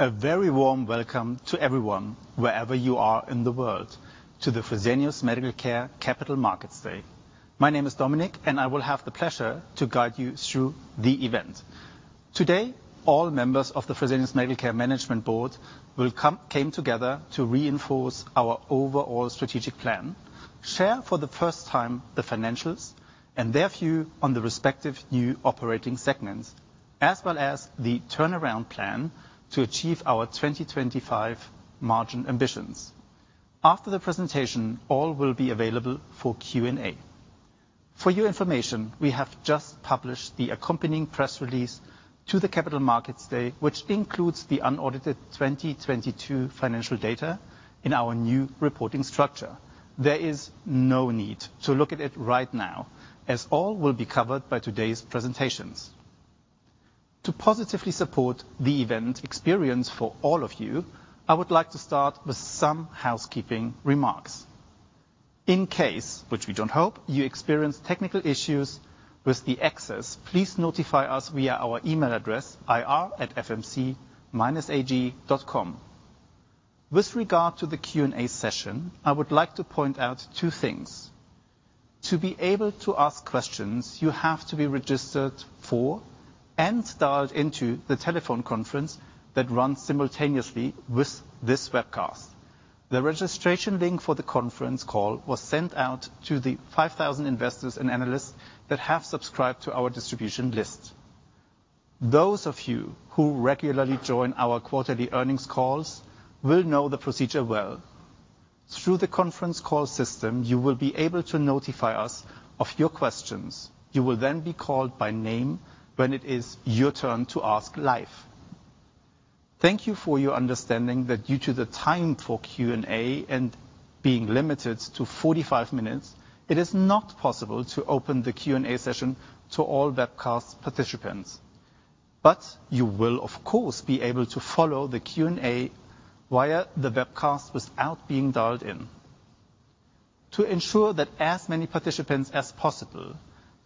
A very warm welcome to everyone, wherever you are in the world, to the Fresenius Medical Care Capital Markets Day. My name is Dominic, and I will have the pleasure to guide you through the event. Today, all members of the Fresenius Medical Care management board came together to reinforce our overall strategic plan, share for the first time the financials and their view on the respective new operating segments, as well as the turnaround plan to achieve our 2025 margin ambitions. After the presentation, all will be available for Q&A. For your information, we have just published the accompanying press release to the Capital Markets Day, which includes the unaudited 2022 financial data in our new reporting structure. There is no need to look at it right now, as all will be covered by today's presentations. To positively support the event experience for all of you, I would like to start with some housekeeping remarks. In case, which we don't hope, you experience technical issues with the access, please notify us via our email address, ir@fmc-ag.com. With regard to the Q&A session, I would like to point out 2 things. To be able to ask questions you have to be registered for and dialed into the telephone conference that runs simultaneously with this webcast. The registration link for the conference call was sent out to the 5,000 investors and analysts that have subscribed to our distribution list. Those of you who regularly join our quarterly earnings calls will know the procedure well. Through the conference call system, you will be able to notify us of your questions. You will be called by name when it is your turn to ask live. Thank you for your understanding that due to the time for Q&A and being limited to 45 minutes, it is not possible to open the Q&A session to all webcast participants. You will, of course, be able to follow the Q&A via the webcast without being dialed in. To ensure that as many participants as possible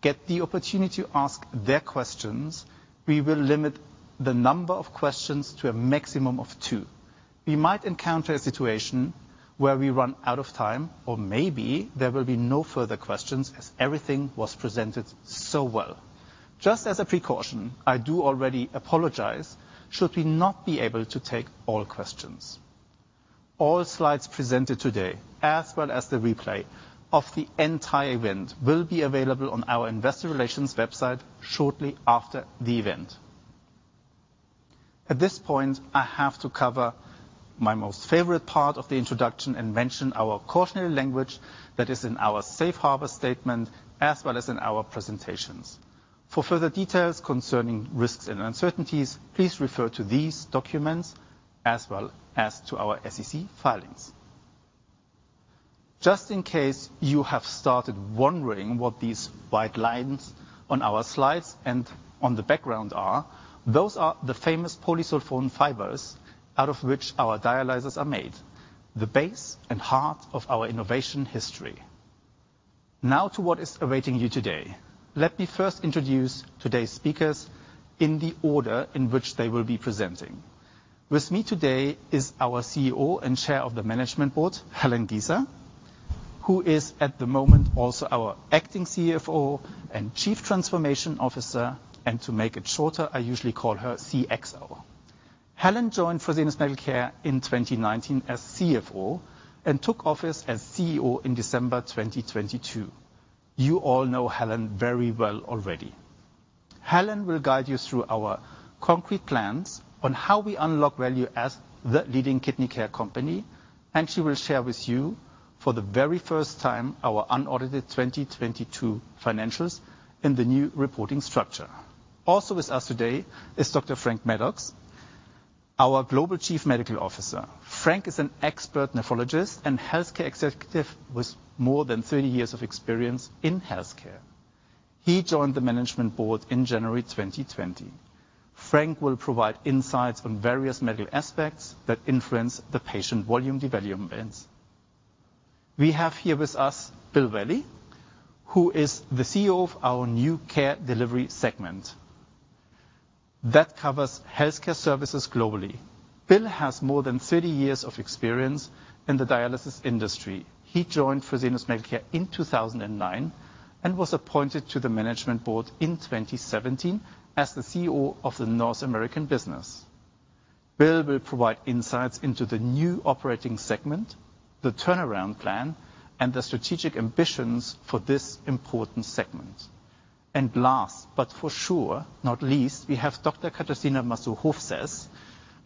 get the opportunity to ask their questions, we will limit the number of questions to a maximum of 2. We might encounter a situation where we run out of time, or maybe there will be no further questions as everything was presented so well. Just as a precaution, I do already apologize should we not be able to take all questions. All slides presented today, as well as the replay of the entire event, will be available on our investor relations website shortly after the event. At this point, I have to cover my most favorite part of the introduction and mention our cautionary language that is in our safe harbor statement, as well as in our presentations. For further details concerning risks and uncertainties, please refer to these documents as well as to our SEC filings. Just in case you have started wondering what these white lines on our slides and on the background are, those are the famous polysulfone fibers out of which our dialyzers are made, the base and heart of our innovation history. What is awaiting you today. Let me first introduce today's speakers in the order in which they will be presenting. With me today is our CEO and Chair of the Management Board, Helen Giza, who is at the moment also our acting CFO and Chief Transformation Officer, and to make it shorter, I usually call her CXO. Helen joined Fresenius Medical Care in 2019 as CFO, and took office as CEO in December 2022. You all know Helen very well already. Helen will guide you through our concrete plans on how we unlock value as the leading kidney care company, and she will share with you for the very first time our unaudited 2022 financials in the new reporting structure. Also with us today is Dr. Frank Maddux, our Global Chief Medical Officer. Frank is an expert nephrologist and healthcare executive with more than 30 years of experience in healthcare. He joined the management board in January 2020. Frank will provide insights on various medical aspects that influence the patient volume development. We have here with us Bill Valle, who is the CEO of our new Care Delivery segment that covers healthcare services globally. Bill has more than 30 years of experience in the dialysis industry. He joined Fresenius Medical Care in 2009, and was appointed to the Management Board in 2017 as the CEO of the North American business. Bill will provide insights into the new operating segment, the turnaround plan, and the strategic ambitions for this important segment. Last, but for sure not least, we have Dr. Katarzyna Mazur-Hofsäß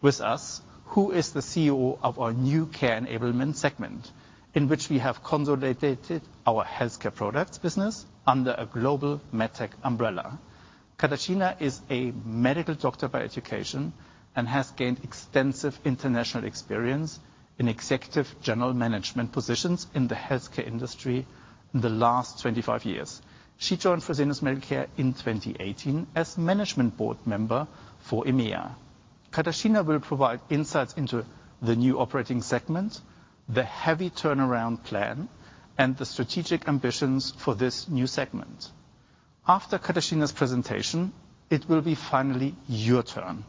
with us, who is the CEO of our new Care Enablement segment, in which we have consolidated our healthcare products business under a global MedTech umbrella. Katarzyna is a medical doctor by education and has gained extensive international experience in executive general management positions in the healthcare industry in the last 25 years. She joined Fresenius Medical Care in 2018 as Management Board member for EMEA. Katarzyna will provide insights into the new operating segment, the heavy turnaround plan, and the strategic ambitions for this new segment. After Katarzyna's presentation, it will be finally your turn.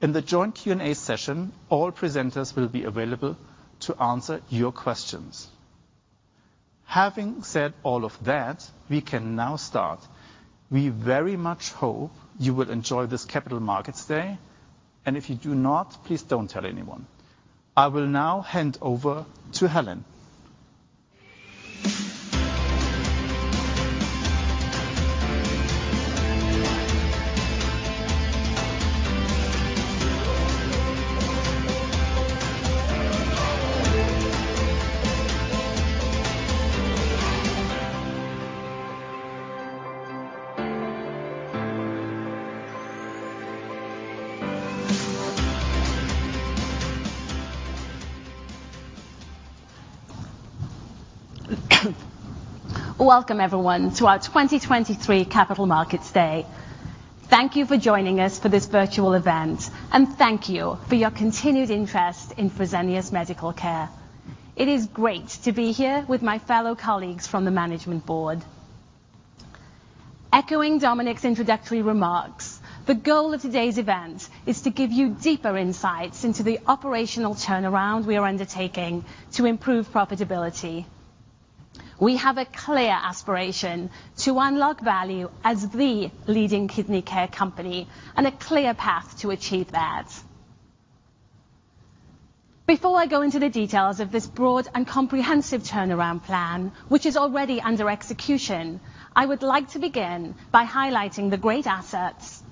In the joint Q&A session, all presenters will be available to answer your questions. Having said all of that, we can now start. We very much hope you will enjoy this Capital Markets Day, and if you do not, please don't tell anyone. I will now hand over to Helen. Welcome, everyone, to our 2023 Capital Markets Day. Thank you for joining us for this virtual event, and thank you for your continued interest in Fresenius Medical Care. It is great to be here with my fellow colleagues from the management board. Echoing Dominic's introductory remarks, the goal of today's event is to give you deeper insights into the operational turnaround we are undertaking to improve profitability. We have a clear aspiration to unlock value as the leading kidney care company and a clear path to achieve that. Before I go into the details of this broad and comprehensive turnaround plan, which is already under execution, I would like to begin by highlighting the great assets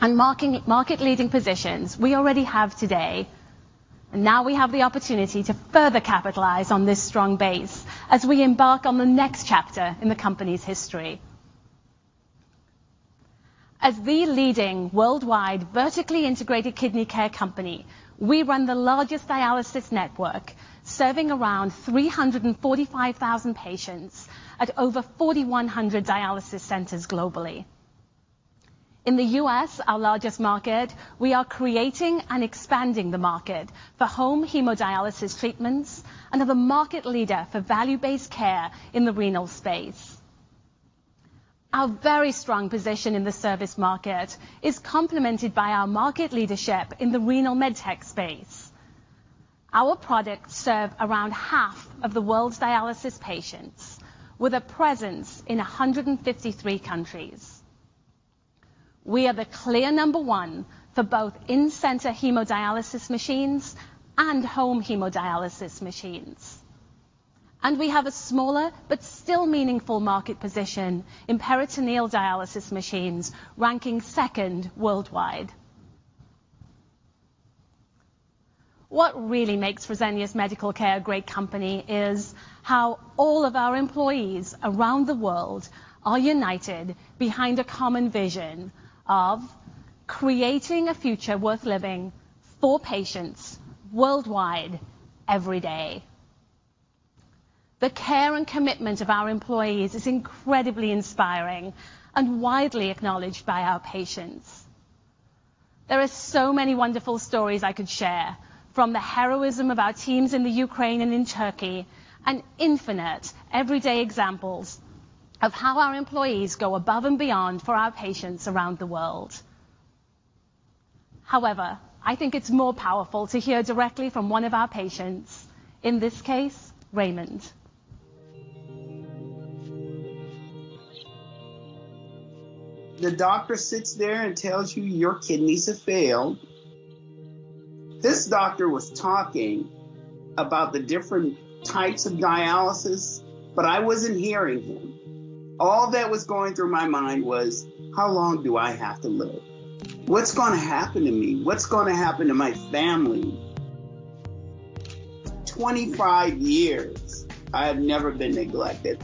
and market-leading positions we already have today. Now we have the opportunity to further capitalize on this strong base as we embark on the next chapter in the company's history. As the leading worldwide vertically integrated kidney care company, we run the largest dialysis network, serving around 345,000 patients at over 4,100 dialysis centers globally. In the U.S., our largest market, we are creating and expanding the market for home hemodialysis treatments and are the market leader for value-based care in the renal space. Our very strong position in the service market is complemented by our market leadership in the renal med tech space. Our products serve around half of the world's dialysis patients, with a presence in 153 countries. We are the clear number one for both in-center hemodialysis machines and home hemodialysis machines. We have a smaller but still meaningful market position in peritoneal dialysis machines, ranking second worldwide. What really makes Fresenius Medical Care a great company is how all of our employees around the world are united behind a common vision of creating a future worth living for patients worldwide every day. The care and commitment of our employees is incredibly inspiring and widely acknowledged by our patients. There are so many wonderful stories I could share from the heroism of our teams in the Ukraine and in Turkey, and infinite everyday examples of how our employees go above and beyond for our patients around the world. I think it's more powerful to hear directly from one of our patients, in this case, Raymond. The doctor sits there and tells you your kidneys have failed. This doctor was talking about the different types of dialysis, but I wasn't hearing him. All that was going through my mind was: How long do I have to live? What's gonna happen to me? What's gonna happen to my family? 25 years I have never been neglected.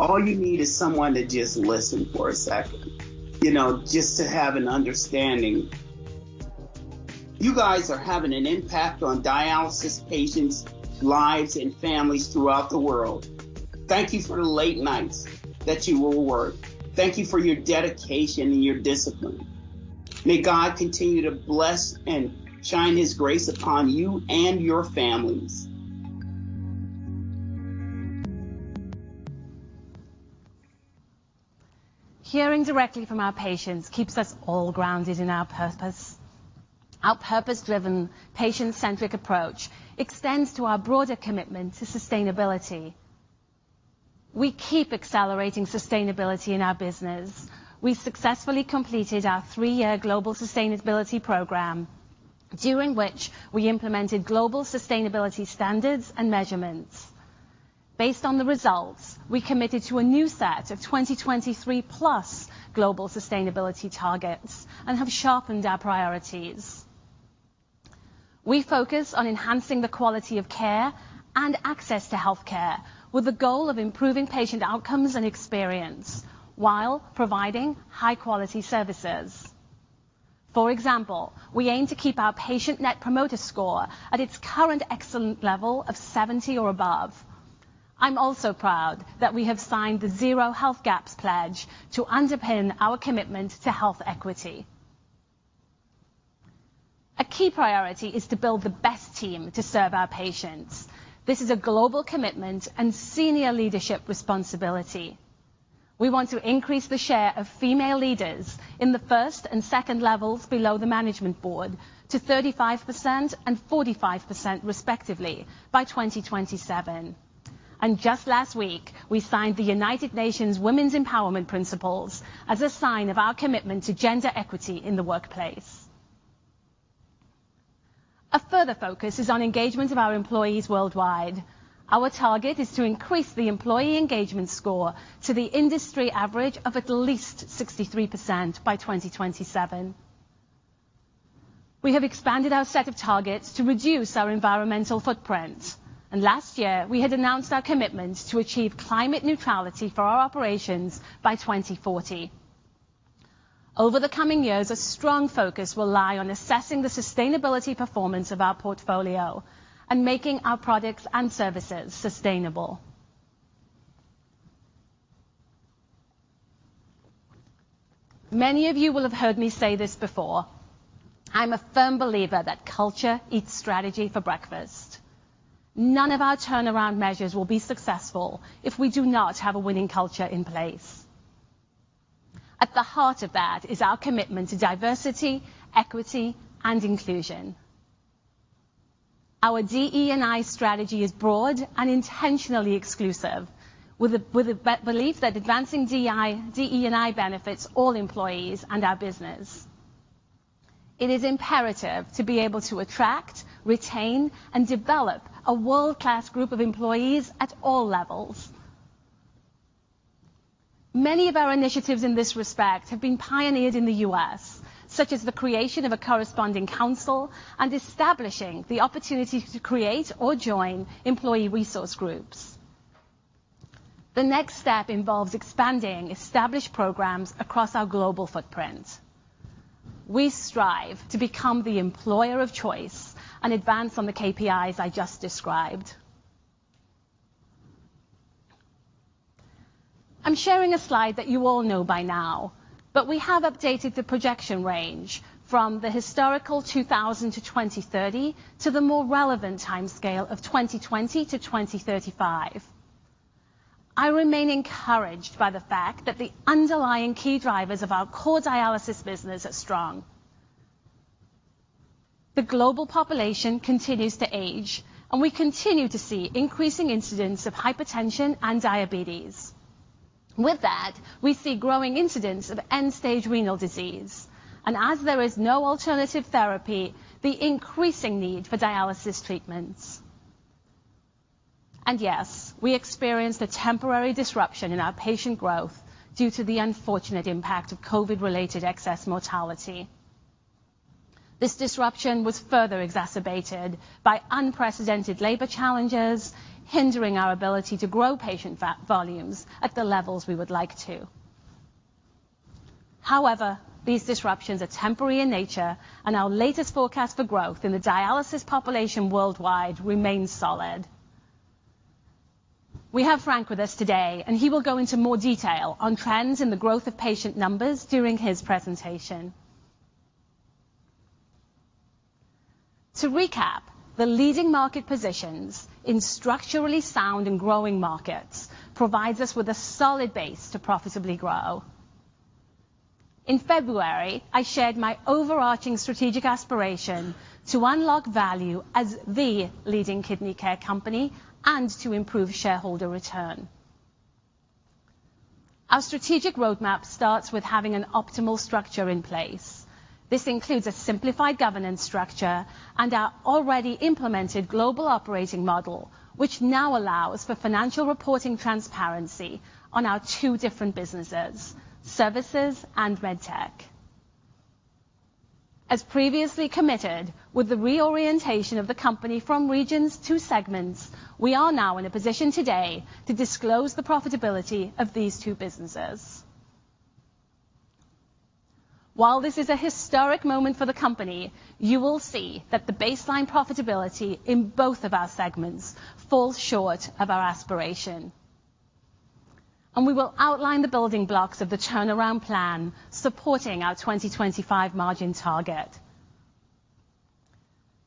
All you need is someone to just listen for a second, you know, just to have an understanding. You guys are having an impact on dialysis patients' lives and families throughout the world. Thank you for the late nights that you were at work. Thank you for your dedication and your discipline. May God continue to bless and shine his grace upon you and your families. Hearing directly from our patients keeps us all grounded in our purpose. Our purpose-driven, patient-centric approach extends to our broader commitment to sustainability. We keep accelerating sustainability in our business. We successfully completed our three-year global sustainability program, during which we implemented global sustainability standards and measurements. Based on the results, we committed to a new set of 2023+ global sustainability targets and have sharpened our priorities. We focus on enhancing the quality of care and access to healthcare with the goal of improving patient outcomes and experience while providing high-quality services. For example, we aim to keep our patient Net Promoter Score at its current excellent level of 70 or above. I'm also proud that we have signed the Zero Health Gaps pledge to underpin our commitment to health equity. A key priority is to build the best team to serve our patients. This is a global commitment and senior leadership responsibility. We want to increase the share of female leaders in the first and second levels below the management board to 35% and 45% respectively by 2027. Just last week, we signed the United Nations Women's Empowerment Principles as a sign of our commitment to gender equity in the workplace. A further focus is on engagement of our employees worldwide. Our target is to increase the employee engagement score to the industry average of at least 63% by 2027. We have expanded our set of targets to reduce our environmental footprint, and last year, we had announced our commitment to achieve climate neutrality for our operations by 2040. Over the coming years, a strong focus will lie on assessing the sustainability performance of our portfolio and making our products and services sustainable. Many of you will have heard me say this before. I'm a firm believer that culture eats strategy for breakfast. None of our turnaround measures will be successful if we do not have a winning culture in place. At the heart of that is our commitment to diversity, equity, and inclusion. Our DE&I strategy is broad and intentionally exclusive with the belief that advancing DE&I benefits all employees and our business. It is imperative to be able to attract, retain, and develop a world-class group of employees at all levels. Many of our initiatives in this respect have been pioneered in the U.S., such as the creation of a corresponding council and establishing the opportunity to create or join employee resource groups. The next step involves expanding established programs across our global footprint. We strive to become the employer of choice and advance on the KPIs I just described. I'm sharing a slide that you all know by now, but we have updated the projection range from the historical 2000-2030 to the more relevant timescale of 2020-2035. I remain encouraged by the fact that the underlying key drivers of our core dialysis business are strong. The global population continues to age, and we continue to see increasing incidents of hypertension and diabetes. With that, we see growing incidents of end-stage renal disease, and as there is no alternative therapy, the increasing need for dialysis treatments. Yes, we experienced a temporary disruption in our patient growth due to the unfortunate impact of COVID-related excess mortality. This disruption was further exacerbated by unprecedented labor challenges, hindering our ability to grow patient volumes at the levels we would like to. However, these disruptions are temporary in nature, and our latest forecast for growth in the dialysis population worldwide remains solid. We have Frank with us today, and he will go into more detail on trends in the growth of patient numbers during his presentation. To recap, the leading market positions in structurally sound and growing markets provides us with a solid base to profitably grow. In February, I shared my overarching strategic aspiration to unlock value as the leading kidney care company and to improve shareholder return. Our strategic roadmap starts with having an optimal structure in place. This includes a simplified governance structure and our already implemented global operating model, which now allows for financial reporting transparency on our two different businesses, services and med tech. As previously committed, with the reorientation of the company from regions to segments, we are now in a position today to disclose the profitability of these two businesses. While this is a historic moment for the company, you will see that the baseline profitability in both of our segments falls short of our aspiration. We will outline the building blocks of the turnaround plan supporting our 2025 margin target.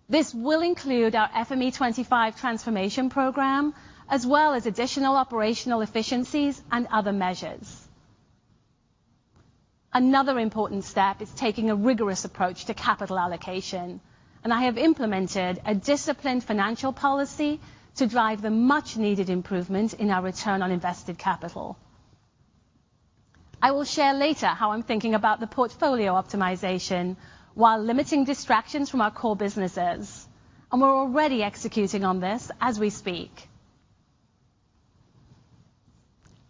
This will include our FME25 transformation program, as well as additional operational efficiencies and other measures. Another important step is taking a rigorous approach to capital allocation, and I have implemented a disciplined financial policy to drive the much-needed improvement in our return on invested capital. I will share later how I'm thinking about the portfolio optimization while limiting distractions from our core businesses, and we're already executing on this as we speak.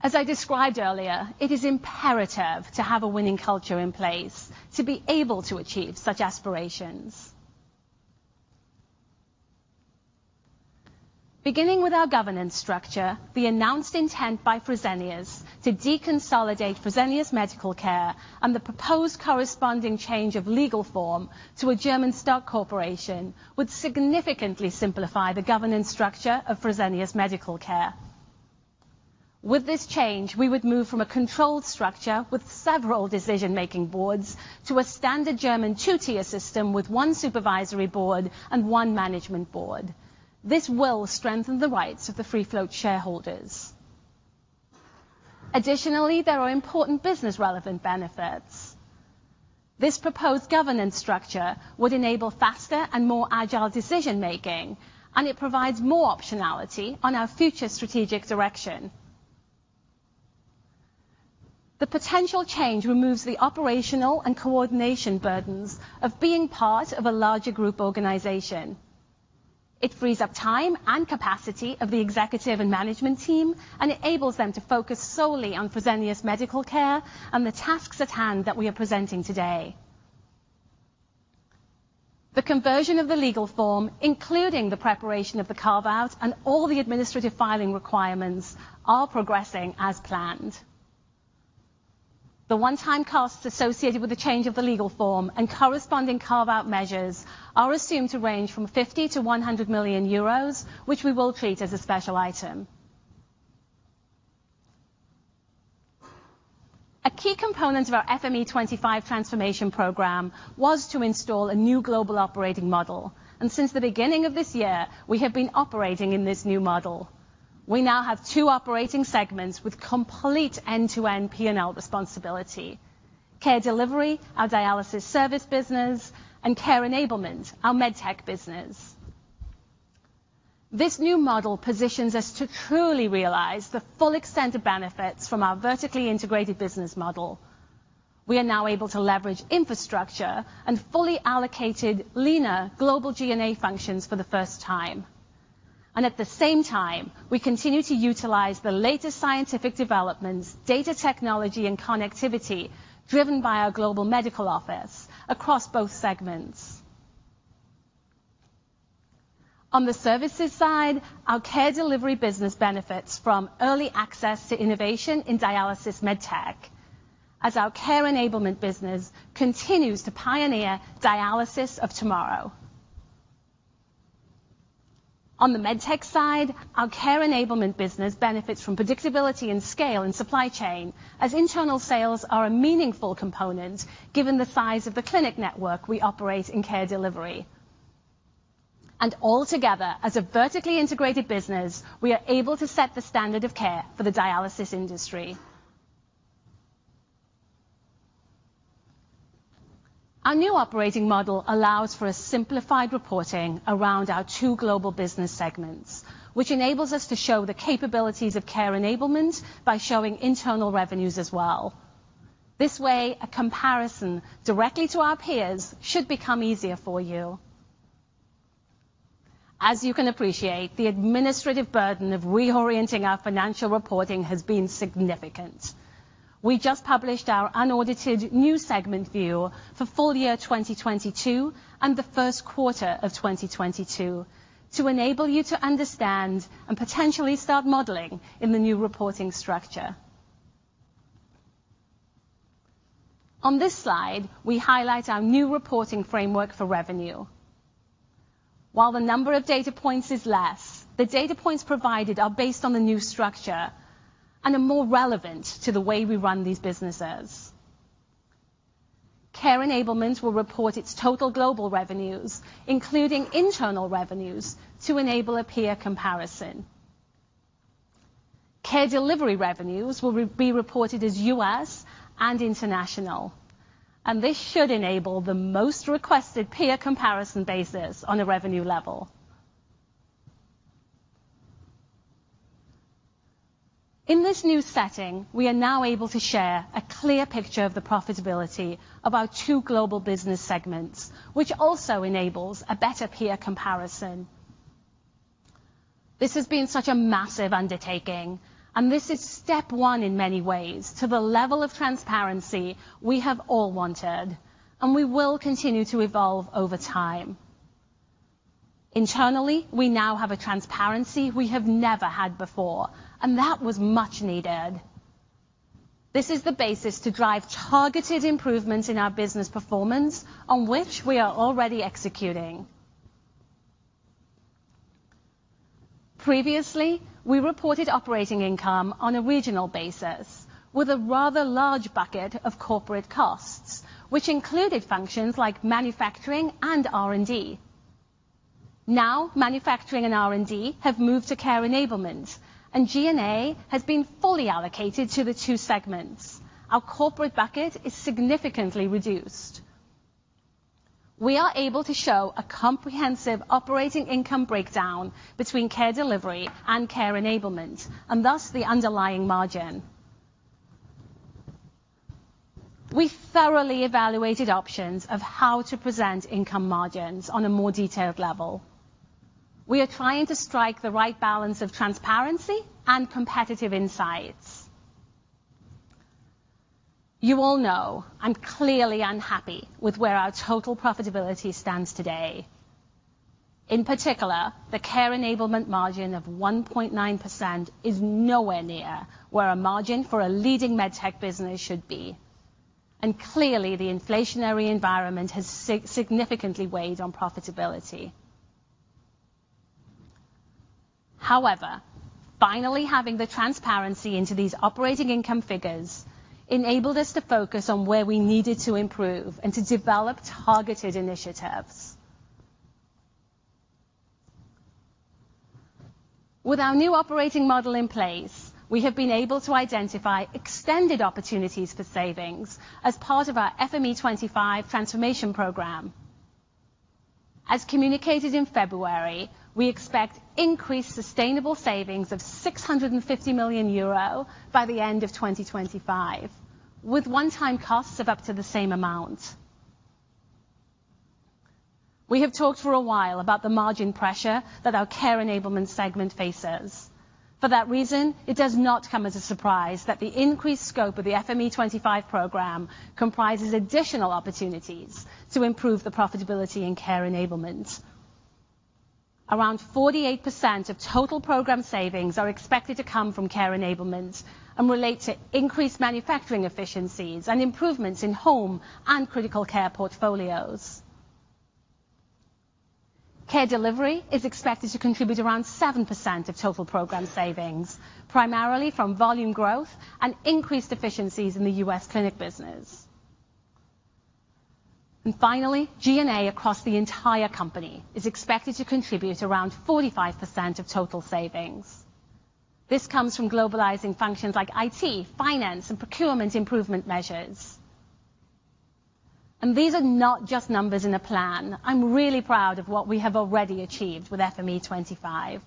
As I described earlier, it is imperative to have a winning culture in place to be able to achieve such aspirations. Beginning with our governance structure, the announced intent by Fresenius to deconsolidate Fresenius Medical Care and the proposed corresponding change of legal form to a German stock corporation would significantly simplify the governance structure of Fresenius Medical Care. With this change, we would move from a controlled structure with several decision-making boards to a standard German two-tier system with one supervisory board and one management board. This will strengthen the rights of the free float shareholders. Additionally, there are important business relevant benefits. This proposed governance structure would enable faster and more agile decision-making, and it provides more optionality on our future strategic direction. The potential change removes the operational and coordination burdens of being part of a larger group organization. It frees up time and capacity of the executive and management team and enables them to focus solely on Fresenius Medical Care and the tasks at hand that we are presenting today. The conversion of the legal form, including the preparation of the carve-out and all the administrative filing requirements, are progressing as planned. The one-time costs associated with the change of the legal form and corresponding carve-out measures are assumed to range from 50 million-100 million euros, which we will treat as a special item. A key component of our FME25 transformation program was to install a new global operating model. Since the beginning of this year, we have been operating in this new model. We now have two operating segments with complete end-to-end P&L responsibility. Care Delivery, our dialysis service business, and Care Enablement, our med tech business. This new model positions us to truly realize the full extent of benefits from our vertically integrated business model. We are now able to leverage infrastructure and fully allocated leaner global G&A functions for the first time. At the same time, we continue to utilize the latest scientific developments, data technology and connectivity driven by our global medical office across both segments. On the services side, our Care Delivery business benefits from early access to innovation in dialysis MedTech, as our Care Enablement business continues to pioneer dialysis of tomorrow. On the MedTech side, our Care Enablement business benefits from predictability and scale and supply chain as internal sales are a meaningful component given the size of the clinic network we operate in Care Delivery. Altogether, as a vertically integrated business, we are able to set the standard of care for the dialysis industry. Our new operating model allows for a simplified reporting around our two global business segments, which enables us to show the capabilities of Care Enablement by showing internal revenues as well. This way, a comparison directly to our peers should become easier for you. As you can appreciate, the administrative burden of reorienting our financial reporting has been significant. We just published our unaudited new segment view for full year 2022 and the first quarter of 2022 to enable you to understand and potentially start modeling in the new reporting structure. On this slide, we highlight our new reporting framework for revenue. While the number of data points is less, the data points provided are based on the new structure and are more relevant to the way we run these businesses. Care Enablement will report its total global revenues, including internal revenues, to enable a peer comparison. Care Delivery revenues will be reported as US and international. This should enable the most requested peer comparison basis on a revenue level. In this new setting, we are now able to share a clear picture of the profitability of our two global business segments, which also enables a better peer comparison. This has been such a massive undertaking. This is step one in many ways to the level of transparency we have all wanted, and we will continue to evolve over time. Internally, we now have a transparency we have never had before, and that was much needed. This is the basis to drive targeted improvements in our business performance on which we are already executing. Previously, we reported operating income on a regional basis with a rather large bucket of corporate costs, which included functions like manufacturing and R&D. Manufacturing and R&D have moved to Care Enablement and G&A has been fully allocated to the two segments. Our corporate bucket is significantly reduced. We are able to show a comprehensive operating income breakdown between Care Delivery and Care Enablement, and thus the underlying margin. We thoroughly evaluated options of how to present income margins on a more detailed level. We are trying to strike the right balance of transparency and competitive insights. You all know I'm clearly unhappy with where our total profitability stands today. In particular, the Care Enablement margin of 1.9% is nowhere near where a margin for a leading med tech business should be. Clearly, the inflationary environment has significantly weighed on profitability. However, finally having the transparency into these operating income figures enabled us to focus on where we needed to improve and to develop targeted initiatives. With our new operating model in place, we have been able to identify extended opportunities for savings as part of our FME25 transformation program. As communicated in February, we expect increased sustainable savings of 650 million euro by the end of 2025, with one-time costs of up to the same amount. We have talked for a while about the margin pressure that our Care Enablement segment faces. For that reason, it does not come as a surprise that the increased scope of the FME25 program comprises additional opportunities to improve the profitability in Care Enablement. Around 48% of total program savings are expected to come from Care Enablement and relate to increased manufacturing efficiencies and improvements in home and critical care portfolios. Care Delivery is expected to contribute around 7% of total program savings, primarily from volume growth and increased efficiencies in the U.S. clinic business. Finally, G&A across the entire company is expected to contribute around 45% of total savings. This comes from globalizing functions like IT, finance, and procurement improvement measures. These are not just numbers in a plan. I'm really proud of what we have already achieved with FME25.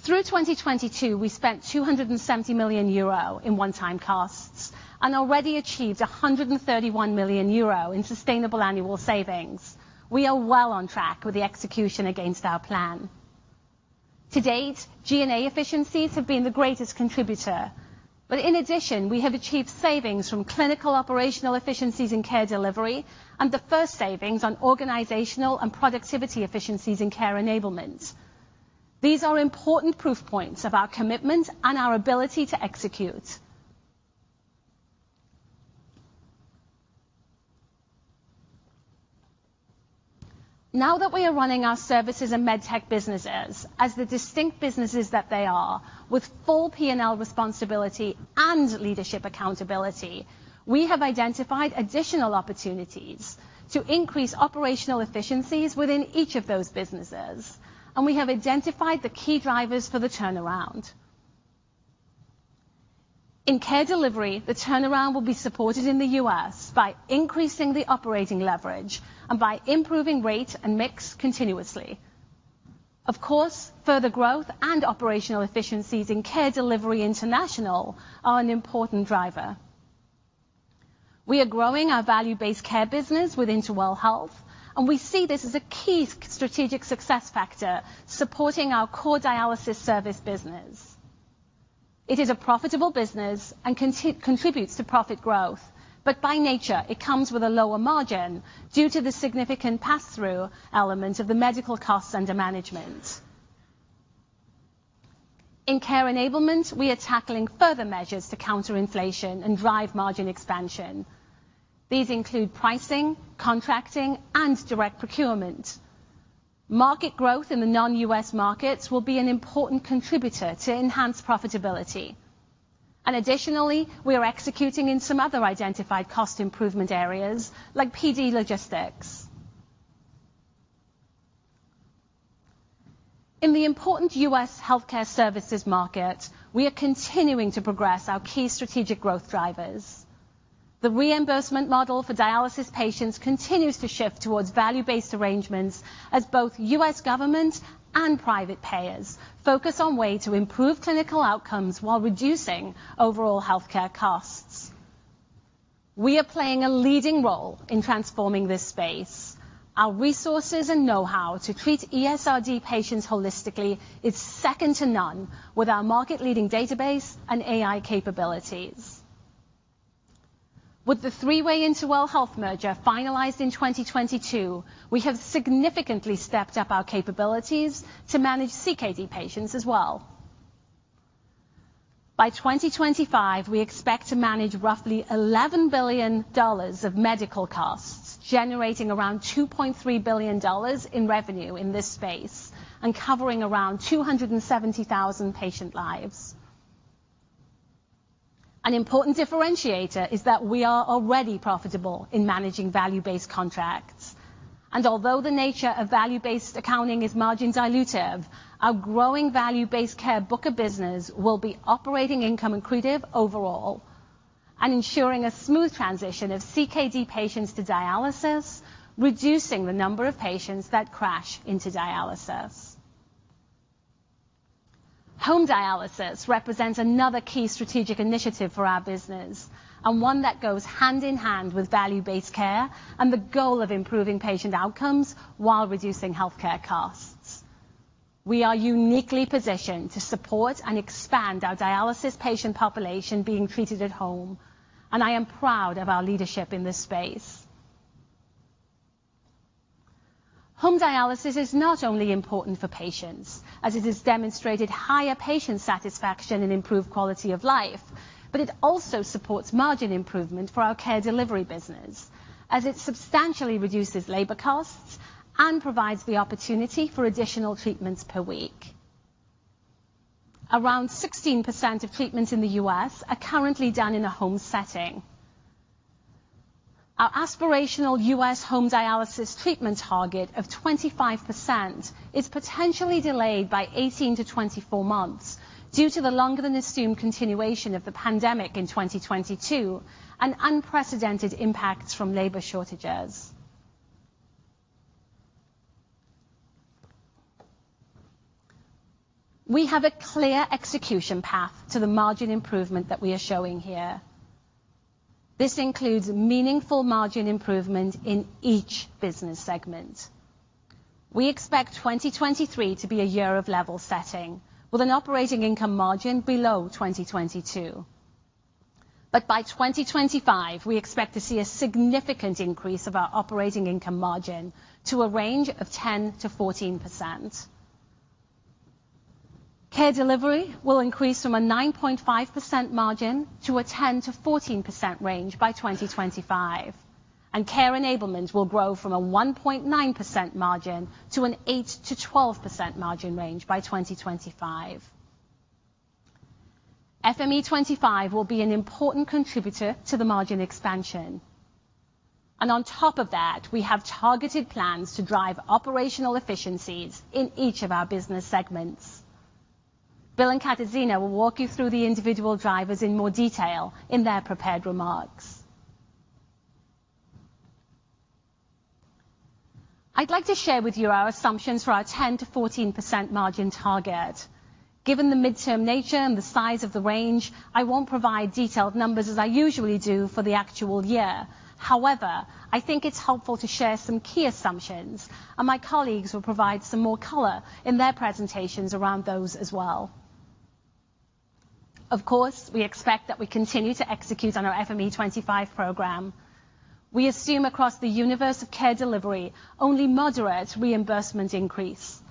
Through 2022, we spent 270 million euro in one-time costs and already achieved 131 million euro in sustainable annual savings. We are well on track with the execution against our plan. To date, G&A efficiencies have been the greatest contributor. In addition, we have achieved savings from clinical operational efficiencies in Care Delivery and the first savings on organizational and productivity efficiencies in Care Enablement. These are important proof points of our commitment and our ability to execute. Now that we are running our services and med tech businesses as the distinct businesses that they are with full P&L responsibility and leadership accountability, we have identified additional opportunities to increase operational efficiencies within each of those businesses, and we have identified the key drivers for the turnaround. In Care Delivery, the turnaround will be supported in the US by increasing the operating leverage and by improving rate and mix continuously. Of course, further growth and operational efficiencies in Care Delivery international are an important driver. We are growing our value-based care business with InterWell Health, and we see this as a key strategic success factor supporting our core dialysis service business. It is a profitable business and contributes to profit growth. By nature, it comes with a lower margin due to the significant pass-through element of the medical cost under management. In Care Enablement, we are tackling further measures to counter inflation and drive margin expansion. These include pricing, contracting, and direct procurement. Market growth in the non-U.S. markets will be an important contributor to enhanced profitability. Additionally, we are executing in some other identified cost improvement areas like PD logistics. In the important U.S. healthcare services market, we are continuing to progress our key strategic growth drivers. The reimbursement model for dialysis patients continues to shift towards value-based arrangements as both U.S. government and private payers focus on way to improve clinical outcomes while reducing overall healthcare costs. We are playing a leading role in transforming this space. Our resources and know-how to treat ESRD patients holistically is second to none with our market leading database and AI capabilities. With the three-way InterWell Health merger finalized in 2022, we have significantly stepped up our capabilities to manage CKD patients as well. By 2025, we expect to manage roughly $11 billion of medical costs, generating around $2.3 billion in revenue in this space and covering around 270,000 patient lives. An important differentiator is that we are already profitable in managing value-based contracts. Although the nature of value-based accounting is margin dilutive, our growing value-based care book of business will be operating income accretive overall and ensuring a smooth transition of CKD patients to dialysis, reducing the number of patients that crash into dialysis. Home dialysis represents another key strategic initiative for our business, one that goes hand in hand with value-based care and the goal of improving patient outcomes while reducing healthcare costs. We are uniquely positioned to support and expand our dialysis patient population being treated at home, I am proud of our leadership in this space. Home dialysis is not only important for patients, as it has demonstrated higher patient satisfaction and improved quality of life, it also supports margin improvement for our Care Delivery business, as it substantially reduces labor costs and provides the opportunity for additional treatments per week. Around 16% of treatments in the U.S. are currently done in a home setting. Our aspirational US home dialysis treatment target of 25% is potentially delayed by 18-24 months due to the longer than assumed continuation of the pandemic in 2022, and unprecedented impacts from labor shortages. We have a clear execution path to the margin improvement that we are showing here. This includes meaningful margin improvement in each business segment. We expect 2023 to be a year of level setting, with an operating income margin below 2022. By 2025, we expect to see a significant increase of our operating income margin to a range of 10%-14%. Care Delivery will increase from a 9.5% margin to a 10%-14% range by 2025, and Care Enablement will grow from a 1.9% margin to an 8%-12% margin range by 2025. FME25 will be an important contributor to the margin expansion. On top of that, we have targeted plans to drive operational efficiencies in each of our business segments. Bill and Katarzyna will walk you through the individual drivers in more detail in their prepared remarks. I'd like to share with you our assumptions for our 10%-14% margin target. Given the midterm nature and the size of the range, I won't provide detailed numbers as I usually do for the actual year. However, I think it's helpful to share some key assumptions, and my colleagues will provide some more color in their presentations around those as well. Of course, we expect that we continue to execute on our FME25 program. We assume across the universe of Care Delivery, only moderate reimbursement increase.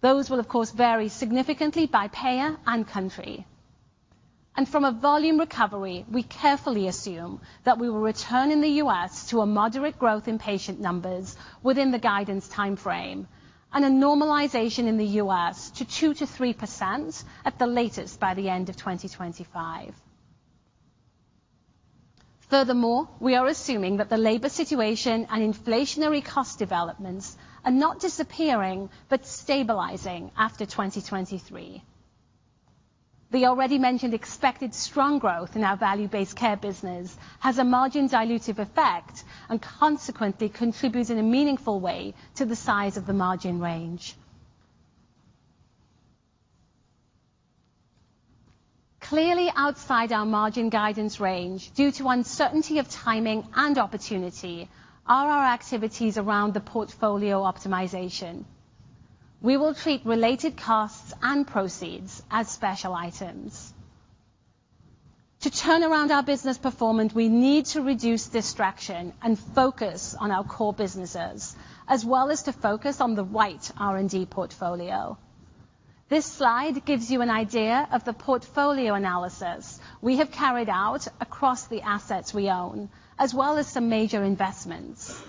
Those will of course, vary significantly by payer and country. From a volume recovery, we carefully assume that we will return in the U.S. to a moderate growth in patient numbers within the guidance timeframe, and a normalization in the U.S. to 2%-3% at the latest by the end of 2025. Furthermore, we are assuming that the labor situation and inflationary cost developments are not disappearing, but stabilizing after 2023. The already mentioned expected strong growth in our value-based care business has a margin dilutive effect and consequently contributes in a meaningful way to the size of the margin range. Clearly outside our margin guidance range, due to uncertainty of timing and opportunity, are our activities around the portfolio optimization. We will treat related costs and proceeds as special items. To turn around our business performance, we need to reduce distraction and focus on our core businesses, as well as to focus on the right R&D portfolio. This slide gives you an idea of the portfolio analysis we have carried out across the assets we own, as well as some major investments.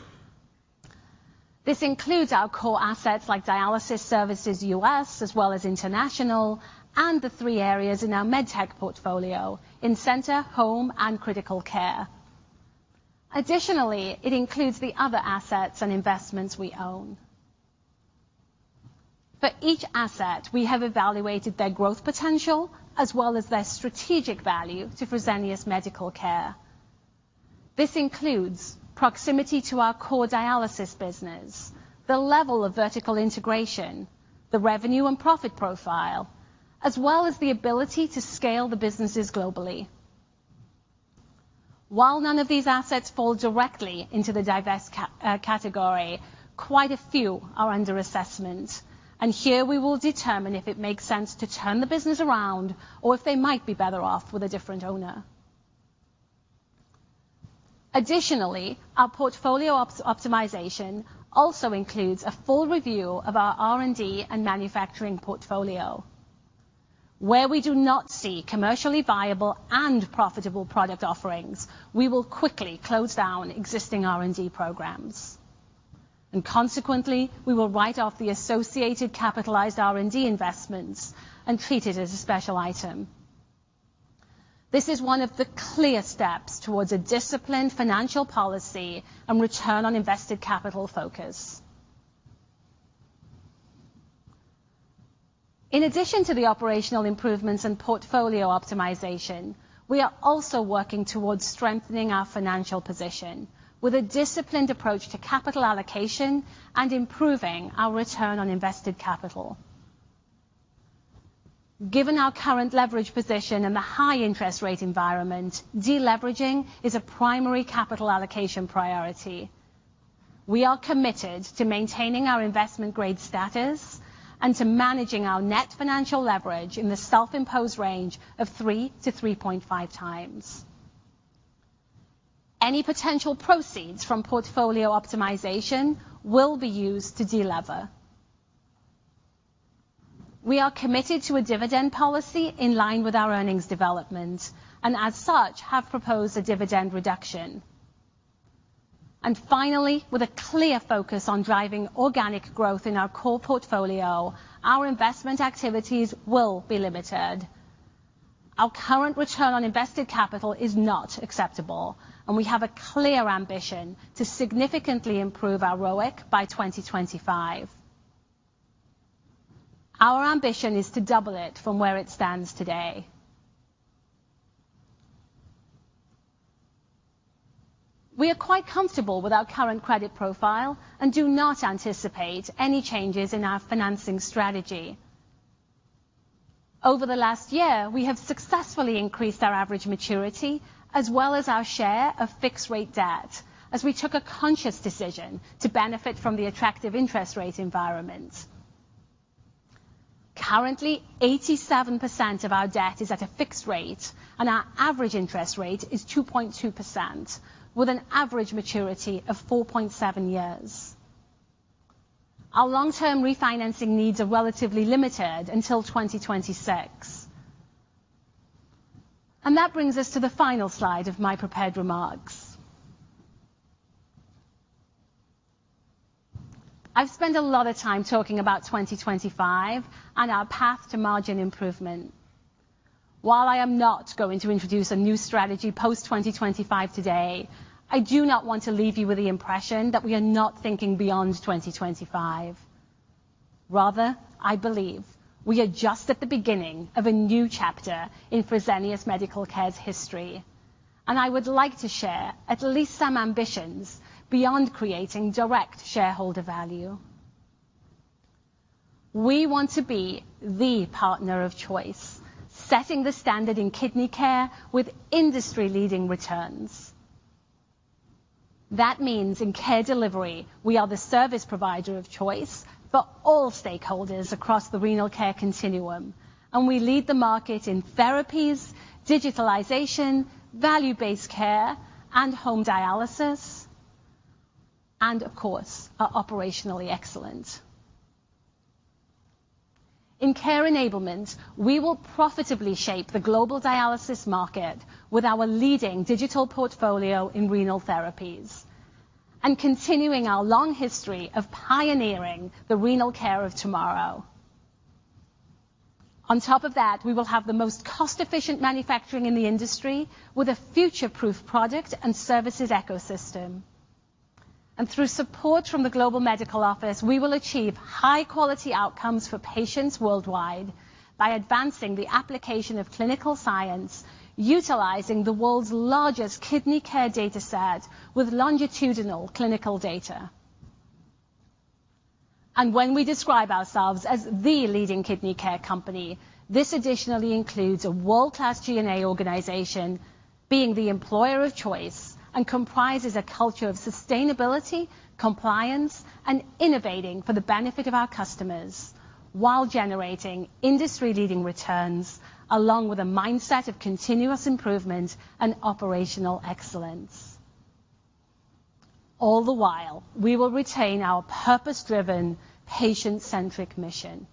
This includes our core assets like dialysis services U.S. as well as international, and the three areas in our MedTech portfolio in center, home, and critical care. Additionally, it includes the other assets and investments we own. For each asset, we have evaluated their growth potential as well as their strategic value to Fresenius Medical Care. This includes proximity to our core dialysis business, the level of vertical integration, the revenue and profit profile, as well as the ability to scale the businesses globally. While none of these assets fall directly into the divest category, quite a few are under assessment. Here we will determine if it makes sense to turn the business around or if they might be better off with a different owner. Additionally, our portfolio optimization also includes a full review of our R&D and manufacturing portfolio. Where we do not see commercially viable and profitable product offerings, we will quickly close down existing R&D programs, and consequently, we will write off the associated capitalized R&D investments and treat it as a special item. This is one of the clear steps towards a disciplined financial policy and return on invested capital focus. In addition to the operational improvements and portfolio optimization, we are also working towards strengthening our financial position with a disciplined approach to capital allocation and improving our return on invested capital. Given our current leverage position and the high interest rate environment, deleveraging is a primary capital allocation priority. We are committed to maintaining our investment grade status and to managing our net financial leverage in the self-imposed range of 3 to 3.5 times. Any potential proceeds from portfolio optimization will be used to de-lever. We are committed to a dividend policy in line with our earnings development, and as such, have proposed a dividend reduction. Finally, with a clear focus on driving organic growth in our core portfolio, our investment activities will be limited. Our current return on invested capital is not acceptable, and we have a clear ambition to significantly improve our ROIC by 2025. Our ambition is to double it from where it stands today. We are quite comfortable with our current credit profile and do not anticipate any changes in our financing strategy. Over the last year, we have successfully increased our average maturity as well as our share of fixed rate debt as we took a conscious decision to benefit from the attractive interest rate environment. Currently, 87% of our debt is at a fixed rate, and our average interest rate is 2.2% with an average maturity of 4.7 years. Our long-term refinancing needs are relatively limited until 2026. That brings us to the final slide of my prepared remarks. I've spent a lot of time talking about 2025 and our path to margin improvement. While I am not going to introduce a new strategy post-2025 today, I do not want to leave you with the impression that we are not thinking beyond 2025. Rather, I believe we are just at the beginning of a new chapter in Fresenius Medical Care's history, and I would like to share at least some ambitions beyond creating direct shareholder value. We want to be the partner of choice, setting the standard in kidney care with industry-leading returns. That means in Care Delivery, we are the service provider of choice for all stakeholders across the renal care continuum, and we lead the market in therapies, digitalization, value-based care and home dialysis, and of course, are operationally excellent. In Care Enablement, we will profitably shape the global dialysis market with our leading digital portfolio in renal therapies and continuing our long history of pioneering the renal care of tomorrow. On top of that, we will have the most cost-efficient manufacturing in the industry with a future-proof product and services ecosystem. Through support from the global medical office, we will achieve high quality outcomes for patients worldwide by advancing the application of clinical science, utilizing the world's largest kidney care dataset with longitudinal clinical data. When we describe ourselves as the leading kidney care company, this additionally includes a world-class G&A organization being the employer of choice and comprises a culture of sustainability, compliance, and innovating for the benefit of our customers while generating industry-leading returns along with a mindset of continuous improvement and operational excellence. All the while, we will retain our purpose-driven, patient-centric mission.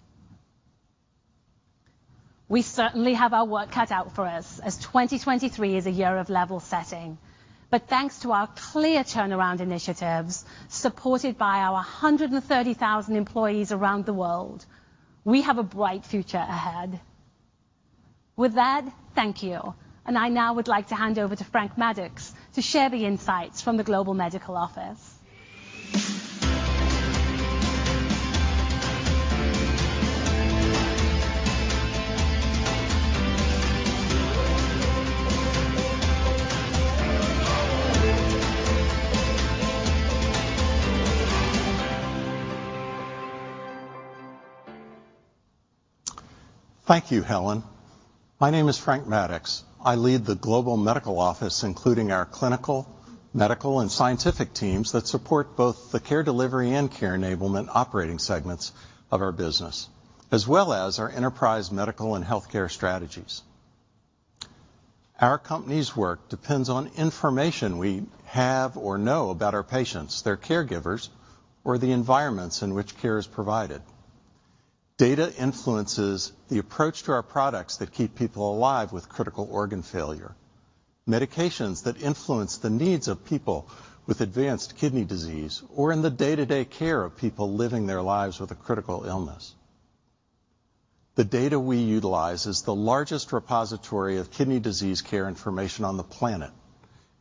We certainly have our work cut out for us as 2023 is a year of level setting. Thanks to our clear turnaround initiatives supported by our 130,000 employees around the world, we have a bright future ahead. With that, thank you. I now would like to hand over to Frank Maddux to share the insights from the global medical office. Thank you, Helen. My name is Frank Maddux. I lead the global medical office, including our clinical, medical, and scientific teams that support both the Care Delivery and Care Enablement operating segments of our business, as well as our enterprise medical and healthcare strategies. Our company's work depends on information we have or know about our patients, their caregivers, or the environments in which care is provided. Data influences the approach to our products that keep people alive with critical organ failure, medications that influence the needs of people with advanced kidney disease or in the day-to-day care of people living their lives with a critical illness. The data we utilize is the largest repository of kidney disease care information on the planet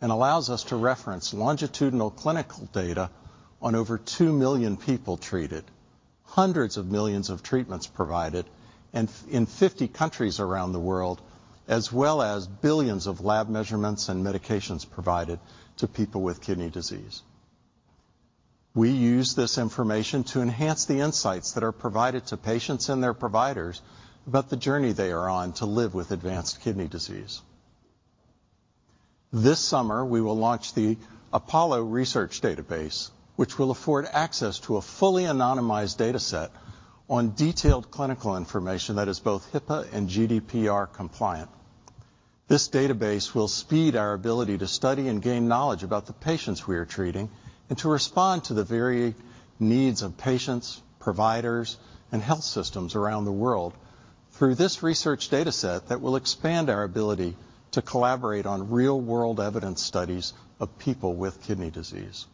and allows us to reference longitudinal clinical data on over 2 million people treated, hundreds of millions of treatments provided in 50 countries around the world, as well as billions of lab measurements and medications provided to people with kidney disease. We use this information to enhance the insights that are provided to patients and their providers about the journey they are on to live with advanced kidney disease. This summer, we will launch the Apollo research database, which will afford access to a fully anonymized data set on detailed clinical information that is both HIPAA and GDPR compliant. This database will speed our ability to study and gain knowledge about the patients we are treating and to respond to the varying needs of patients, providers, and health systems around the world through this research data set that will expand our ability to collaborate on real-world evidence studies of people with kidney disease.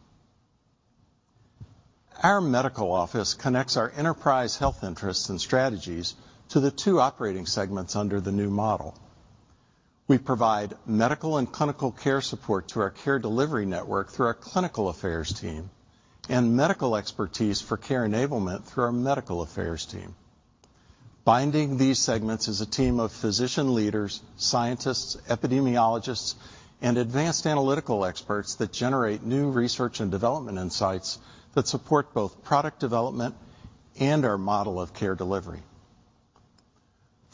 Our medical office connects our enterprise health interests and strategies to the two operating segments under the new model. We provide medical and clinical care support to our Care Delivery network through our clinical affairs team and medical expertise for Care Enablement through our medical affairs team. Binding these segments is a team of physician leaders, scientists, epidemiologists, and advanced analytical experts that generate new research and development insights that support both product development and our model of Care Delivery.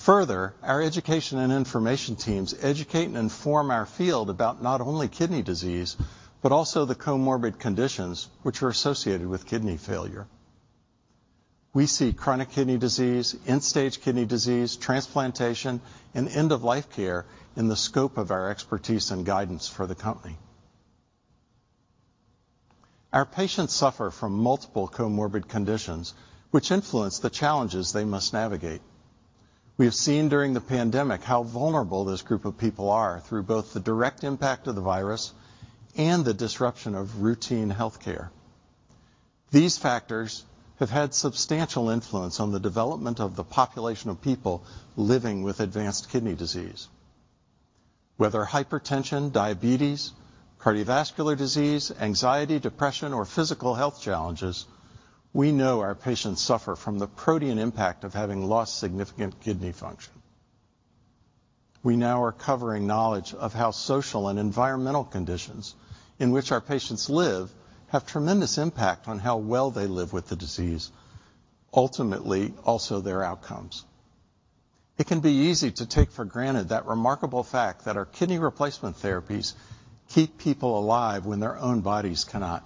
Our education and information teams educate and inform our field about not only kidney disease, but also the comorbid conditions which are associated with kidney failure. We see chronic kidney disease, end-stage kidney disease, transplantation, and end-of-life care in the scope of our expertise and guidance for the company. Our patients suffer from multiple comorbid conditions which influence the challenges they must navigate. We have seen during the pandemic how vulnerable this group of people are through both the direct impact of the virus and the disruption of routine healthcare. These factors have had substantial influence on the development of the population of people living with advanced kidney disease. Whether hypertension, diabetes, cardiovascular disease, anxiety, depression, or physical health challenges, we know our patients suffer from the protean impact of having lost significant kidney function. We now are covering knowledge of how social and environmental conditions in which our patients live have tremendous impact on how well they live with the disease, ultimately also their outcomes. It can be easy to take for granted that remarkable fact that our kidney replacement therapies keep people alive when their own bodies cannot.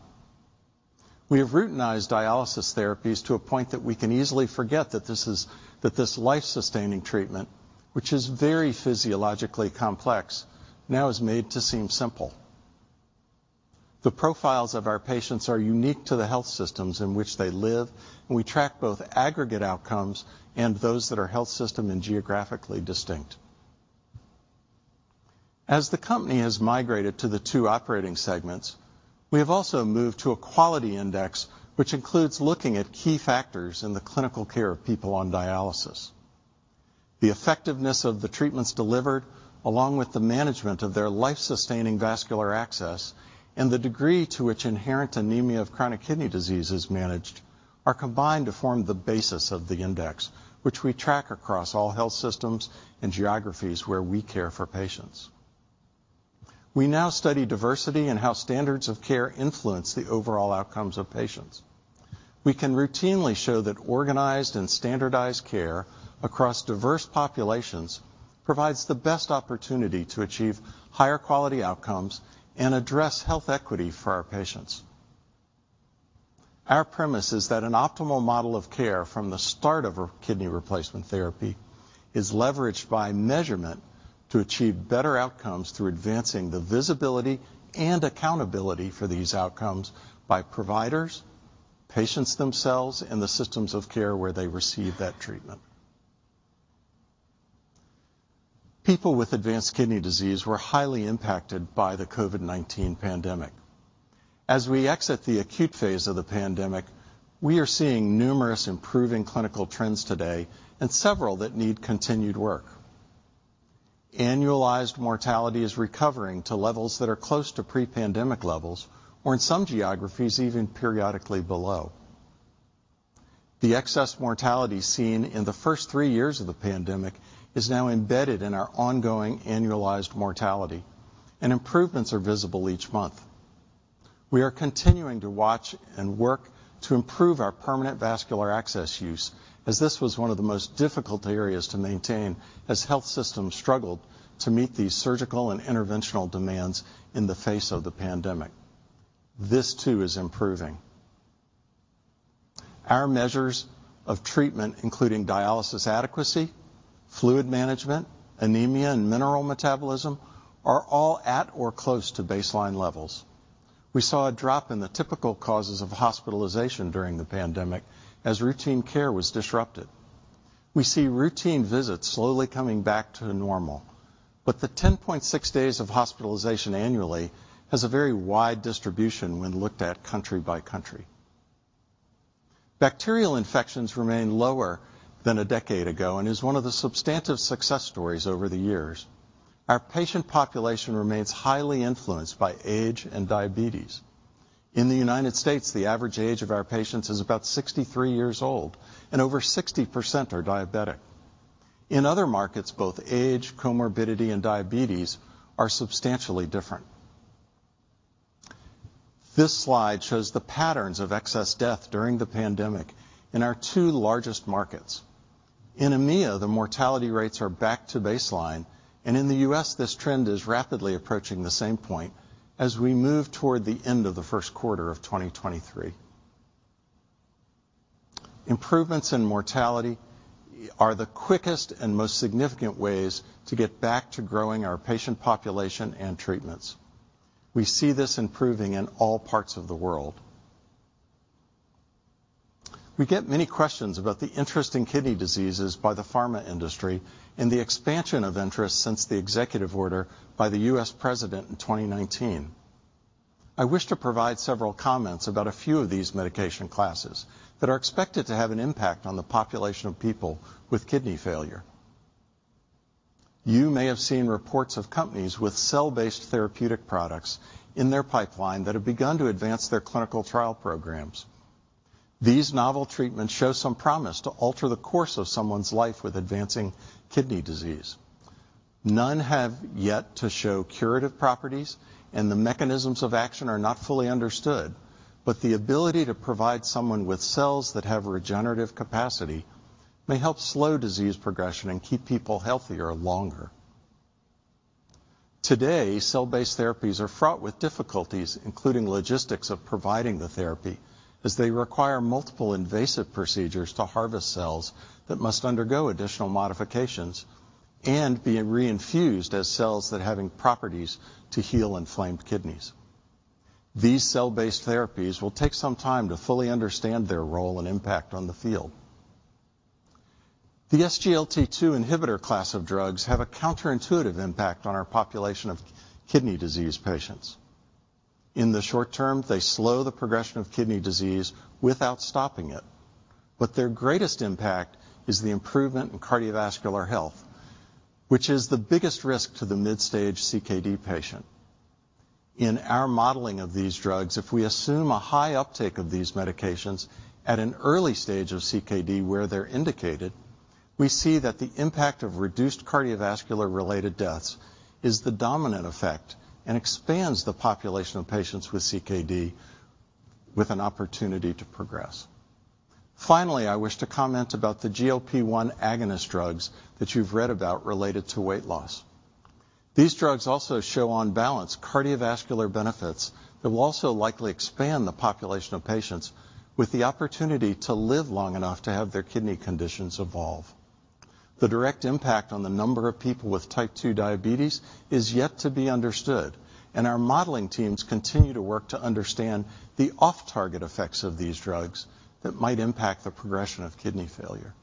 We have routinized dialysis therapies to a point that we can easily forget that this life-sustaining treatment, which is very physiologically complex, now is made to seem simple. The profiles of our patients are unique to the health systems in which they live, and we track both aggregate outcomes and those that are health system and geographically distinct. As the company has migrated to the 2 operating segments, we have also moved to a quality index, which includes looking at key factors in the clinical care of people on dialysis. The effectiveness of the treatments delivered, along with the management of their life-sustaining vascular access and the degree to which inherent anemia of chronic kidney disease is managed, are combined to form the basis of the index, which we track across all health systems and geographies where we care for patients. We now study diversity and how standards of care influence the overall outcomes of patients. We can routinely show that organized and standardized care across diverse populations provides the best opportunity to achieve higher quality outcomes and address health equity for our patients. Our premise is that an optimal model of care from the start of a kidney replacement therapy is leveraged by measurement to achieve better outcomes through advancing the visibility and accountability for these outcomes by providers, patients themselves, and the systems of care where they receive that treatment. People with advanced kidney disease were highly impacted by the COVID-19 pandemic. As we exit the acute phase of the pandemic, we are seeing numerous improving clinical trends today and several that need continued work. Annualized mortality is recovering to levels that are close to pre-pandemic levels or in some geographies, even periodically below. The excess mortality seen in the first three years of the pandemic is now embedded in our ongoing annualized mortality, and improvements are visible each month. We are continuing to watch and work to improve our permanent vascular access use as this was one of the most difficult areas to maintain as health systems struggled to meet these surgical and interventional demands in the face of the pandemic. This too is improving. Our measures of treatment, including dialysis adequacy, fluid management, anemia, and mineral metabolism, are all at or close to baseline levels. We saw a drop in the typical causes of hospitalization during the pandemic as routine care was disrupted. We see routine visits slowly coming back to normal. The 10.6 days of hospitalization annually has a very wide distribution when looked at country by country. Bacterial infections remain lower than a decade ago and is one of the substantive success stories over the years. Our patient population remains highly influenced by age and diabetes. In the United States, the average age of our patients is about 63 years old and over 60% are diabetic. In other markets, both age, comorbidity, and diabetes are substantially different. This slide shows the patterns of excess death during the pandemic in our two largest markets. In EMEA, the mortality rates are back to baseline, and in the U.S., this trend is rapidly approaching the same point as we move toward the end of the first quarter of 2023. Improvements in mortality are the quickest and most significant ways to get back to growing our patient population and treatments. We see this improving in all parts of the world. We get many questions about the interest in kidney diseases by the pharma industry and the expansion of interest since the executive order by the U.S. President in 2019. I wish to provide several comments about a few of these medication classes that are expected to have an impact on the population of people with kidney failure. You may have seen reports of companies with cell-based therapeutic products in their pipeline that have begun to advance their clinical trial programs. These novel treatments show some promise to alter the course of someone's life with advancing kidney disease. None have yet to show curative properties, and the mechanisms of action are not fully understood, but the ability to provide someone with cells that have regenerative capacity may help slow disease progression and keep people healthier longer. Today, cell-based therapies are fraught with difficulties, including logistics of providing the therapy, as they require multiple invasive procedures to harvest cells that must undergo additional modifications and being reinfused as cells that having properties to heal inflamed kidneys. These cell-based therapies will take some time to fully understand their role and impact on the field. The SGLT2 inhibitor class of drugs have a counterintuitive impact on our population of kidney disease patients. In the short term, they slow the progression of kidney disease without stopping it. Their greatest impact is the improvement in cardiovascular health, which is the biggest risk to the mid-stage CKD patient. In our modeling of these drugs, if we assume a high uptake of these medications at an early stage of CKD where they're indicated, we see that the impact of reduced cardiovascular-related deaths is the dominant effect and expands the population of patients with CKD with an opportunity to progress. I wish to comment about the GLP-1 agonist drugs that you've read about related to weight loss. These drugs also show on balance cardiovascular benefits that will also likely expand the population of patients with the opportunity to live long enough to have their kidney conditions evolve. The direct impact on the number of people with type two diabetes is yet to be understood, and our modeling teams continue to work to understand the off-target effects of these drugs that might impact the progression of kidney failure.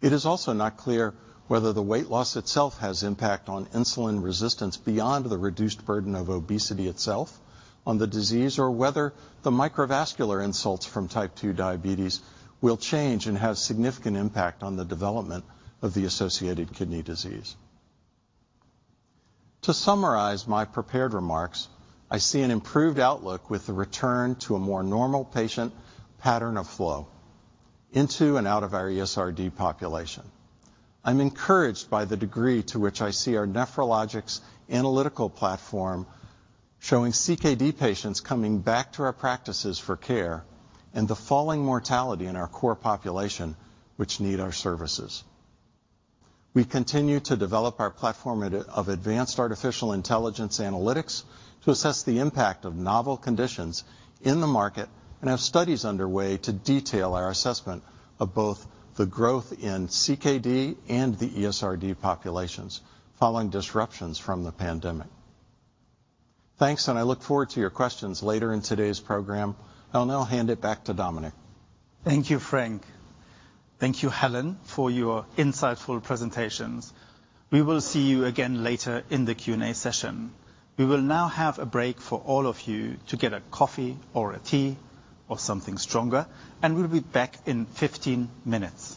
It is also not clear whether the weight loss itself has impact on insulin resistance beyond the reduced burden of obesity itself on the disease or whether the microvascular insults from type two diabetes will change and have significant impact on the development of the associated kidney disease. To summarize my prepared remarks, I see an improved outlook with the return to a more normal patient pattern of flow into and out of our ESRD population. I'm encouraged by the degree to which I see our nephrologics analytical platform showing CKD patients coming back to our practices for care and the falling mortality in our core population, which need our services. We continue to develop our platform of advanced artificial intelligence analytics to assess the impact of novel conditions in the market and have studies underway to detail our assessment of both the growth in CKD and the ESRD populations following disruptions from the pandemic. Thanks. I look forward to your questions later in today's program. I'll now hand it back to Dominic. Thank you, Frank. Thank you, Helen, for your insightful presentations. We will see you again later in the Q&A session. We will now have a break for all of you to get a coffee or a tea or something stronger. We'll be back in 15 minutes.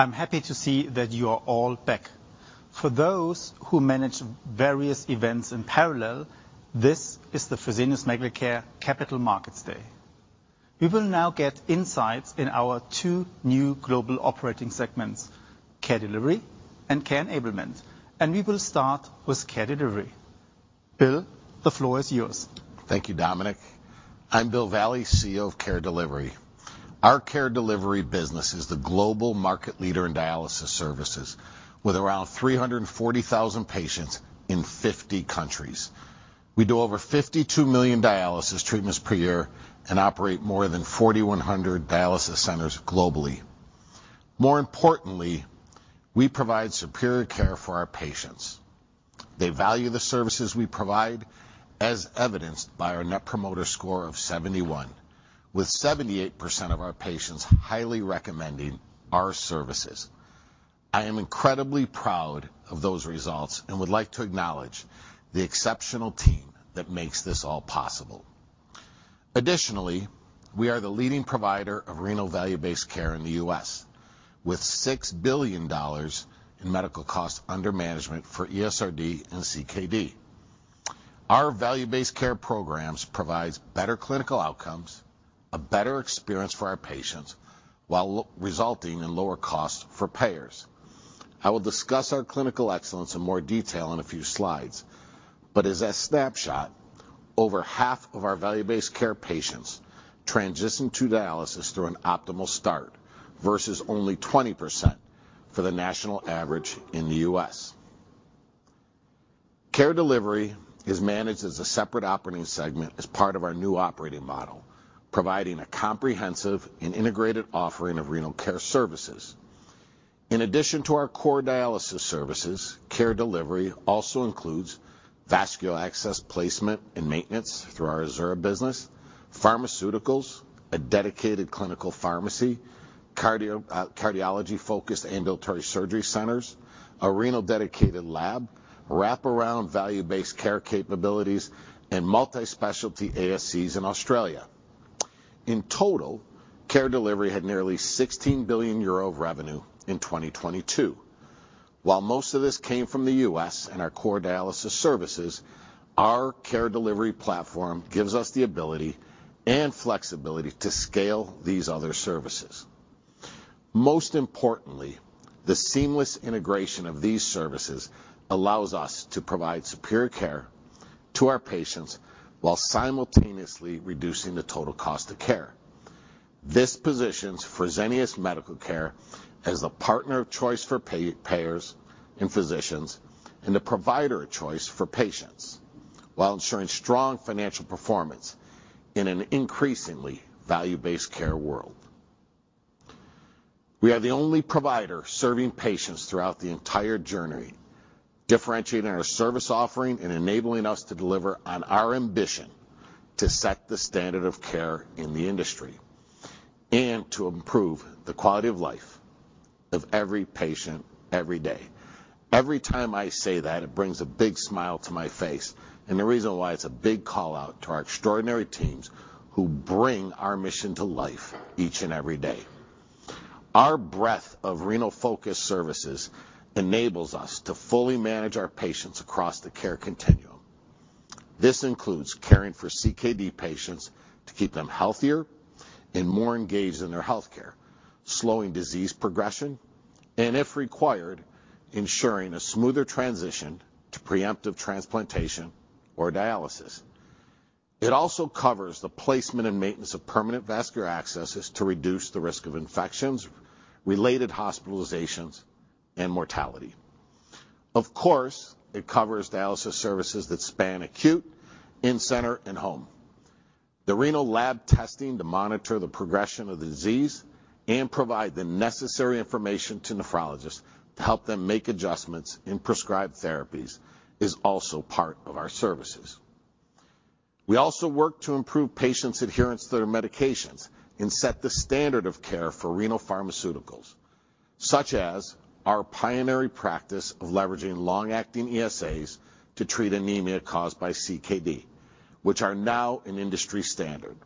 I'm happy to see that you are all back. For those who manage various events in parallel, this is the Fresenius Medical Care Capital Markets Day. We will now get insights in our two new global operating segments, Care Delivery and Care Enablement. We will start with Care Delivery. Bill, the floor is yours. Thank you, Dominic. I'm Bill Valle, CEO of Care Delivery. Our Care Delivery business is the global market leader in dialysis services with around 340,000 patients in 50 countries. We do over 52 million dialysis treatments per year and operate more than 4,100 dialysis centers globally. More importantly, we provide superior care for our patients. They value the services we provide, as evidenced by our Net Promoter Score of 71, with 78% of our patients highly recommending our services. I am incredibly proud of those results and would like to acknowledge the exceptional team that makes this all possible. Additionally, we are the leading provider of renal value-based care in the U.S., with $6 billion in medical cost under management for ESRD and CKD. Our value-based care programs provides better clinical outcomes, a better experience for our patients while resulting in lower costs for payers. I will discuss our clinical excellence in more detail in a few slides, but as a snapshot, over half of our value-based care patients transition to dialysis through an optimal start versus only 20% for the national average in the U.S. Care Delivery is managed as a separate operating segment as part of our new operating model, providing a comprehensive and integrated offering of renal care services. In addition to our core dialysis services, Care Delivery also includes vascular access placement and maintenance through our Azura business, pharmaceuticals, a dedicated clinical pharmacy, cardiology-focused Ambulatory Surgery Centers, a renal dedicated lab, wraparound value-based care capabilities, and multi-specialty ASCs in Australia. In total, Care Delivery had nearly 16 billion euro of revenue in 2022. While most of this came from the US and our core dialysis services, our Care Delivery platform gives us the ability and flexibility to scale these other services. Most importantly, the seamless integration of these services allows us to provide superior care to our patients while simultaneously reducing the total cost of care. This positions Fresenius Medical Care as the partner of choice for pay, payers and physicians, and the provider of choice for patients while ensuring strong financial performance in an increasingly value-based care world. We are the only provider serving patients throughout the entire journey, differentiating our service offering and enabling us to deliver on our ambition to set the standard of care in the industry and to improve the quality of life of every patient every day. Every time I say that, it brings a big smile to my face, and the reason why it's a big call-out to our extraordinary teams who bring our mission to life each and every day. Our breadth of renal-focused services enables us to fully manage our patients across the care continuum. This includes caring for CKD patients to keep them healthier and more engaged in their healthcare, slowing disease progression, and if required, ensuring a smoother transition to preemptive transplantation or dialysis. It also covers the placement and maintenance of permanent vascular accesses to reduce the risk of infections, related hospitalizations, and mortality. Of course, it covers dialysis services that span acute, in-center, and home. The renal lab testing to monitor the progression of the disease and provide the necessary information to nephrologists to help them make adjustments in prescribed therapies is also part of our services. We also work to improve patients' adherence to their medications and set the standard of care for renal pharmaceuticals, such as our pioneering practice of leveraging long-acting ESAs to treat anemia caused by CKD, which are now an industry standard.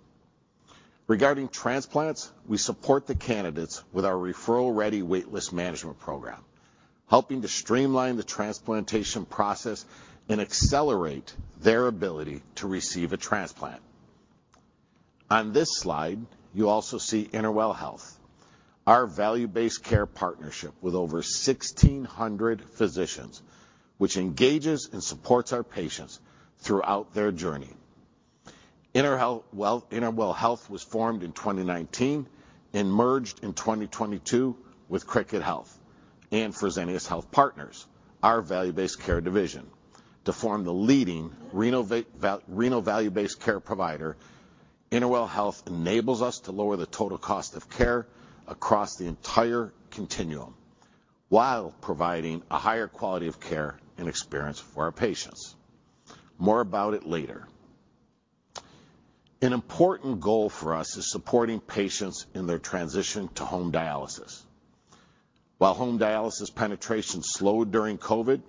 Regarding transplants, we support the candidates with our referral-ready wait list management program, helping to streamline the transplantation process and accelerate their ability to receive a transplant. On this slide, you also see InterWell Health, our value-based care partnership with over 1,600 physicians, which engages and supports our patients throughout their journey. Well, InterWell Health was formed in 2019 and merged in 2022 with Cricket Health and Fresenius Health Partners, our value-based care division, to form the leading renal value-based care provider. InterWell Health enables us to lower the total cost of care across the entire continuum while providing a higher quality of care and experience for our patients. More about it later. An important goal for us is supporting patients in their transition to home dialysis. While home dialysis penetration slowed during COVID,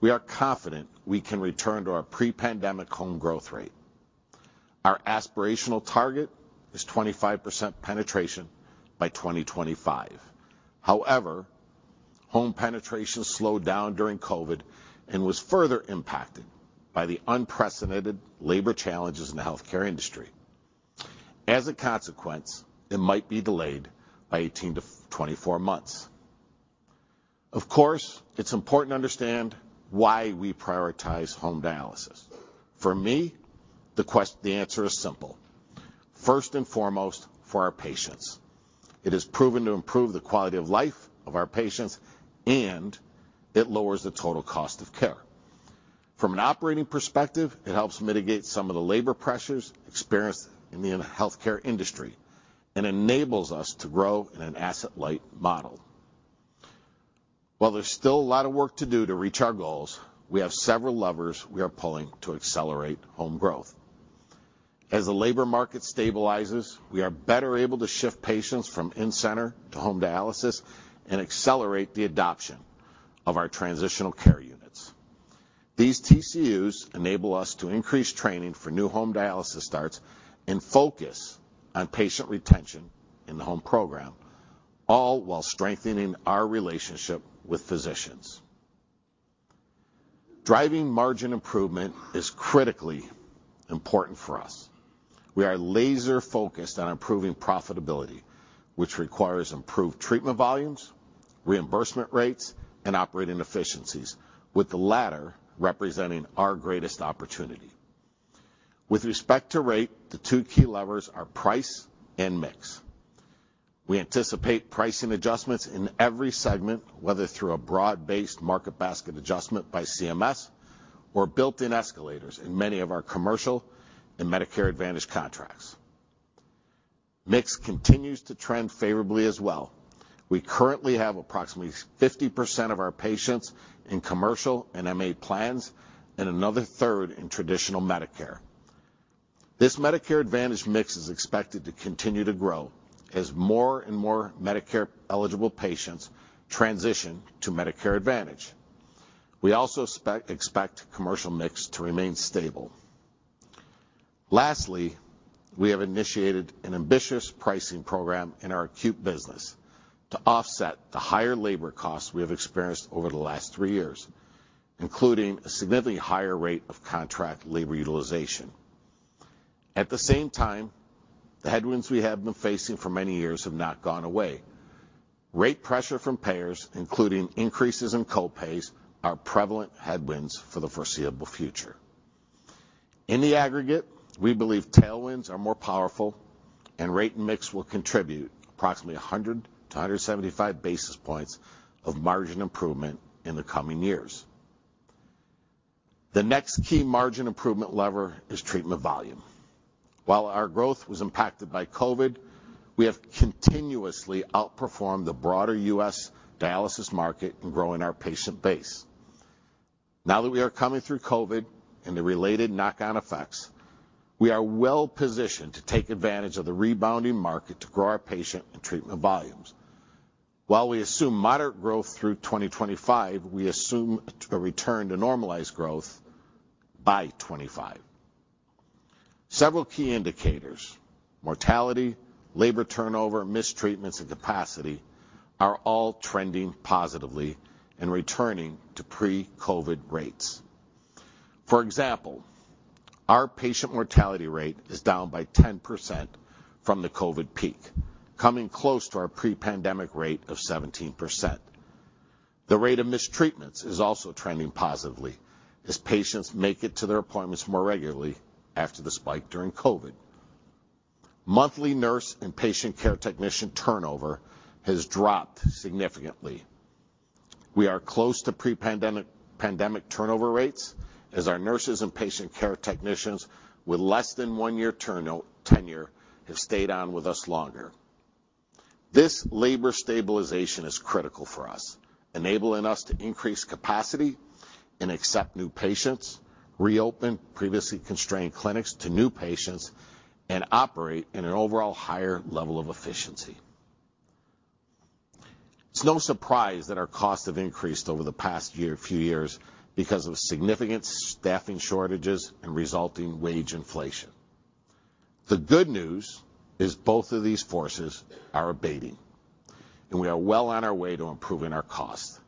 we are confident we can return to our pre-pandemic home growth rate. Our aspirational target is 25% penetration by 2025. Home penetration slowed down during COVID and was further impacted by the unprecedented labor challenges in the healthcare industry. It might be delayed by 18 to 24 months. It's important to understand why we prioritize home dialysis. For me, the answer is simple. First and foremost, for our patients. It is proven to improve the quality of life of our patients, and it lowers the total cost of care. From an operating perspective, it helps mitigate some of the labor pressures experienced in the healthcare industry and enables us to grow in an asset-light model. While there's still a lot of work to do to reach our goals, we have several levers we are pulling to accelerate home growth. As the labor market stabilizes, we are better able to shift patients from in-center to home dialysis and accelerate the adoption of our transitional care units. These TCUs enable us to increase training for new home dialysis starts and focus on patient retention in the home program, all while strengthening our relationship with physicians. Driving margin improvement is critically important for us. We are laser-focused on improving profitability, which requires improved treatment volumes, reimbursement rates, and operating efficiencies, with the latter representing our greatest opportunity. With respect to rate, the two key levers are price and mix. We anticipate pricing adjustments in every segment, whether through a broad-based market basket adjustment by CMS or built-in escalators in many of our commercial and Medicare Advantage contracts. Mix continues to trend favorably as well. We currently have approximately 50% of our patients in commercial and MA plans and another third in traditional Medicare. This Medicare Advantage mix is expected to continue to grow as more and more Medicare-eligible patients transition to Medicare Advantage. We also expect commercial mix to remain stable. Lastly, we have initiated an ambitious pricing program in our acute business to offset the higher labor costs we have experienced over the last three years, including a significantly higher rate of contract labor utilization. At the same time, the headwinds we have been facing for many years have not gone away. Rate pressure from payers, including increases in co-pays, are prevalent headwinds for the foreseeable future. In the aggregate, we believe tailwinds are more powerful and rate and mix will contribute approximately 100-175 basis points of margin improvement in the coming years. The next key margin improvement lever is treatment volume. While our growth was impacted by COVID, we have continuously outperformed the broader U.S. dialysis market in growing our patient base. Now that we are coming through COVID and the related knock-on effects, we are well-positioned to take advantage of the rebounding market to grow our patient and treatment volumes. While we assume moderate growth through 2025, we assume a return to normalized growth by 2025. Several key indicators, mortality, labor turnover, mistreatments, and capacity, are all trending positively and returning to pre-COVID rates. For example, our patient mortality rate is down by 10% from the COVID peak, coming close to our pre-pandemic rate of 17%. The rate of mistreatments is also trending positively as patients make it to their appointments more regularly after the spike during COVID. Monthly nurse and patient care technician turnover has dropped significantly. We are close to pre-pandemic turnover rates as our nurses and patient care technicians with less than 1 year tenure have stayed on with us longer. This labor stabilization is critical for us, enabling us to increase capacity and accept new patients, reopen previously constrained clinics to new patients, and operate in an overall higher level of efficiency. It's no surprise that our costs have increased over the past year, few years because of significant staffing shortages and resulting wage inflation. The good news is both of these forces are abating. We are well on our way to improving our costs.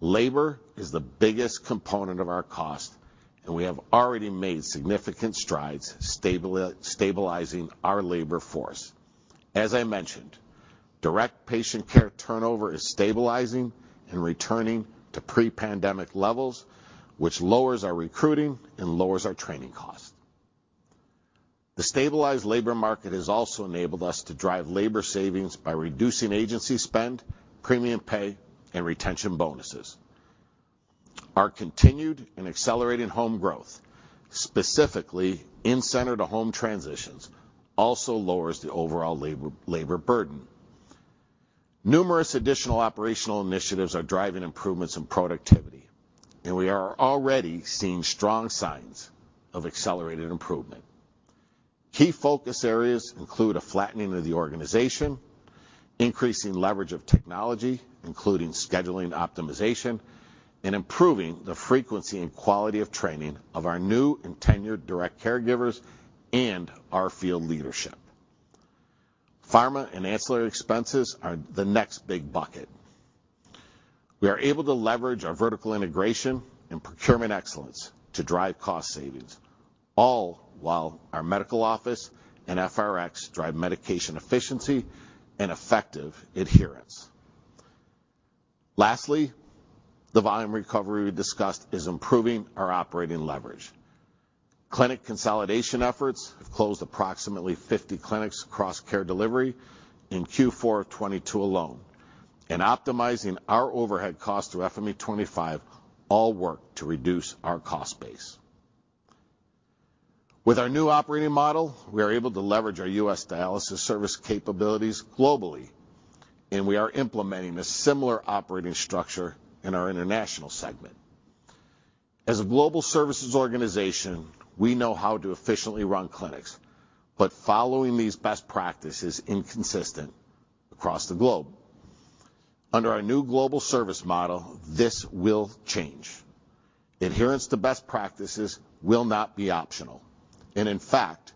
Labor is the biggest component of our cost. We have already made significant strides stabilizing our labor force. As I mentioned, direct patient care turnover is stabilizing and returning to pre-pandemic levels, which lowers our recruiting and lowers our training costs. The stabilized labor market has also enabled us to drive labor savings by reducing agency spend, premium pay, and retention bonuses. Our continued and accelerated home growth, specifically in-center to home transitions, also lowers the overall labor burden. Numerous additional operational initiatives are driving improvements in productivity. We are already seeing strong signs of accelerated improvement. Key focus areas include a flattening of the organization, increasing leverage of technology, including scheduling optimization, and improving the frequency and quality of training of our new and tenured direct caregivers and our field leadership. Pharma and ancillary expenses are the next big bucket. We are able to leverage our vertical integration and procurement excellence to drive cost savings, all while our medical office and FreseniusRx drive medication efficiency and effective adherence. Lastly, the volume recovery we discussed is improving our operating leverage. Clinic consolidation efforts have closed approximately 50 clinics across Care Delivery in Q4 of 2022 alone. Optimizing our overhead cost through FME25 all work to reduce our cost base. With our new operating model, we are able to leverage our U.S. dialysis service capabilities globally. We are implementing a similar operating structure in our international segment. As a global services organization, we know how to efficiently run clinics. Following these best practices inconsistent across the globe. Under our new global service model, this will change. Adherence to best practices will not be optional. In fact,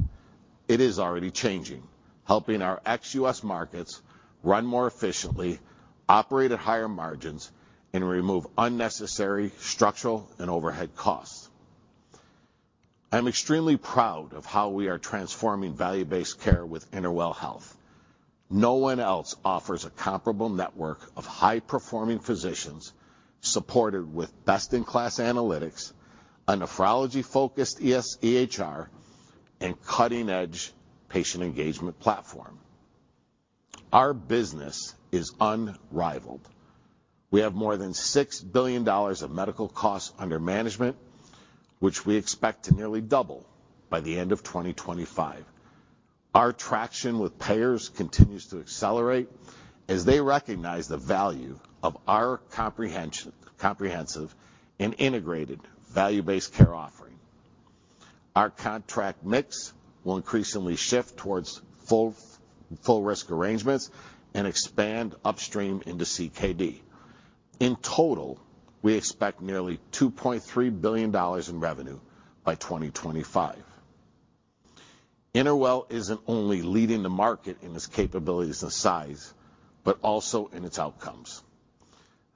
it is already changing, helping our ex-U.S. markets run more efficiently, operate at higher margins, and remove unnecessary structural and overhead costs. I'm extremely proud of how we are transforming value-based care with InterWell Health. No one else offers a comparable network of high-performing physicians supported with best-in-class analytics, a nephrology-focused EHR, and cutting-edge patient engagement platform. Our business is unrivaled. We have more than $6 billion of medical costs under management, which we expect to nearly double by the end of 2025. Our traction with payers continues to accelerate as they recognize the value of our comprehensive and integrated value-based care offering. Our contract mix will increasingly shift towards full risk arrangements and expand upstream into CKD. In total, we expect nearly $2.3 billion in revenue by 2025. Interwell isn't only leading the market in its capabilities and size, but also in its outcomes.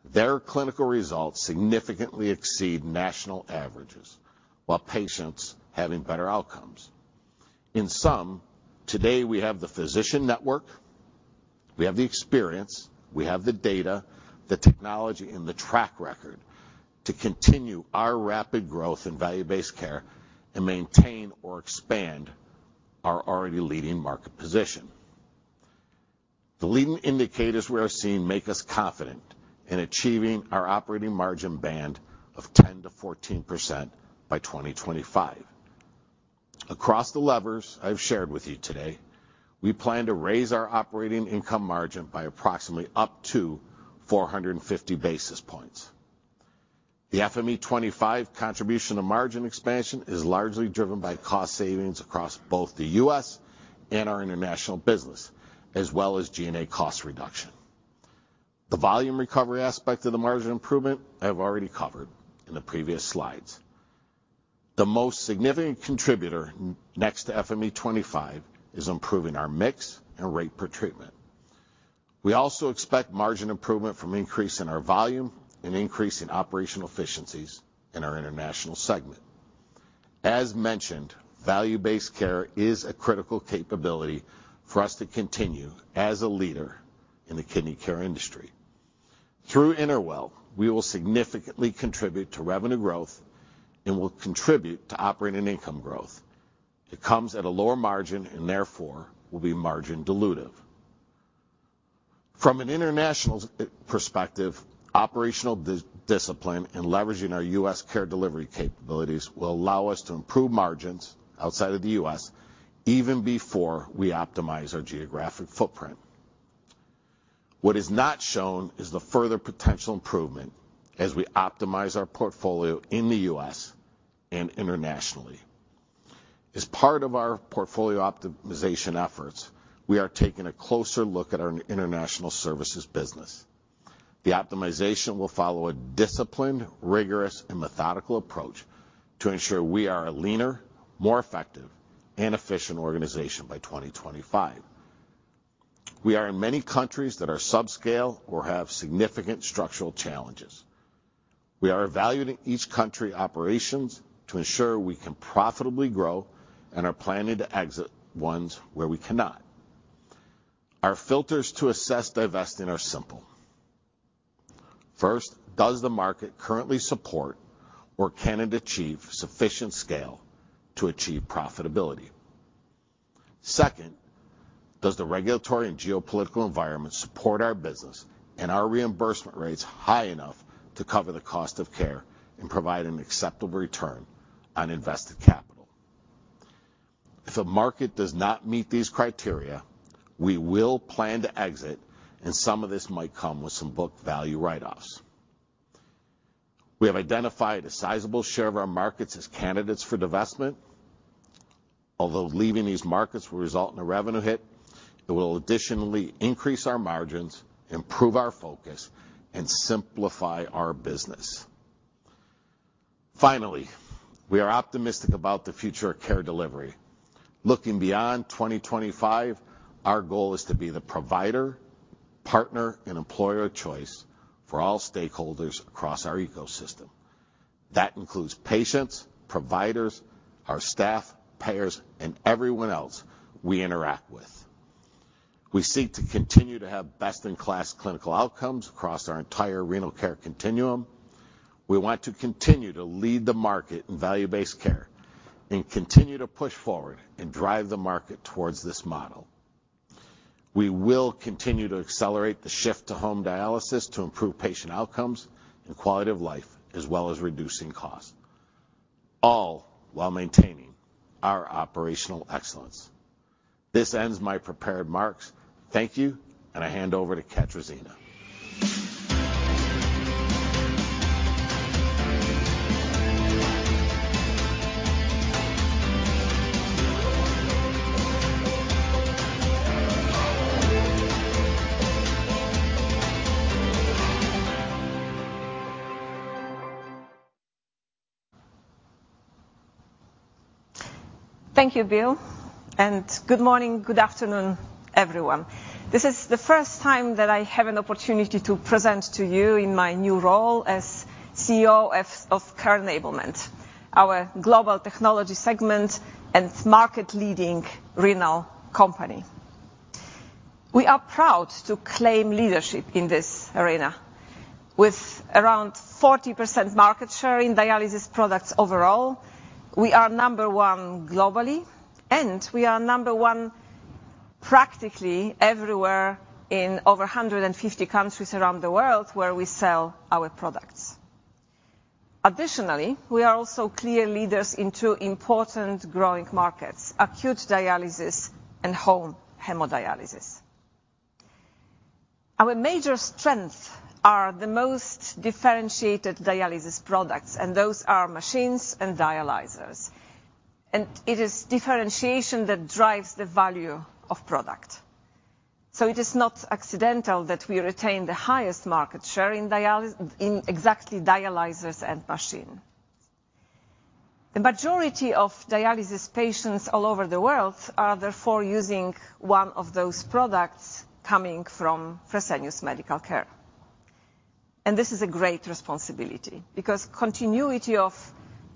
Their clinical results significantly exceed national averages while patients having better outcomes. In sum, today we have the physician network, we have the experience, we have the data, the technology, and the track record to continue our rapid growth in value-based care and maintain or expand our already leading market position. The leading indicators we are seeing make us confident in achieving our operating margin band of 10%-14% by 2025. Across the levers I've shared with you today, we plan to raise our operating income margin by approximately up to 450 basis points. The FME25 contribution to margin expansion is largely driven by cost savings across both the U.S. and our international business, as well as G&A cost reduction. The volume recovery aspect of the margin improvement I've already covered in the previous slides. The most significant contributor next to FME25 is improving our mix and rate per treatment. We also expect margin improvement from increase in our volume and increase in operational efficiencies in our international segment. As mentioned, value-based care is a critical capability for us to continue as a leader in the kidney care industry. Through InterWell, we will significantly contribute to revenue growth and will contribute to operating income growth. It comes at a lower margin and therefore will be margin dilutive. From an international perspective, operational dis-discipline and leveraging our U.S. Care Delivery capabilities will allow us to improve margins outside of the U.S. even before we optimize our geographic footprint. What is not shown is the further potential improvement as we optimize our portfolio in the U.S. and internationally. As part of our portfolio optimization efforts, we are taking a closer look at our international services business. The optimization will follow a disciplined, rigorous, and methodical approach to ensure we are a leaner, more effective, and efficient organization by 2025. We are in many countries that are subscale or have significant structural challenges. We are evaluating each country operations to ensure we can profitably grow and are planning to exit ones where we cannot. Our filters to assess divesting are simple. First, does the market currently support or can it achieve sufficient scale to achieve profitability? Second, does the regulatory and geopolitical environment support our business and our reimbursement rates high enough to cover the cost of care and provide an acceptable return on invested capital? If a market does not meet these criteria, we will plan to exit, and some of this might come with some book value write-offs. We have identified a sizable share of our markets as candidates for divestment. Although leaving these markets will result in a revenue hit, it will additionally increase our margins, improve our focus, and simplify our business. We are optimistic about the future of Care Delivery. Looking beyond 2025, our goal is to be the provider, partner, and employer of choice for all stakeholders across our ecosystem. That includes patients, providers, our staff, payers, and everyone else we interact with. We seek to continue to have best-in-class clinical outcomes across our entire renal care continuum. We want to continue to lead the market in value-based care and continue to push forward and drive the market towards this model. We will continue to accelerate the shift to home dialysis to improve patient outcomes and quality of life, as well as reducing costs, all while maintaining our operational excellence. This ends my prepared remarks. Thank you, and I hand over to Katarzyna. Thank you, Bill. Good morning, good afternoon, everyone. This is the first time that I have an opportunity to present to you in my new role as CEO of Care Enablement, our global technology segment and market-leading renal company. We are proud to claim leadership in this arena. With around 40% market share in dialysis products overall, we are number 1 globally. We are number 1 practically everywhere in over 150 countries around the world where we sell our products. Additionally, we are also clear leaders in 2 important growing markets, acute dialysis and home hemodialysis. Our major strength are the most differentiated dialysis products. Those are machines and dialyzers. It is differentiation that drives the value of product. It is not accidental that we retain the highest market share in exactly dialyzers and machine. The majority of dialysis patients all over the world are therefore using one of those products coming from Fresenius Medical Care. This is a great responsibility because continuity of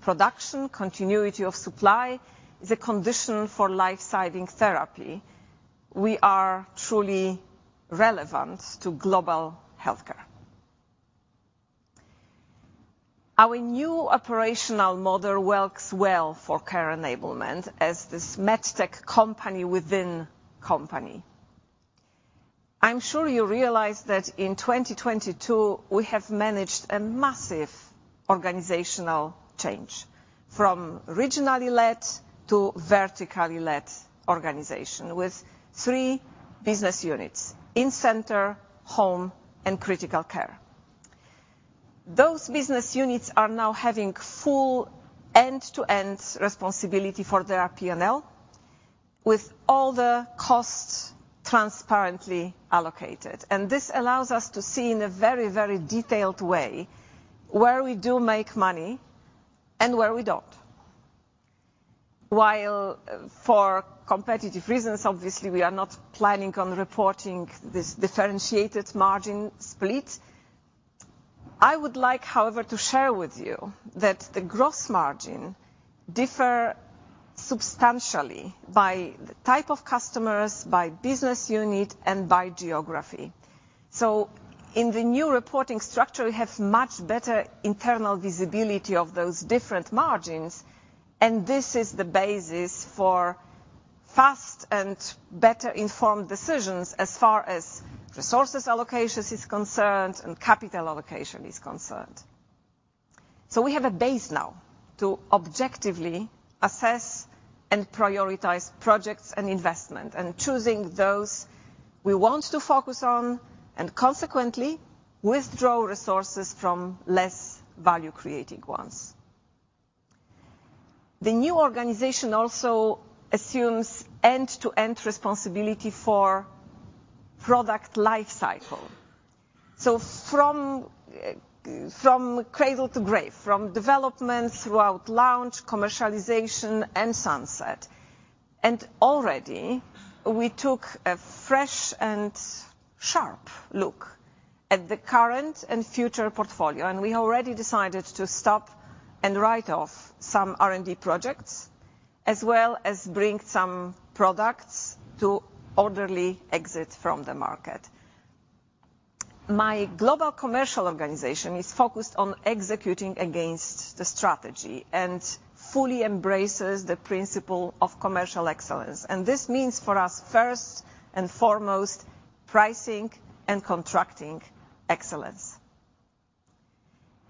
production, continuity of supply, is a condition for life-saving therapy. We are truly relevant to global healthcare. Our new operational model works well for Care Enablement as this med tech company within company. I'm sure you realize that in 2022, we have managed a massive organizational change from regionally led to vertically led organization with three business units, in-center, home, and critical care. Those business units are now having full end-to-end responsibility for their P&L with all the costs transparently allocated. This allows us to see in a very, very detailed way where we do make money and where we don't. While for competitive reasons, obviously, we are not planning on reporting this differentiated margin split, I would like, however, to share with you that the gross margin differ substantially by the type of customers, by business unit, and by geography. In the new reporting structure, we have much better internal visibility of those different margins, and this is the basis for fast and better-informed decisions as far as resources allocations is concerned and capital allocation is concerned. We have a base now to objectively assess and prioritize projects and investment, and choosing those we want to focus on, and consequently withdraw resources from less value-creating ones. The new organization also assumes end-to-end responsibility for product life cycle. From cradle to grave, from development throughout launch, commercialization and sunset. Already we took a fresh and sharp look at the current and future portfolio, and we already decided to stop and write off some R&D projects, as well as bring some products to orderly exit from the market. My global commercial organization is focused on executing against the strategy and fully embraces the principle of commercial excellence. This means for us, first and foremost, pricing and contracting excellence.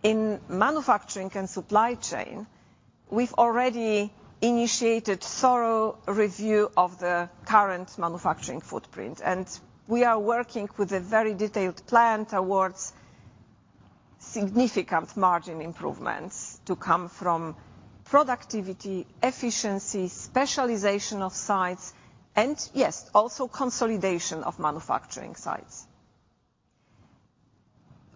In manufacturing and supply chain, we've already initiated thorough review of the current manufacturing footprint, and we are working with a very detailed plan towards significant margin improvements to come from productivity, efficiency, specialization of sites, and yes, also consolidation of manufacturing sites.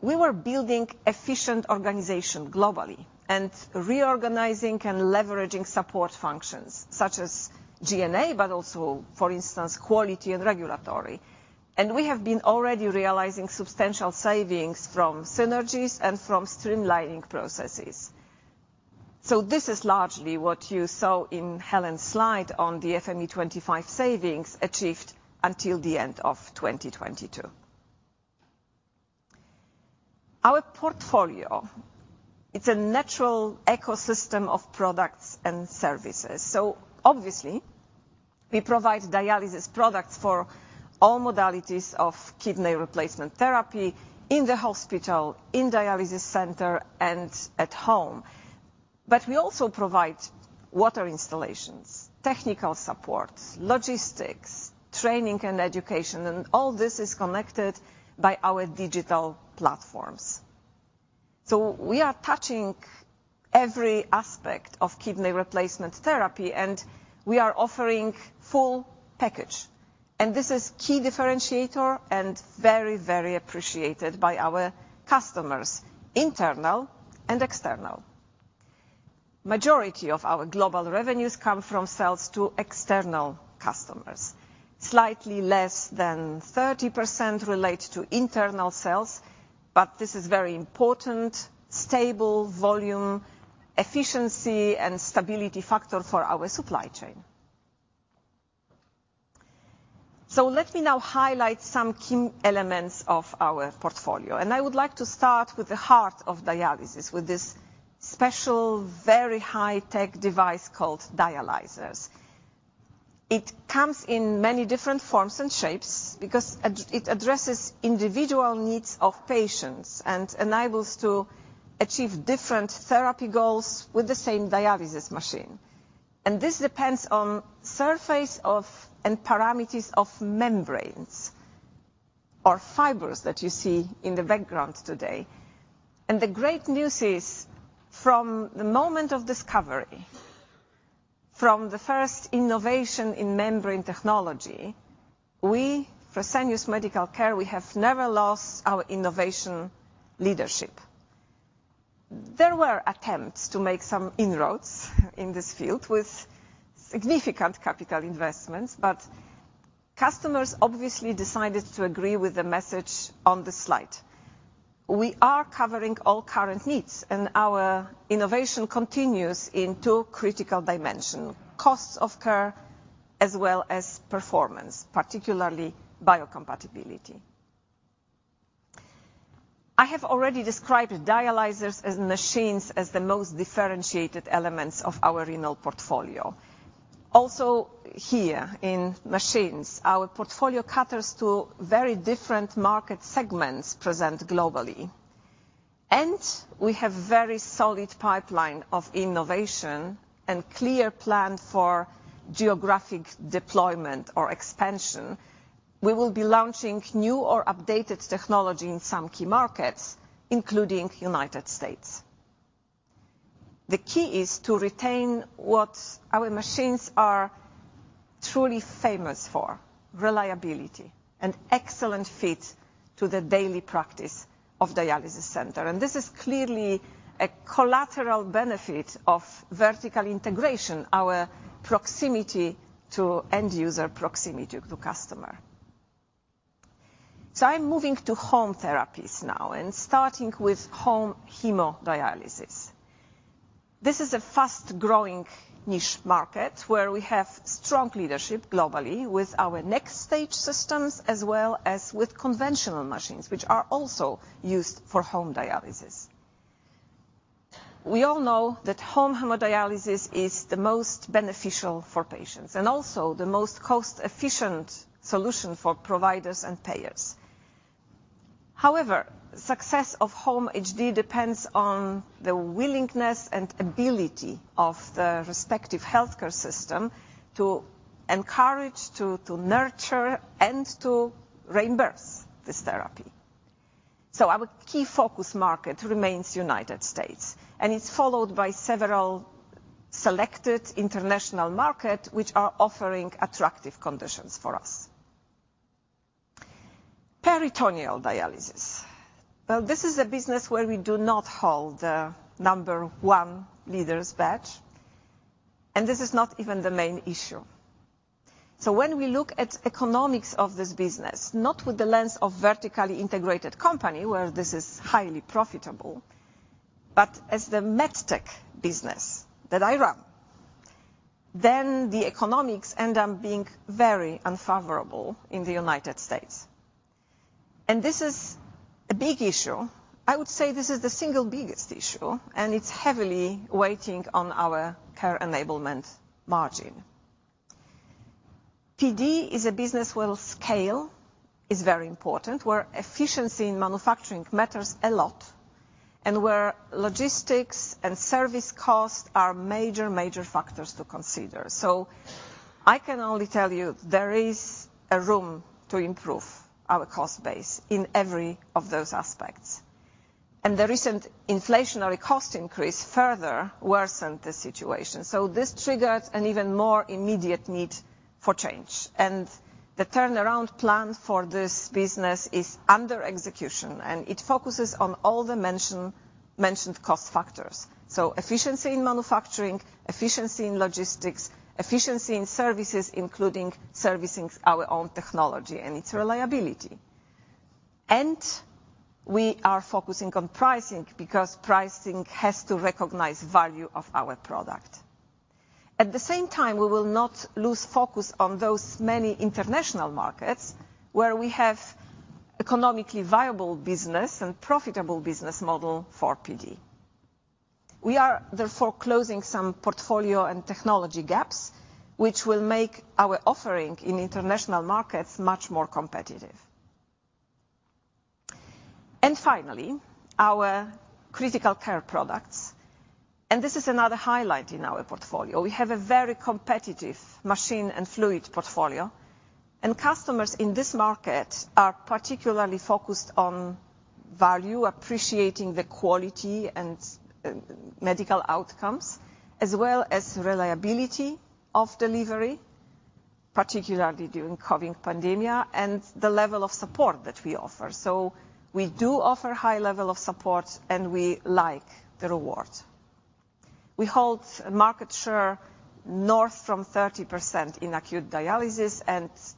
We were building efficient organization globally and reorganizing and leveraging support functions such as G&A, but also, for instance, quality and regulatory. We have been already realizing substantial savings from synergies and from streamlining processes. This is largely what you saw in Helen's slide on the FME25 savings achieved until the end of 2022. Our portfolio, it's a natural ecosystem of products and services. Obviously we provide dialysis products for all modalities of kidney replacement therapy in the hospital, in dialysis center, and at home. We also provide water installations, technical support, logistics, training and education. All this is connected by our digital platforms. We are touching every aspect of kidney replacement therapy, and we are offering full package. This is key differentiator and very, very appreciated by our customers, internal and external. Majority of our global revenues come from sales to external customers. Slightly less than 30% relate to internal sales, but this is very important. Stable volume, efficiency, and stability factor for our supply chain. Let me now highlight some key elements of our portfolio. I would like to start with the heart of dialysis, with this special, very high-tech device called dialyzers. It comes in many different forms and shapes because it addresses individual needs of patients and enables to achieve different therapy goals with the same dialysis machine. This depends on surface of, and parameters of membranes or fibers that you see in the background today. The great news is, from the moment of discovery, from the first innovation in membrane technology, we, Fresenius Medical Care, have never lost our innovation leadership. There were attempts to make some inroads in this field with significant capital investments, customers obviously decided to agree with the message on the slide. We are covering all current needs, and our innovation continues in two critical dimension: costs of care as well as performance, particularly biocompatibility. I have already described dialyzers as machines as the most differentiated elements of our renal portfolio. Also here in machines, our portfolio caters to very different market segments present globally. We have very solid pipeline of innovation and clear plan for geographic deployment or expansion. We will be launching new or updated technology in some key markets, including United States. The key is to retain what our machines are truly famous for, reliability and excellent fit to the daily practice of dialysis center. This is clearly a collateral benefit of vertical integration, our proximity to end user, proximity to customer. I'm moving to home therapies now and starting with home hemodialysis. This is a fast-growing niche market where we have strong leadership globally with our NxStage systems, as well as with conventional machines, which are also used for home dialysis. We all know that home hemodialysis is the most beneficial for patients, and also the most cost-efficient solution for providers and payers. However, success of home HD depends on the willingness and ability of the respective healthcare system to encourage, to nurture, and to reimburse this therapy. Our key focus market remains United States, and it's followed by several selected international market, which are offering attractive conditions for us. Peritoneal dialysis. This is a business where we do not hold the number one leaders badge, and this is not even the main issue. When we look at economics of this business, not with the lens of vertically integrated company where this is highly profitable, but as the med tech business that I run, then the economics end up being very unfavorable in the United States. This is a big issue. I would say this is the single biggest issue, and it's heavily weighting on our Care Enablement margin. PD is a business where scale is very important, where efficiency in manufacturing matters a lot, and where logistics and service costs are major factors to consider. I can only tell you there is a room to improve our cost base in every of those aspects. The recent inflationary cost increase further worsened the situation, so this triggered an even more immediate need for change. The turnaround plan for this business is under execution, and it focuses on all the mentioned cost factors. Efficiency in manufacturing, efficiency in logistics, efficiency in services, including servicing our own technology and its reliability. We are focusing on pricing because pricing has to recognize value of our product. At the same time, we will not lose focus on those many international markets where we have economically viable business and profitable business model for PD. We are therefore closing some portfolio and technology gaps, which will make our offering in international markets much more competitive. Finally, our critical care products. This is another highlight in our portfolio. We have a very competitive machine and fluid portfolio. Customers in this market are particularly focused on value, appreciating the quality and medical outcomes, as well as reliability of delivery, particularly during COVID pandemic, and the level of support that we offer. We do offer high level of support, and we like the reward. We hold a market share north from 30% in acute dialysis.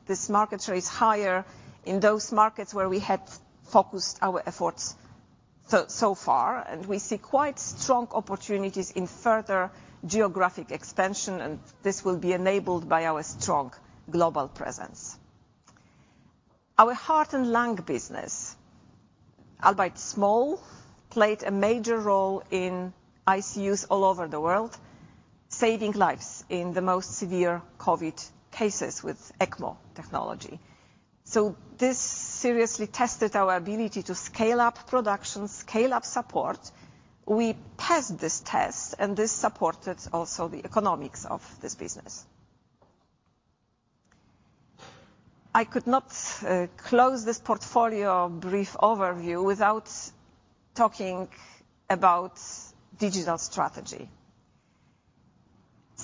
This market share is higher in those markets where we have focused our efforts so far. We see quite strong opportunities in further geographic expansion. This will be enabled by our strong global presence. Our heart and lung business, albeit small, played a major role in ICUs all over the world, saving lives in the most severe COVID cases with ECMO technology. This seriously tested our ability to scale up production, scale up support. We passed this test, this supported also the economics of this business. I could not close this portfolio brief overview without talking about digital strategy.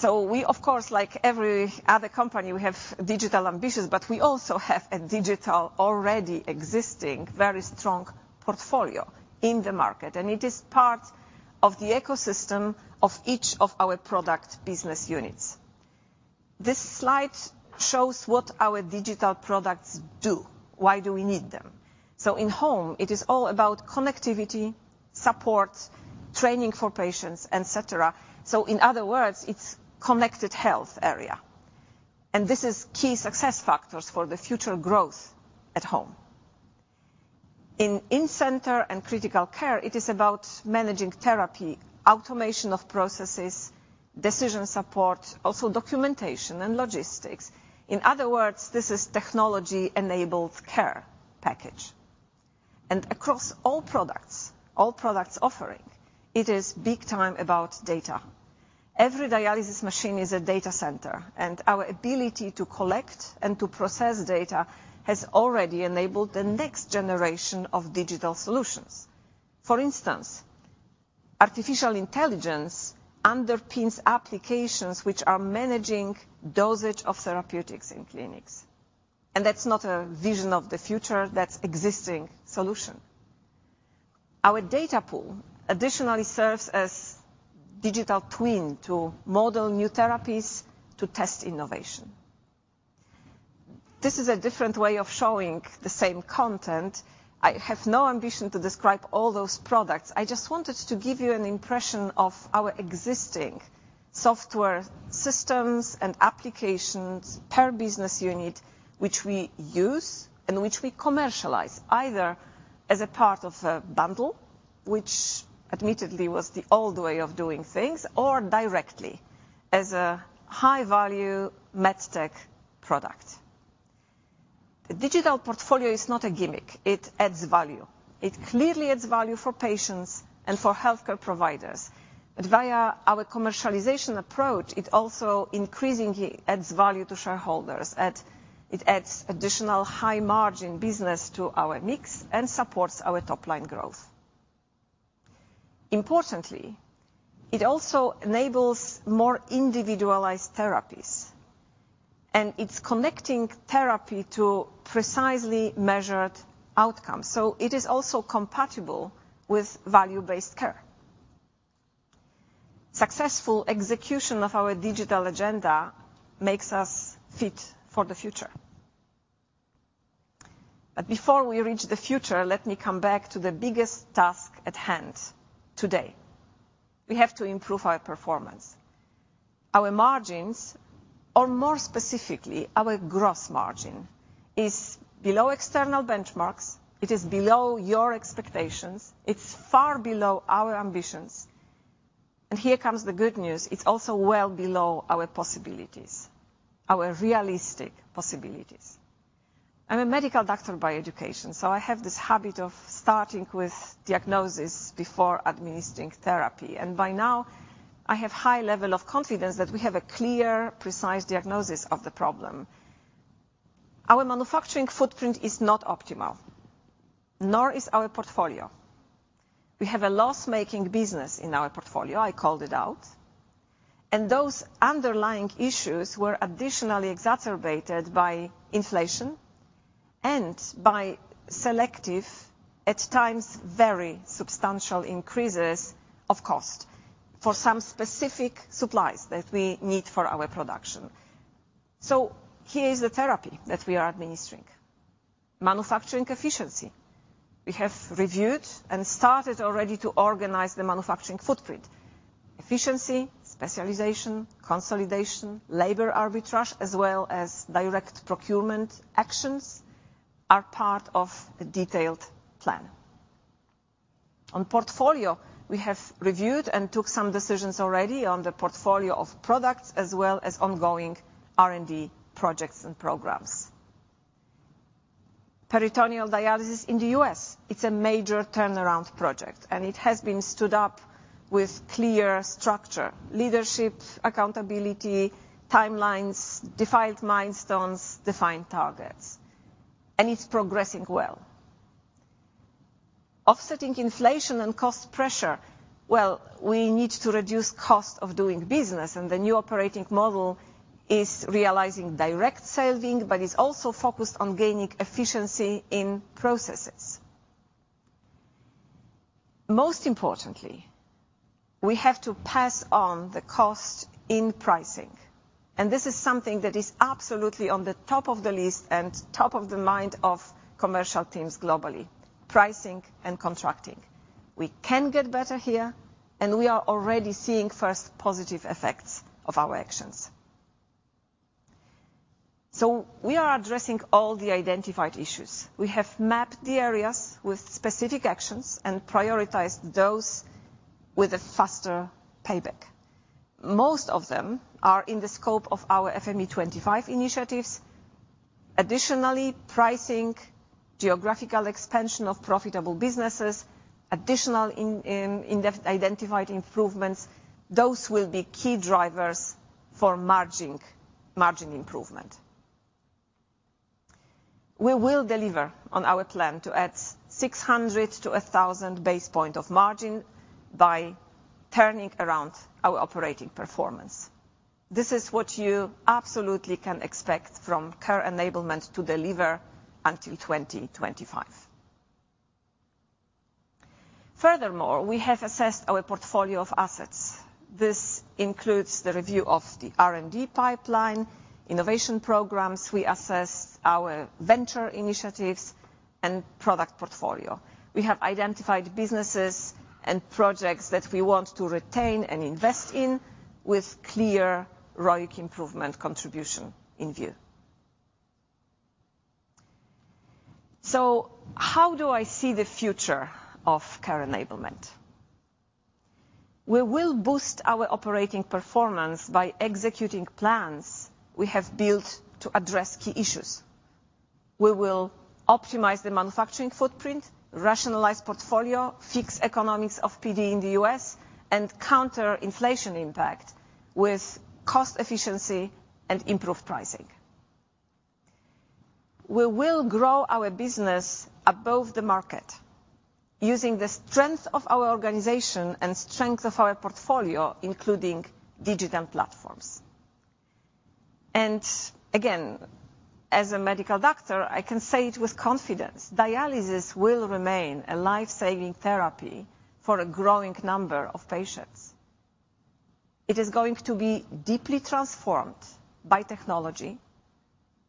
We of course, like every other company, we have digital ambitions, but we also have a digital already existing, very strong portfolio in the market, and it is part of the ecosystem of each of our product business units. This slide shows what our digital products do. Why do we need them? In Home, it is all about connectivity, support, training for patients, et cetera. In other words, it's connected health area. This is key success factors for the future growth at Home. In In-center and Critical Care, it is about managing therapy, automation of processes, decision support, also documentation and logistics. In other words, this is technology-enabled care package. Across all products, all products offering, it is big time about data. Every dialysis machine is a data center, and our ability to collect and to process data has already enabled the next generation of digital solutions. For instance, artificial intelligence underpins applications which are managing dosage of therapeutics in clinics. That's not a vision of the future, that's existing solution. Our data pool additionally serves as digital twin to model new therapies to test innovation. This is a different way of showing the same content. I have no ambition to describe all those products. I just wanted to give you an impression of our existing software systems and applications per business unit, which we use and which we commercialize, either as a part of a bundle, which admittedly was the old way of doing things, or directly as a high-value MedTech product. The digital portfolio is not a gimmick. It adds value. It clearly adds value for patients and for healthcare providers. Via our commercialization approach, it also increasingly adds value to shareholders. It adds additional high-margin business to our mix and supports our top-line growth. Importantly, it also enables more individualized therapies, and it's connecting therapy to precisely measured outcomes, so it is also compatible with value-based care. Successful execution of our digital agenda makes us fit for the future. Before we reach the future, let me come back to the biggest task at hand today. We have to improve our performance. Our margins, or more specifically, our gross margin, is below external benchmarks. It is below your expectations. It's far below our ambitions. Here comes the good news: it's also well below our possibilities, our realistic possibilities. I'm a medical doctor by education, I have this habit of starting with diagnosis before administering therapy. By now, I have high level of confidence that we have a clear, precise diagnosis of the problem. Our manufacturing footprint is not optimal, nor is our portfolio. We have a loss-making business in our portfolio, I called it out, and those underlying issues were additionally exacerbated by inflation and by selective, at times, very substantial increases of cost for some specific supplies that we need for our production. Here is the therapy that we are administering. Manufacturing efficiency. We have reviewed and started already to organize the manufacturing footprint. Efficiency, specialization, consolidation, labor arbitrage, as well as direct procurement actions are part of the detailed plan. On portfolio, we have reviewed and took some decisions already on the portfolio of products, as well as ongoing R&D projects and programs. Peritoneal dialysis in the U.S., it's a major turnaround project, and it has been stood up with clear structure: leadership, accountability, timelines, defined milestones, defined targets. It's progressing well. Offsetting inflation and cost pressure. Well, we need to reduce cost of doing business, and the new operating model is realizing direct saving, but it's also focused on gaining efficiency in processes. Most importantly, we have to pass on the cost in pricing, and this is something that is absolutely on the top of the list and top of the mind of commercial teams globally, pricing and contracting. We can get better here, and we are already seeing first positive effects of our actions. We are addressing all the identified issues. We have mapped the areas with specific actions and prioritized those with a faster payback. Most of them are in the scope of our FME25 initiatives. Additionally, pricing, geographical expansion of profitable businesses, additional identified improvements, those will be key drivers for margin improvement. We will deliver on our plan to add 600 to 1,000 basis points of margin by turning around our operating performance. This is what you absolutely can expect from Care Enablement to deliver until 2025. Furthermore, we have assessed our portfolio of assets. This includes the review of the R&D pipeline, innovation programs. We assessed our venture initiatives and product portfolio. We have identified businesses and projects that we want to retain and invest in with clear ROI improvement contribution in view. How do I see the future of Care Enablement? We will boost our operating performance by executing plans we have built to address key issues. We will optimize the manufacturing footprint, rationalize portfolio, fix economics of PD in the U.S., and counter inflation impact with cost efficiency and improved pricing. We will grow our business above the market using the strength of our organization and strength of our portfolio, including digital platforms. Again, as a medical doctor, I can say it with confidence, dialysis will remain a life-saving therapy for a growing number of patients. It is going to be deeply transformed by technology,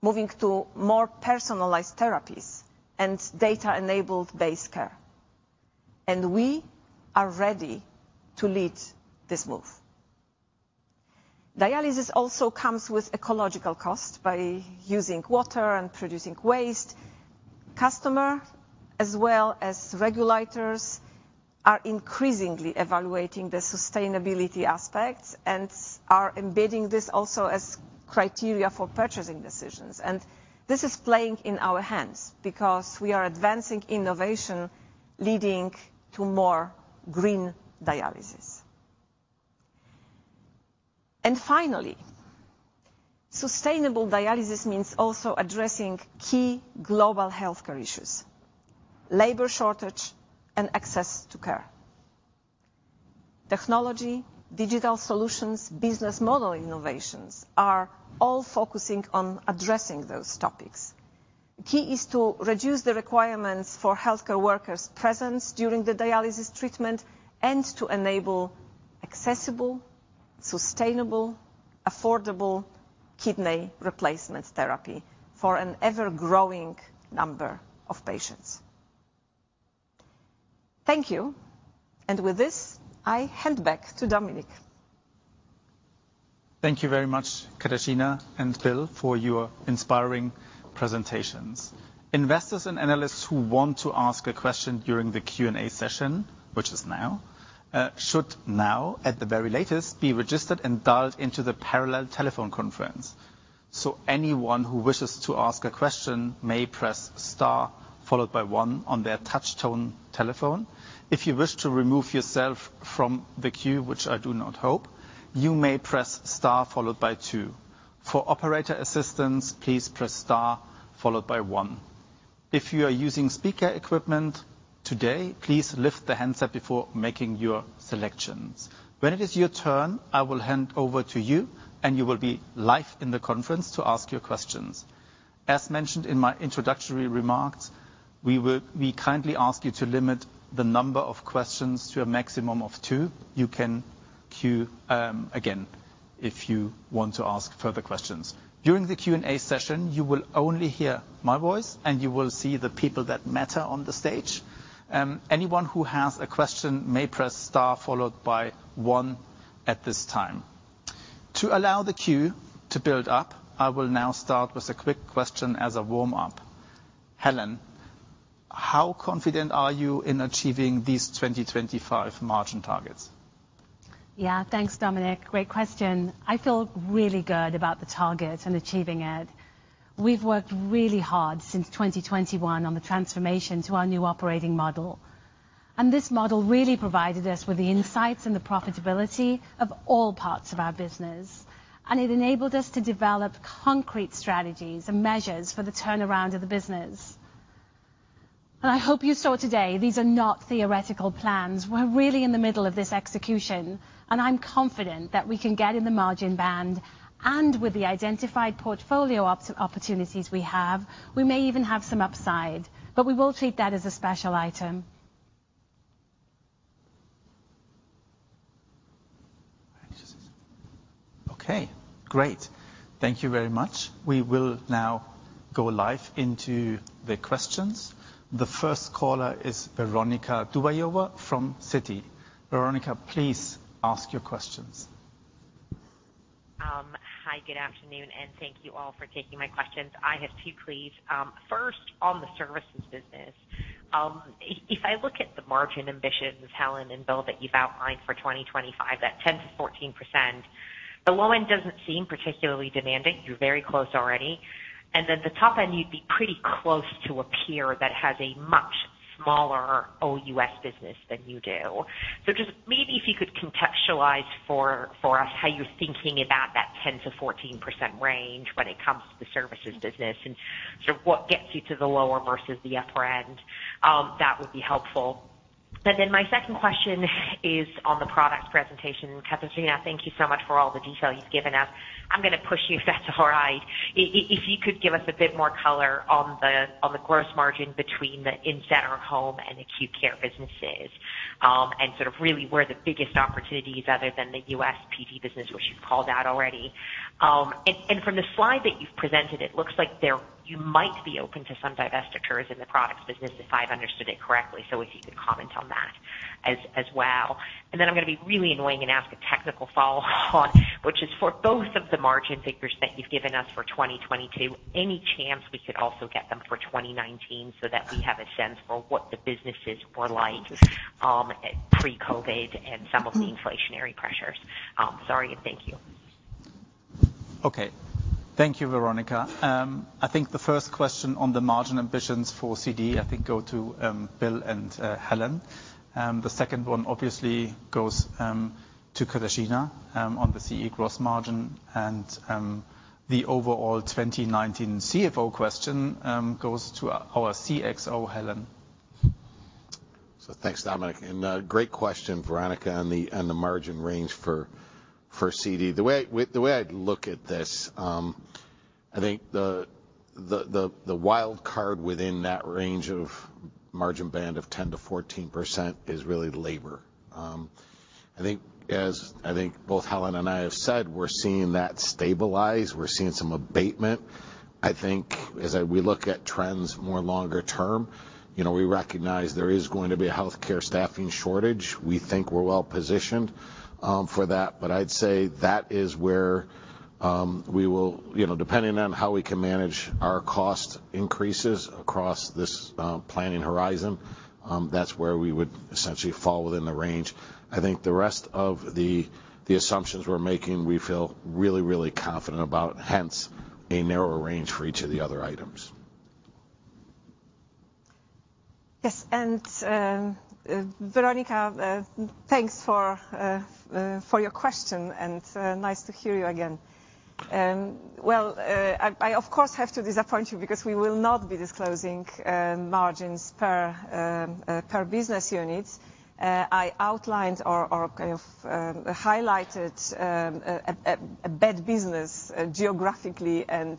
moving to more personalized therapies and data-enabled based care. We are ready to lead this move. Dialysis also comes with ecological cost by using water and producing waste. Customer as well as regulators are increasingly evaluating the sustainability aspects and are embedding this also as criteria for purchasing decisions. This is playing in our hands because we are advancing innovation, leading to more green dialysis. Finally, sustainable dialysis means also addressing key global healthcare issues, labor shortage and access to care. Technology, digital solutions, business model innovations are all focusing on addressing those topics. Key is to reduce the requirements for healthcare workers presence during the dialysis treatment and to enable accessible, sustainable, affordable kidney replacement therapy for an ever-growing number of patients. Thank you. With this, I hand back to Dominic. Thank you very much, Katarzyna and Bill, for your inspiring presentations. Investors and analysts who want to ask a question during the Q&A session, which is now, should now, at the very latest, be registered and dialed into the parallel telephone conference. Anyone who wishes to ask a question may press star followed by 1 on their touch tone telephone. If you wish to remove yourself from the queue, which I do not hope, you may press star followed by 2. For operator assistance, please press star followed by 1. If you are using speaker equipment today, please lift the handset before making your selections. When it is your turn, I will hand over to you and you will be live in the conference to ask your questions. As mentioned in my introductory remarks, we kindly ask you to limit the number of questions to a maximum of two. You can queue again, if you want to ask further questions. During the Q&A session, you will only hear my voice, and you will see the people that matter on the stage. Anyone who has a question may press star followed by one at this time. To allow the queue to build up, I will now start with a quick question as a warm-up. Helen, how confident are you in achieving these 2025 margin targets? Yeah. Thanks, Dominic. Great question. I feel really good about the target and achieving it. We've worked really hard since 2021 on the transformation to our new operating model. This model really provided us with the insights and the profitability of all parts of our business, and it enabled us to develop concrete strategies and measures for the turnaround of the business. I hope you saw today these are not theoretical plans. We're really in the middle of this execution, and I'm confident that we can get in the margin band. With the identified portfolio opportunities we have, we may even have some upside, but we will treat that as a special item. Okay, great. Thank you very much. We will now go live into the questions. The first caller is Veronika Dubajova from Citi. Veronika, please ask your questions. Hi, good afternoon, thank you all for taking my questions. I have two, please. First, on the services business, if I look at the margin ambitions, Helen and Bill, that you've outlined for 2025, that 10%-14%, the low end doesn't seem particularly demanding. You're very close already. The top end, you'd be pretty close to a peer that has a much smaller OUS business than you do. Just maybe if you could contextualize for us how you're thinking about that 10%-14% range when it comes to the services business and sort of what gets you to the lower versus the upper end, that would be helpful. My second question is on the product presentation. Katarzyna, thank you so much for all the detail you've given us. I'm gonna push you, if that's all right. If you could give us a bit more color on the gross margin between the in-center home and acute care businesses, and sort of really where the biggest opportunities other than the U.S. PD business, which you've called out already. From the slide that you've presented, it looks like there you might be open to some divestitures in the products business, if I've understood it correctly. If you could comment on that as well. I'm gonna be really annoying and ask a technical follow on, which is for both of the margin figures that you've given us for 2022, any chance we could also get them for 2019 so that we have a sense for what the businesses were like pre-COVID and some of the inflationary pressures? sorry, and thank you. Okay. Thank you, Veronika. I think the first question on the margin ambitions for CD, I think go to Bill and Helen. The second one obviously goes to Katarzyna on the CE gross margin. The overall 2019 CFO question goes to our CXO, Helen. Thanks, Dominic, and great question, Veronika, on the margin range for CD. The way I'd look at this. I think the wild card within that range of margin band of 10%-14% is really labor. I think both Helen and I have said, we're seeing that stabilize. We're seeing some abatement. I think as we look at trends more longer term, you know, we recognize there is going to be a healthcare staffing shortage. We think we're well positioned for that. I'd say that is where we will, you know, depending on how we can manage our cost increases across this planning horizon, that's where we would essentially fall within the range. I think the rest of the assumptions we're making, we feel really confident about, hence a narrower range for each of the other items. Yes. Veronika, thanks for your question and nice to hear you again. Well, I of course have to disappoint you because we will not be disclosing margins per business units. I outlined or kind of highlighted a bed business geographically and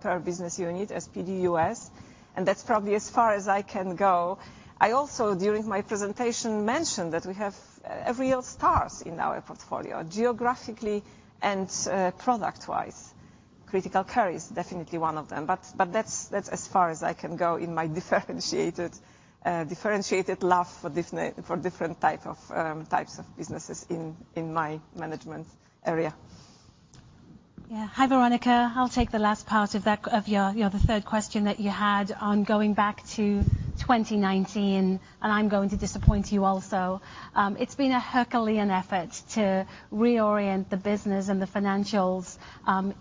per business unit as PD U.S., and that's probably as far as I can go. I also during my presentation mentioned that we have real stars in our portfolio, geographically and product-wise. Critical care is definitely one of them. That's as far as I can go in my differentiated love for different type of types of businesses in my management area. Hi, Veronika. I'll take the last part of that, of your the third question that you had on going back to 2019. I'm going to disappoint you also. It's been a Herculean effort to reorient the business and the financials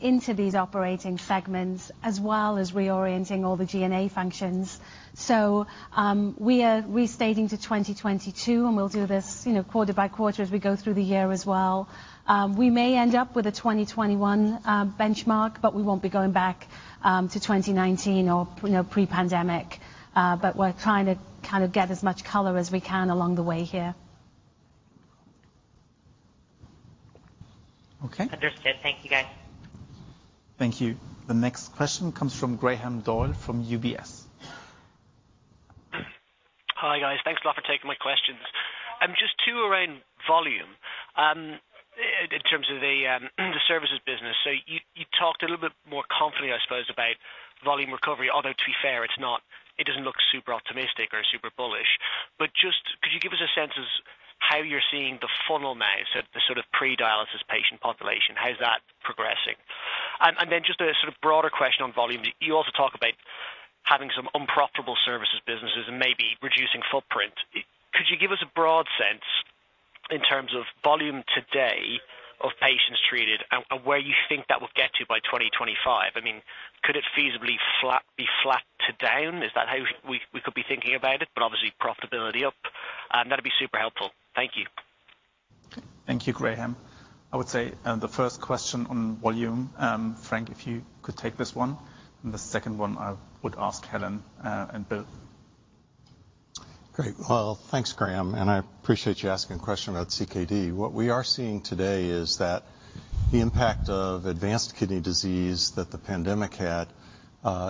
into these operating segments, as well as reorienting all the G&A functions. We are restating to 2022, and we'll do this, you know, quarter by quarter as we go through the year as well. We may end up with a 2021 benchmark, but we won't be going back to 2019 or, you know, pre-pandemic. We're trying to kind of get as much color as we can along the way here. Okay. Understood. Thank you, guys. Thank you. The next question comes from Graham Doyle from UBS. Hi, guys. Thanks a lot for taking my questions. Just two around volume in terms of the services business. You talked a little bit more confidently, I suppose, about volume recovery, although to be fair, it doesn't look super optimistic or super bullish. Just could you give us a sense of how you're seeing the funnel now, so the sort of pre-dialysis patient population, how's that progressing? Just a sort of broader question on volume. You also talk about having some unprofitable services businesses and maybe reducing footprint. Could you give us a broad sense in terms of volume today of patients treated and where you think that will get to by 2025? I mean, could it feasibly be flat to down? Is that how we could be thinking about it, obviously profitability up? That'd be super helpful. Thank you. Thank you, Graham. I would say, the first question on volume, Frank, if you could take this one. The second one I would ask Helen and Bill. Great. Well, thanks, Graham. I appreciate you asking a question about CKD. What we are seeing today is that the impact of advanced kidney disease that the pandemic had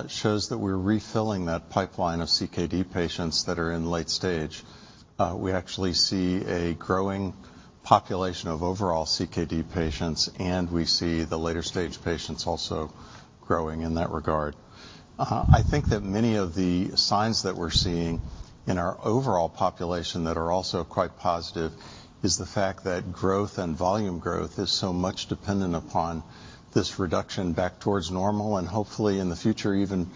shows that we're refilling that pipeline of CKD patients that are in late stage. We actually see a growing population of overall CKD patients, and we see the later stage patients also growing in that regard. I think that many of the signs that we're seeing in our overall population that are also quite positive is the fact that growth and volume growth is so much dependent upon this reduction back towards normal and hopefully in the future, even,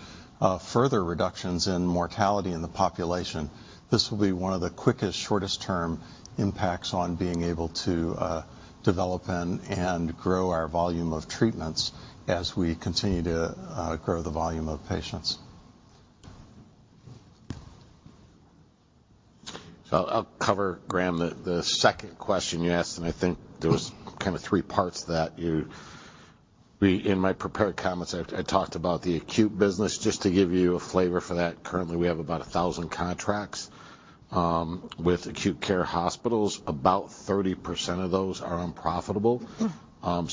further reductions in mortality in the population. This will be one of the quickest, shortest term impacts on being able to develop and grow our volume of treatments as we continue to grow the volume of patients. I'll cover, Graham, the second question you asked, and I think there was kind of 3 parts to that. We, in my prepared comments, I talked about the acute business. Just to give you a flavor for that. Currently, we have about 1,000 contracts with acute care hospitals. About 30% of those are unprofitable.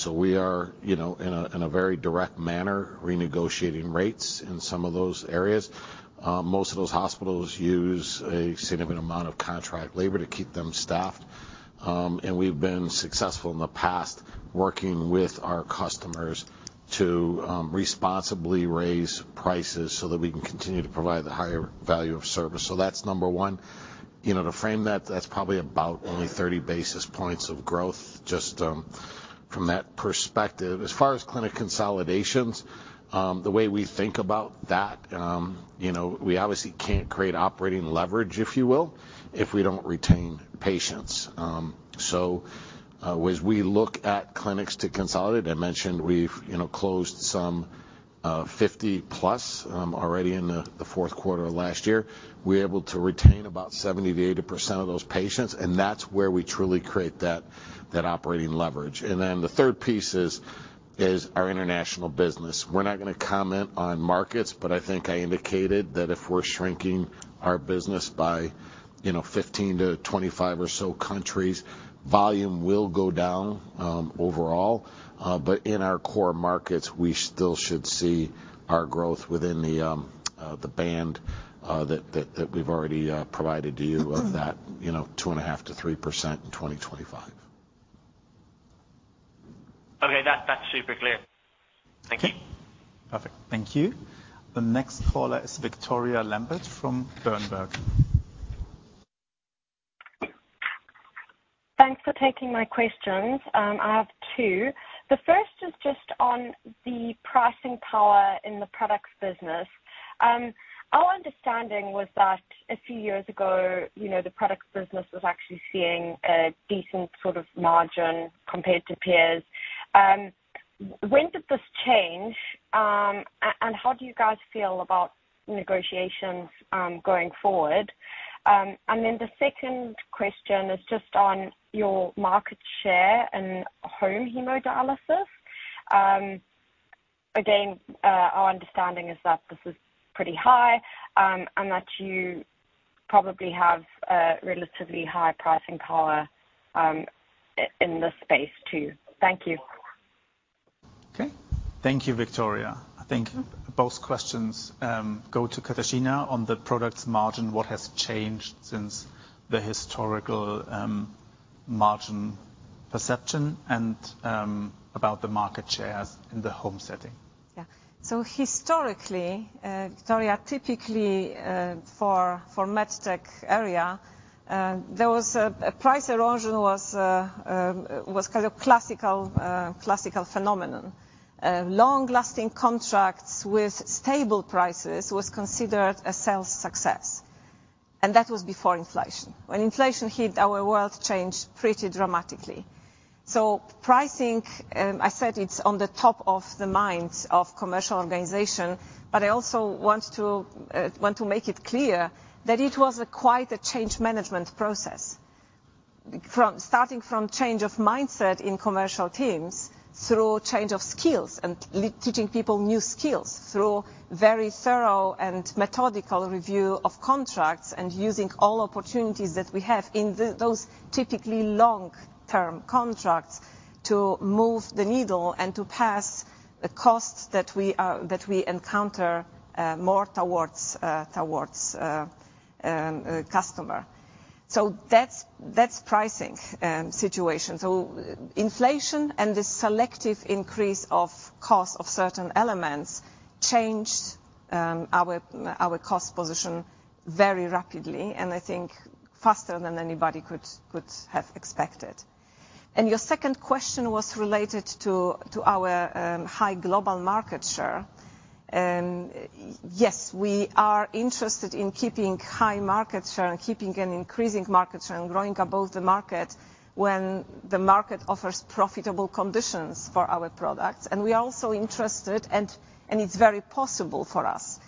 We are, you know, in a very direct manner renegotiating rates in some of those areas. Most of those hospitals use a significant amount of contract labor to keep them staffed. We've been successful in the past working with our customers to responsibly raise prices so that we can continue to provide the higher value of service. That's number 1. You know, to frame that's probably about only 30 basis points of growth just from that perspective. As far as clinic consolidations, the way we think about that, you know, we obviously can't create operating leverage, if you will, if we don't retain patients. As we look at clinics to consolidate, I mentioned we've, you know, closed some 50-plus already in the fourth quarter of last year. We're able to retain About 70%-80% of those patients, and that's where we truly create that operating leverage. The third piece is our international business. We're not gonna comment on markets, but I think I indicated that if we're shrinking our business by, you know, 15 to 25 or so countries, volume will go down overall. In our core markets, we still should see our growth within the band that we've already provided to you of that, you know, 2.5%-3% in 2025. Okay. That's super clear. Thank you. Okay. Perfect. Thank you. The next caller is Victoria Lambert from Berenberg. Thanks for taking my questions. I have two. The first is just on the pricing power in the products business. Our understanding was that a few years ago, you know, the products business was actually seeing a decent sort of margin compared to peers. When did this change? How do you guys feel about negotiations going forward? Then the second question is just on your market share and home hemodialysis. Again, our understanding is that this is pretty high, and that you probably have a relatively high pricing power in this space too. Thank you. Okay. Thank you, Victoria. I think both questions go to Katarzyna on the products margin, what has changed since the historical margin perception, and about the market shares in the home setting. Historically, Victoria, typically, for MedTech area, there was a price erosion was kind of classical phenomenon. Long-lasting contracts with stable prices was considered a sales success. That was before inflation. When inflation hit, our world changed pretty dramatically. Pricing, I said it's on the top of the minds of commercial organization, but I also want to make it clear that it was a quite a change management process. Starting from change of mindset in commercial teams through change of skills and teaching people new skills through very thorough and methodical review of contracts and using all opportunities that we have in those typically long-term contracts to move the needle and to pass the costs that we encounter more towards customer. That's pricing situation. Inflation and the selective increase of cost of certain elements changed our cost position very rapidly, and I think faster than anybody could have expected. Your second question was related to our high global market share. Yes, we are interested in keeping high market share and keeping an increasing market share and growing above the market when the market offers profitable conditions for our products. We are also interested, and it's very possible for us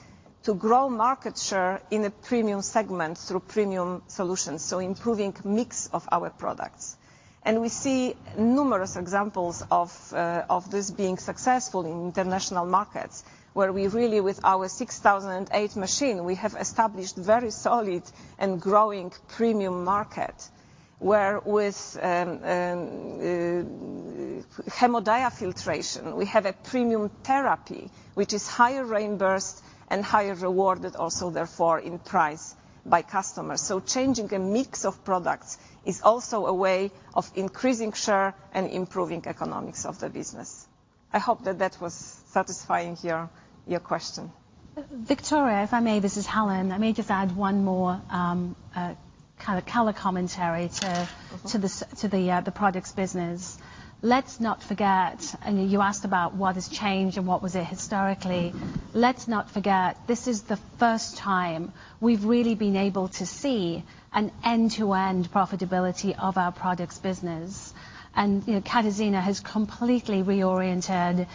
to grow market share in a premium segment through premium solutions, so improving mix of our products. We see numerous examples of this being successful in international markets, where we really, with our 6008 machine, we have established very solid and growing premium market, where with hemodiafiltration, we have a premium therapy, which is higher reimbursed and higher rewarded also therefore in price by customers. Changing a mix of products is also a way of increasing share and improving economics of the business. I hope that that was satisfying your question. Victoria, if I may, this is Helen. Let me just add one more kind of color commentary. Mm-hmm. To the to the products business. Let's not forget, and you asked about what has changed and what was it historically. Let's not forget, this is the first time we've really been able to see an end-to-end profitability of our products business. You know, Katarzyna has completely reoriented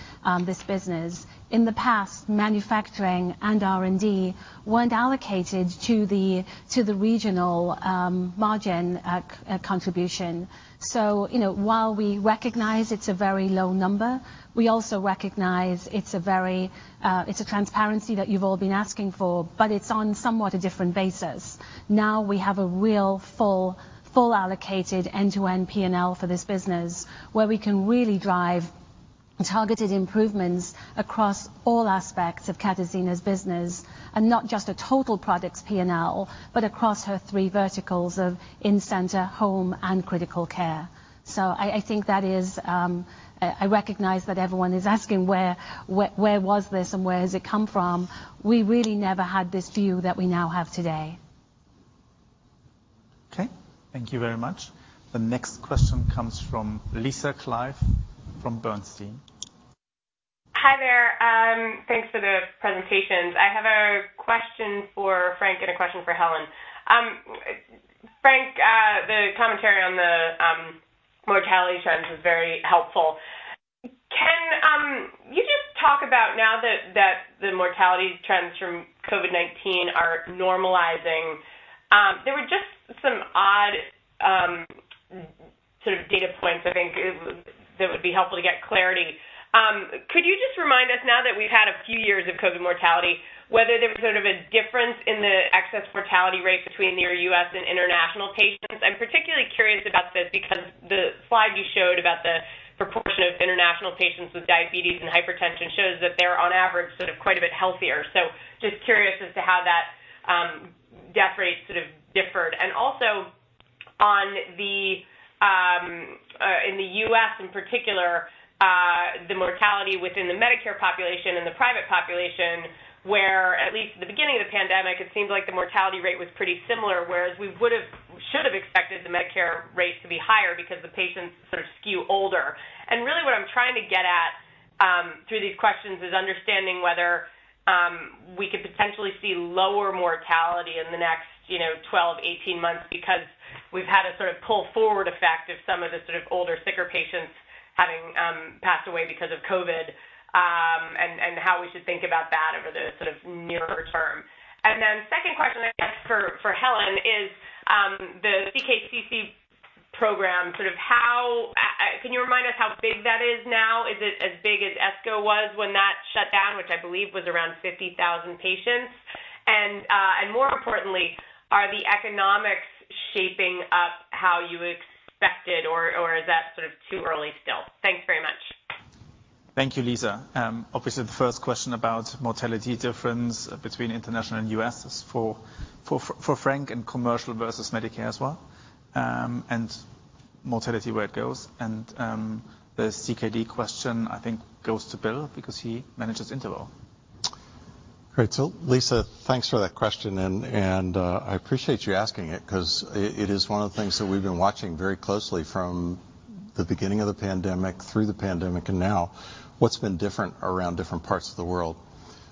this business. In the past, manufacturing and R&D weren't allocated to the, to the regional margin contribution. You know, while we recognize it's a very low number, we also recognize it's a very, it's a transparency that you've all been asking for, but it's on somewhat a different basis. Now we have a real full allocated end-to-end P&L for this business, where we can really drive targeted improvements across all aspects of Katarzyna's business. Not just a total products P&L, but across her three verticals of in-center, home, and critical care. I think that is, I recognize that everyone is asking where was this and where has it come from? We really never had this view that we now have today. Thank you very much. The next question comes from Lisa Clive from Bernstein. Hi there. Thanks for the presentations. I have a question for Frank and a question for Helen. Frank, the commentary on the mortality trends was very helpful. Talk about now that the mortality trends from COVID-19 are normalizing. There were just some odd, sort of data points I think that would be helpful to get clarity. Could you just remind us now that we've had a few years of COVID mortality, whether there was sort of a difference in the excess mortality rate between your U.S. and international patients? I'm particularly curious about this because the slide you showed about the proportion of international patients with diabetes and hypertension shows that they're on average, sort of quite a bit healthier. Just curious as to how that death rate sort of differed? Also on the, in the U.S. in particular, the mortality within the Medicare population and the private population, where at least at the beginning of the pandemic, it seemed like the mortality rate was pretty similar, whereas we should have expected the Medicare rate to be higher because the patients sort of skew older. Really, what I'm trying to get at through these questions is understanding whether we could potentially see lower mortality in the next 12, 18 months because we've had a sort of pull forward effect of some of the sort of older, sicker patients having passed away because of COVID, and how we should think about that over the sort of nearer term. Then second question I guess for Helen is the CKCC program, sort of how... Can you remind us how big that is now? Is it as big as ESCO was when that shut down, which I believe was around 50,000 patients? More importantly, are the economics shaping up how you expected, or is that sort of too early still? Thanks very much. Thank you, Lisa. Obviously the first question about mortality difference between international and U.S. is for Frank and commercial versus Medicare as well, and mortality where it goes. The CKD question, I think, goes to Bill because he manages InterWell Health. Great. Lisa, thanks for that question and I appreciate you asking it because it is one of the things that we've been watching very closely from the beginning of the pandemic through the pandemic and now, what's been different around different parts of the world.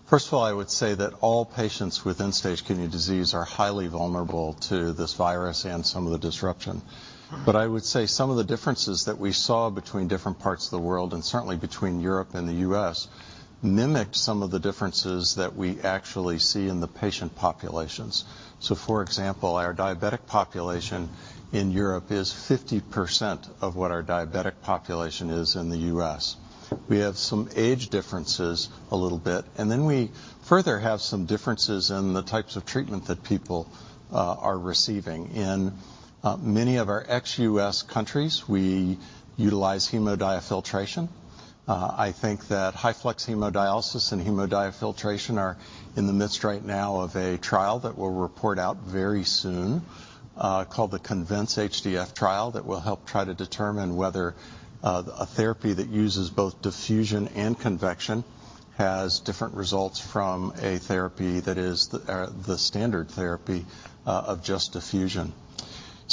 First of all, I would say that all patients with end-stage kidney disease are highly vulnerable to this virus and some of the disruption. I would say some of the differences that we saw between different parts of the world, and certainly between Europe and the U.S., mimicked some of the differences that we actually see in the patient populations. For example, our diabetic population in Europe is 50% of what our diabetic population is in the U.S. We have some age differences a little bit. We further have some differences in the types of treatment that people are receiving. In many of our ex-US countries, we utilize hemodiafiltration. I think that high-flux hemodialysis and hemodiafiltration are in the midst right now of a trial that we'll report out very soon, called the CONVINCE trial that will help try to determine whether a therapy that uses both diffusion and convection has different results from a therapy that is the standard therapy of just diffusion.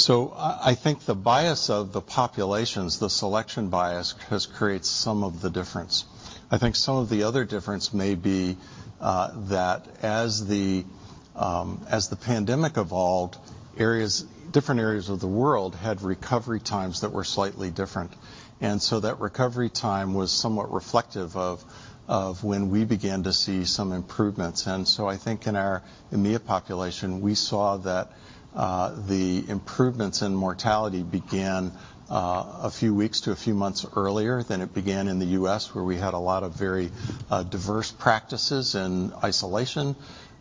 I think the bias of the populations, the selection bias, has created some of the difference. I think some of the other difference may be that as the, as the pandemic evolved, different areas of the world had recovery times that were slightly different. That recovery time was somewhat reflective of when we began to see some improvements. I think in our EMEA population, we saw that the improvements in mortality began a few weeks to a few months earlier than it began in the US, where we had a lot of very diverse practices in isolation.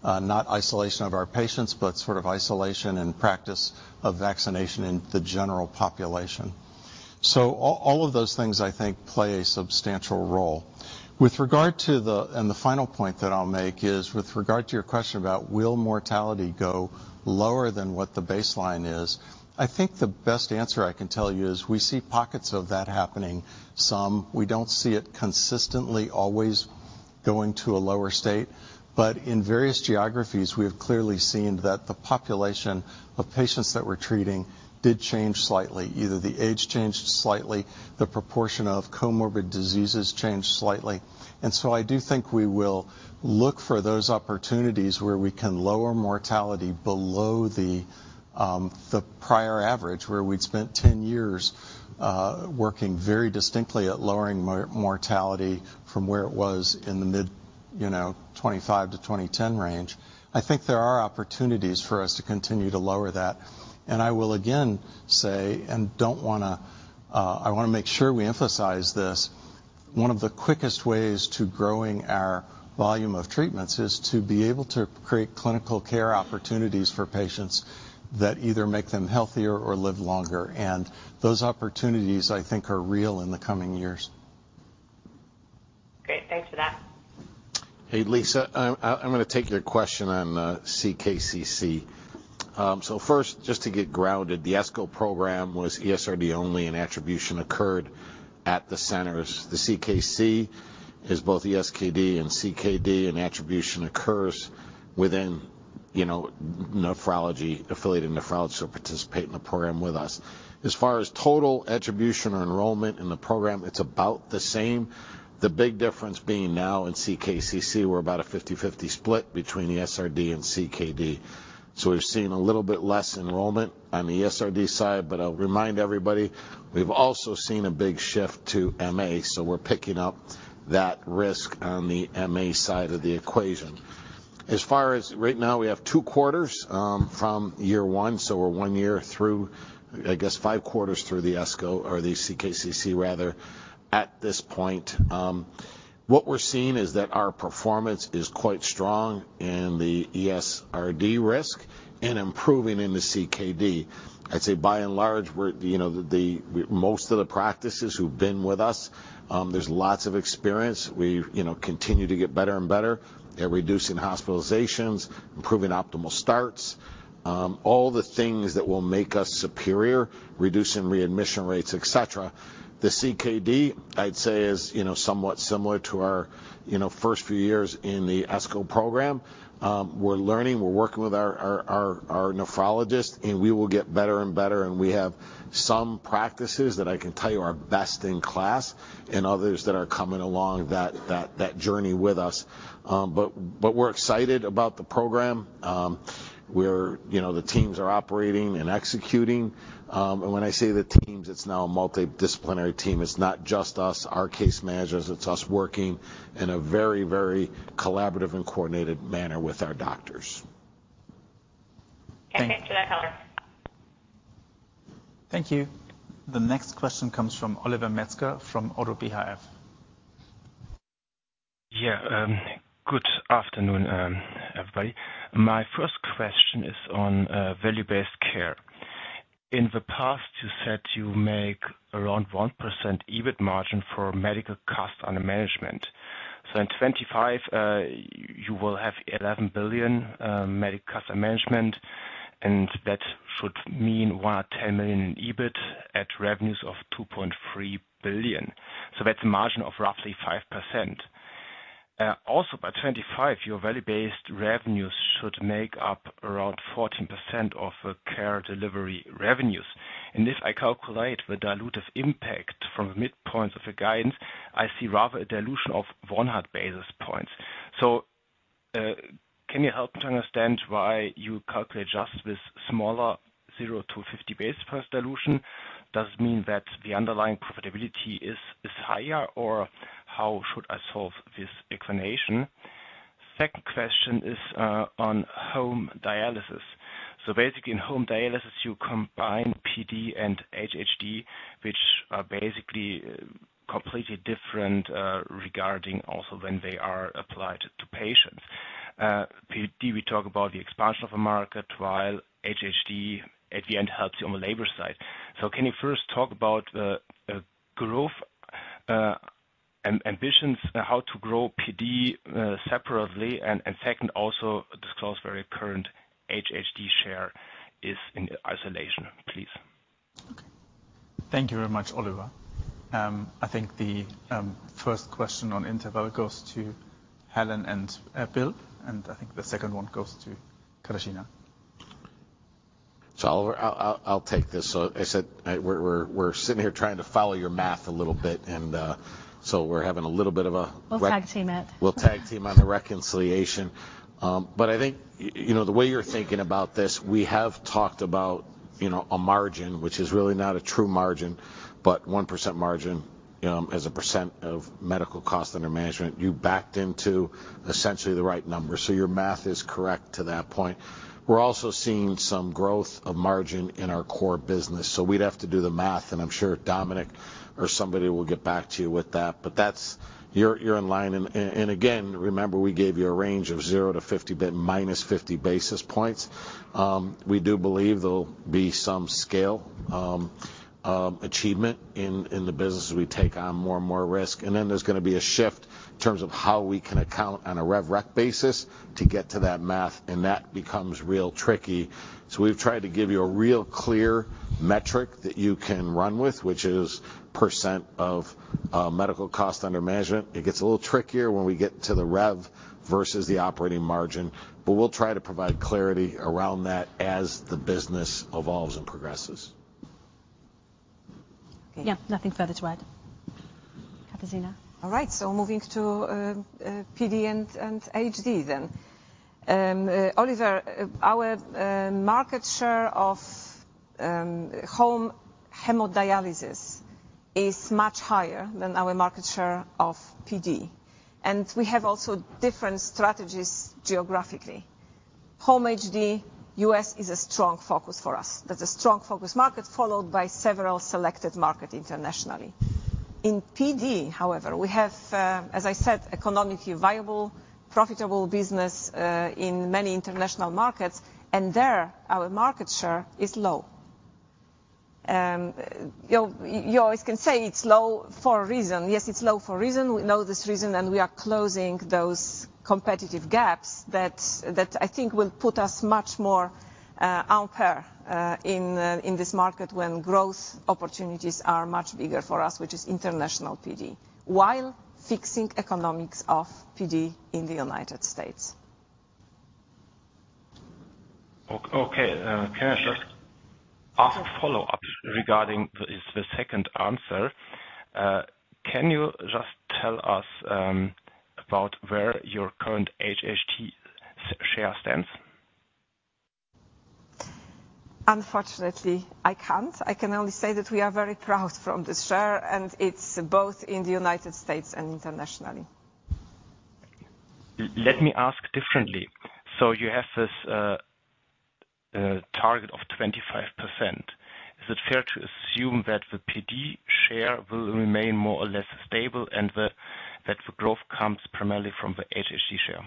Not isolation of our patients, but sort of isolation and practice of vaccination in the general population. All of those things I think play a substantial role. With regard to the final point that I'll make is with regard to your question about will mortality go lower than what the baseline is. I think the best answer I can tell you is we see pockets of that happening some. We don't see it consistently always going to a lower state. In various geographies, we have clearly seen that the population of patients that we're treating did change slightly. Either the age changed slightly, the proportion of comorbid diseases changed slightly. I do think we will look for those opportunities where we can lower mortality below the prior average, where we'd spent 10 years working very distinctly at lowering mortality from where it was in the mid, you know, 2025-2010 range. I think there are opportunities for us to continue to lower that. I will again say, and don't wanna, I wanna make sure we emphasize this. One of the quickest ways to growing our volume of treatments is to be able to create clinical care opportunities for patients that either make them healthier or live longer. Those opportunities, I think, are real in the coming years. Great. Thanks for that. Hey, Lisa, I'm gonna take your question on CKCC. First, just to get grounded, the ESCO program was ESRD only, and attribution occurred at the centers. The CKC is both ESKD and CKD, and attribution occurs within, you know, affiliated nephrology who participate in the program with us. As far as total attribution or enrollment in the program, it's about the same. The big difference being now in CKCC, we're about a 50/50 split between the ESRD and CKD. We've seen a little bit less enrollment on the ESRD side, I'll remind everybody, we've also seen a big shift to MA, we're picking up that risk on the MA side of the equation. As far as right now, we have 2 quarters from year 1, so we're 1 year through, I guess 5 quarters through the ESCO or the CKCC rather, at this point. What we're seeing is that our performance is quite strong in the ESRD risk and improving in the CKD. I'd say by and large, we're, you know, the most of the practices who've been with us, there's lots of experience. We, you know, continue to get better and better at reducing hospitalizations, improving optimal starts, all the things that will make us superior, reducing readmission rates, et cetera. The CKD, I'd say is, you know, somewhat similar to our, you know, first few years in the ESCO program. We're learning, we're working with our nephrologist, and we will get better and better, and we have some practices that I can tell you are best in class, and others that are coming along that journey with us. We're excited about the program. We're, you know, the teams are operating and executing. When I say the teams, it's now a multidisciplinary team. It's not just us, our case managers. It's us working in a very, very collaborative and coordinated manner with our doctors. Okay. To that, Helen. Thank you. The next question comes from Oliver Metzger from ODDO BHF. Good afternoon, everybody. My first question is on value-based care. In the past, you said you make around 1% EBIT margin for medical cost under management. In 2025, you will have $11 billion medical cost under management, and that should mean $110 million EBIT at revenues of $2.3 billion. That's a margin of roughly 5%. By 2025, your value-based revenues should make up around 14% of the Care Delivery revenues. If I calculate the dilutive impact from the midpoints of the guidance, I see rather a dilution of 100 basis points. Can you help to understand why you calculate just this smaller 0-50 basis points dilution? Does it mean that the underlying profitability is higher, or how should I solve this explanation? Second question is on home dialysis. Basically in home dialysis, you combine PD and HHD, which are basically completely different regarding also when they are applied to patients. PD, we talk about the expansion of a market, while HHD at the end helps you on the labor side. Can you first talk about the growth ambitions how to grow PD separately, and second, also disclose where your current HHD share is in isolation, please. Okay. Thank you very much, Oliver. I think the first question on InterWell Health goes to Helen and Bill. I think the second one goes to Katarzyna. Oliver, I'll take this. As said, we're sitting here trying to follow your math a little bit and, so we're having a little bit of a re- We'll tag team it. We'll tag team on the reconciliation. I think, you know, the way you're thinking about this, we have talked about, you know, a margin which is really not a true margin, but 1% margin as a percent of medical cost under management. You backed into essentially the right number. Your math is correct to that point. We're also seeing some growth of margin in our core business, we'd have to do the math, and I'm sure Dominic or somebody will get back to you with that. That's. You're in line, and again, remember we gave you a range of 0 to -50 basis points. We do believe there'll be some scale, um, achievement in the business as we take on more and more risk. Then there's gonna be a shift in terms of how we can account on a rev rec basis to get to that math, and that becomes real tricky. We've tried to give you a real clear metric that you can run with, which is % of medical cost under management. It gets a little trickier when we get to the rev versus the operating margin. We'll try to provide clarity around that as the business evolves and progresses. Yeah. Nothing further to add. Katarzyna? ng to, uh, PD and HD then. Oliver, our market share of home hemodialysis is much higher than our market share of PD, and we have also different strategies geographically. Home HD, U.S. is a strong focus for us. That's a strong focus market followed by several selected markets internationally. In PD, however, we have, as I said, economically viable, profitable business in many international markets, and there, our market share is low. You always can say it's low for a reason. Yes, it's low for a reason. We know this reason, and we are closing those competitive gaps that I think will put us much more on par in this market when growth opportunities are much bigger for us, which is international PD, while fixing economics of PD in the United States O-okay. Uh, can I just- A follow-up regarding the second answer. Can you just tell us about where your current HHD share stands? Unfortunately, I can't. I can only say that we are very proud from the share, and it's both in the United States and internationally. Let me ask differently. You have this target of 25%. Is it fair to assume that the PD share will remain more or less stable and that the growth comes primarily from the HHD share?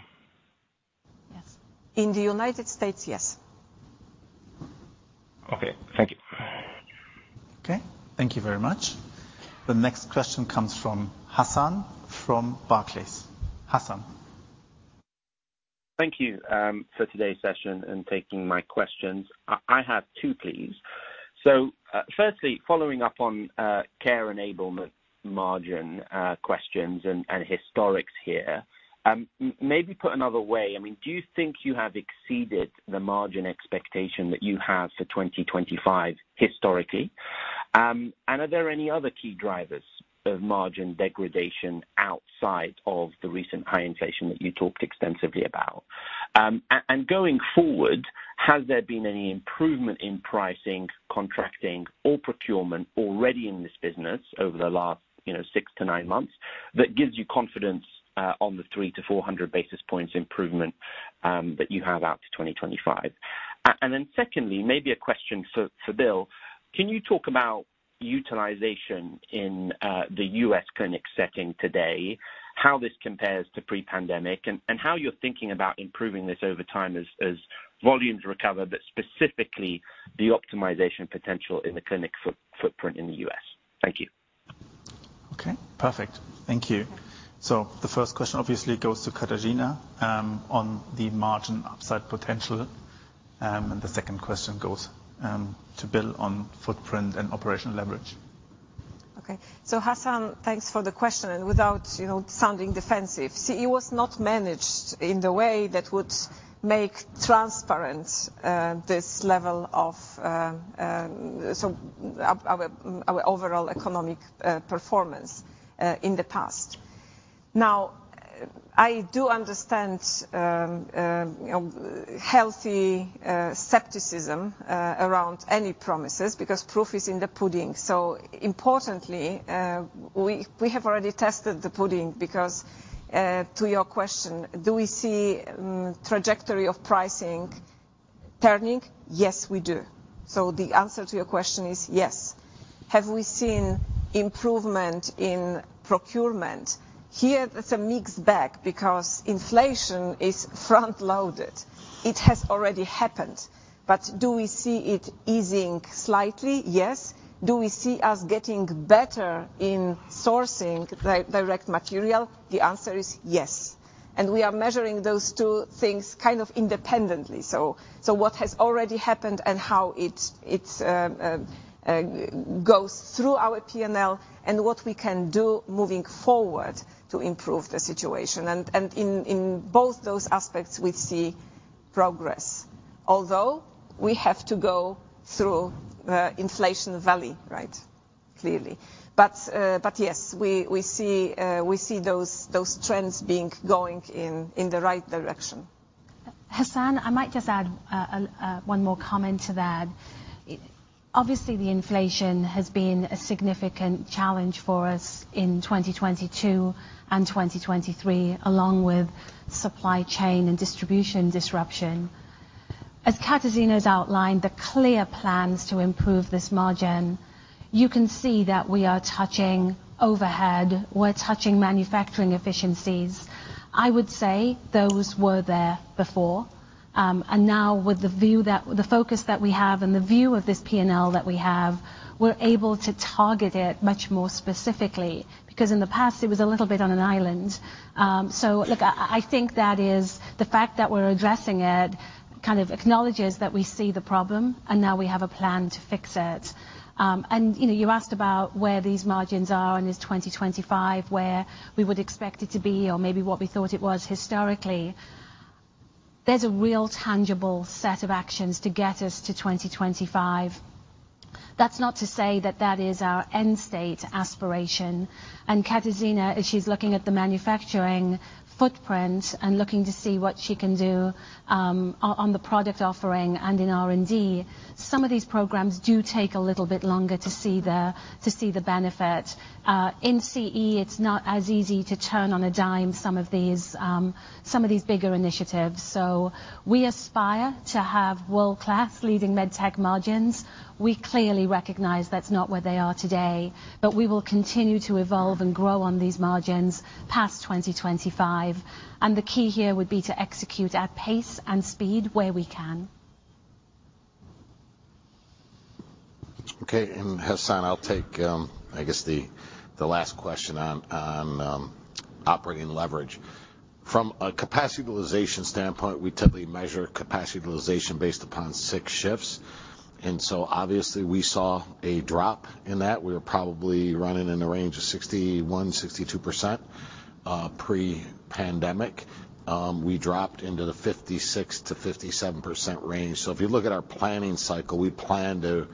Yes. In the United States, yes. Okay. Thank you. Okay. Thank you very much. The next question comes from Hassan from Barclays. Hassan. Thank you for today's session and taking my questions. I have two, please. Firstly, following up on Care Enablement margin questions and historics here, maybe put another way, I mean, do you think you have exceeded the margin expectation that you have for 2025 historically? Are there any other key drivers of margin degradation outside of the recent high inflation that you talked extensively about? Going forward, has there been any improvement in pricing, contracting or procurement already in this business over the last, you know, 6-9 months that gives you confidence on the 300-400 basis points improvement that you have out to 2025? Secondly, maybe a question for Bill. Can you talk about utilization in the U.S. clinic setting today, how this compares to pre-pandemic, and how you're thinking about improving this over time as volumes recover, but specifically the optimization potential in the clinic footprint in the U.S.? Thank you. Okay. Perfect. Thank you. The first question obviously goes to Katarzyna, on the margin upside potential, and the second question goes to Bill on footprint and operational leverage. Okay. Hassan, thanks for the question. Without, you know, sounding defensive, see, it was not managed in the way that would make transparent this level of so our overall economic performance in the past. Now, I do understand, you know, healthy skepticism around any promises because proof is in the pudding. Importantly, we have already tested the pudding because to your question, do we see trajectory of pricing turning? Yes, we do. The answer to your question is yes. Have we seen improvement in procurement? Here, it's a mixed bag because inflation is front-loaded. It has already happened. Do we see it easing slightly? Yes. Do we see us getting better in sourcing direct material? The answer is yes. We are measuring those two things kind of independently. What has already happened and how it's goes through our P&L and what we can do moving forward to improve the situation. In both those aspects, we see progress. Although we have to go through inflation valley, right? Clearly. Yes, we see those trends going in the right direction. Hassan, I might just add, one more comment to that. Obviously, the inflation has been a significant challenge for us in 2022 and 2023, along with supply chain and distribution disruption. As Katarzyna has outlined the clear plans to improve this margin, you can see that we are touching overhead, we're touching manufacturing efficiencies. I would say those were there before. Now with the view that the focus that we have and the view of this P&L that we have, we're able to target it much more specifically, because in the past, it was a little bit on an island. Look, I think that is the fact that we're addressing it kind of acknowledges that we see the problem and now we have a plan to fix it. You know, you asked about where these margins are and is 2025 where we would expect it to be or maybe what we thought it was historically. There's a real tangible set of actions to get us to 2025. That's not to say that that is our end state aspiration. Katarzyna, as she's looking at the manufacturing footprint and looking to see what she can do on the product offering and in R&D, some of these programs do take a little bit longer to see the benefit. In CE, it's not as easy to turn on a dime some of these bigger initiatives. We aspire to have world-class leading MedTech margins. We clearly recognize that's not where they are today, but we will continue to evolve and grow on these margins past 2025. The key here would be to execute at pace and speed where we can. Okay. Hassan, I'll take, I guess the last question on operating leverage. From a capacity utilization standpoint, we typically measure capacity utilization based upon 6 shifts, obviously we saw a drop in that. We were probably running in the range of 61%-62% pre-pandemic. We dropped into the 56%-57% range. If you look at our planning cycle, we plan to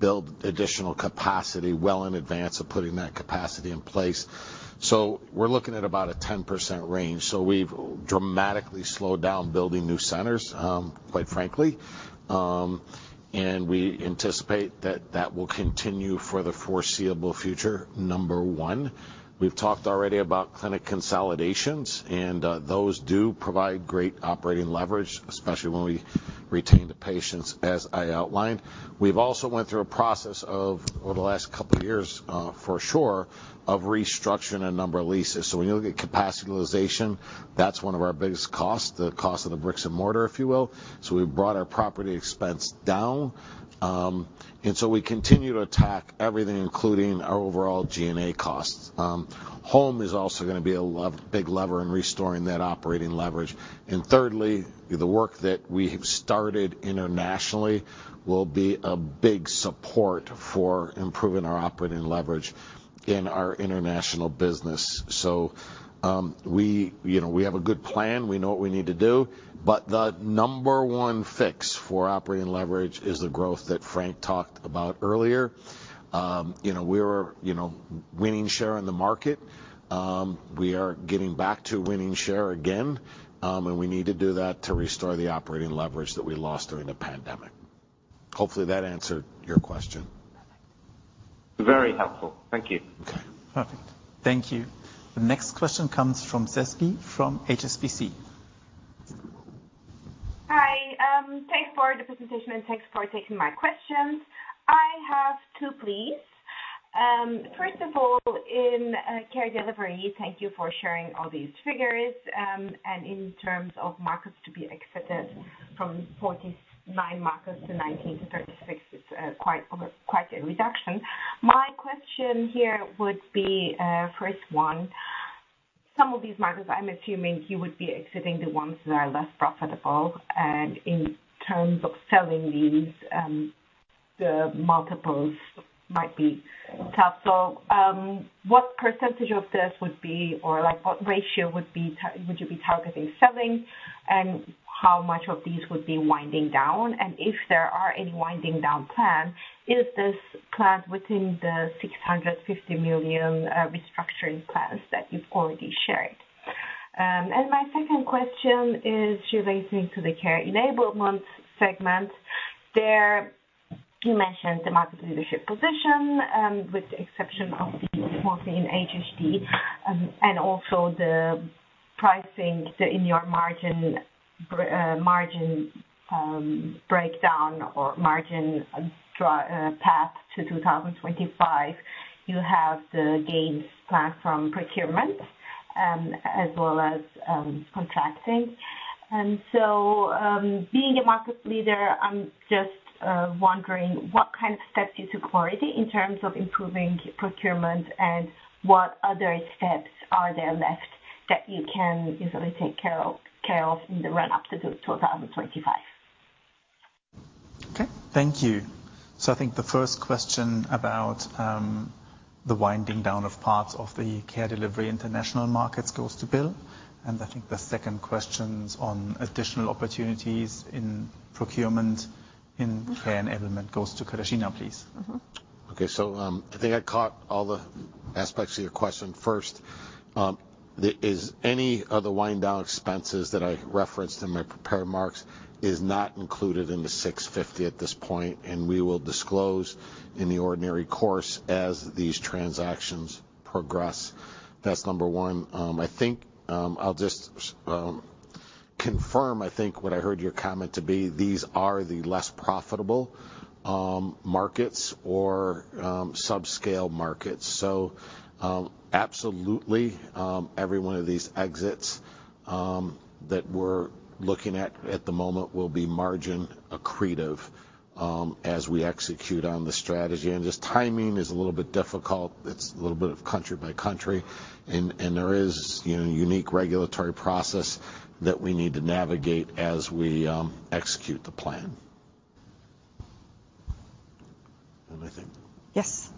build additional capacity well in advance of putting that capacity in place. We're looking at about a 10% range. We've dramatically slowed down building new centers, quite frankly, and we anticipate that that will continue for the foreseeable future. Number 1, we've talked already about clinic consolidations, those do provide great operating leverage, especially when we retain the patients, as I outlined. We've also went through a process of, over the last couple of years, for sure, of restructuring a number of leases. When you look at capacity utilization, that's one of our biggest costs, the cost of the bricks and mortar, if you will. We've brought our property expense down, and we continue to attack everything, including our overall G&A costs. Home is also gonna be a big lever in restoring that operating leverage. Thirdly, the work that we have started internationally will be a big support for improving our operating leverage in our international business. We, you know, we have a good plan. We know what we need to do, but the number one fix for operating leverage is the growth that Frank talked about earlier. You know, we were, you know, winning share in the market. We are getting back to winning share again, and we need to do that to restore the operating leverage that we lost during the pandemic. Hopefully, that answered your question. Very helpful. Thank you. Okay. Perfect. Thank you. The next question comes from Sezgi, from HSBC. Hi, thanks for the presentation and thanks for taking my questions. I have two, please. First of all, in Care Delivery, thank you for sharing all these figures. In terms of markets to be exited from 49 markets to 19-36, it's quite a reduction. My question here would be, first one, some of these markets, I'm assuming you would be exiting the ones that are less profitable. In terms of selling these, the multiples might be tough. What percentage of this would be, or, like, what ratio would you be targeting selling, and how much of these would be winding down? If there are any winding down plan, is this planned within the 650 million restructuring plans that you've already shared? My second question is relating to the Care Enablement segment. There, you mentioned the market leadership position, with the exception of the Morpheus HSD, and also the pricing in your margin breakdown or margin path to 2025. You have the gains planned from procurement, as well as, contracting. Being a market leader, I'm just wondering what kind of steps you took already in terms of improving procurement and what other steps are there left that you can easily take care of in the run-up to 2025? Okay. Thank you. I think the first question about the winding down of parts of the Care Delivery international markets goes to Bill. I think the second question's on additional opportunities in procurement in Care Enablement goes to Katarzyna, please. Okay. I think I caught all the aspects of your question first. The wind down expenses that I referenced in my prepared remarks is not included in the 650 at this point, and we will disclose in the ordinary course as these transactions progress. That's number 1. I think I'll just confirm what I heard your comment to be. These are the less profitable markets or subscale markets. Absolutely, every one of these exits that we're looking at at the moment will be margin accretive as we execute on the strategy. Just timing is a little bit difficult. It's a little bit of country by country. There is, you know, unique regulatory process that we need to navigate as we execute the plan. Anything? Yes.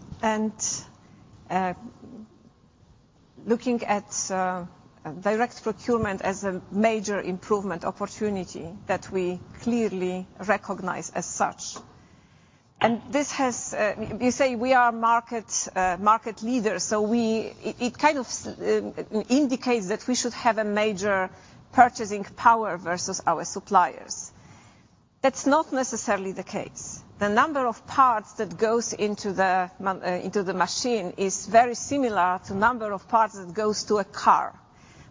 Looking at direct procurement as a major improvement opportunity that we clearly recognize as such. This has you say we are market leaders, so it kind of indicates that we should have a major purchasing power versus our suppliers. That's not necessarily the case. The number of parts that goes into the machine is very similar to number of parts that goes to a car.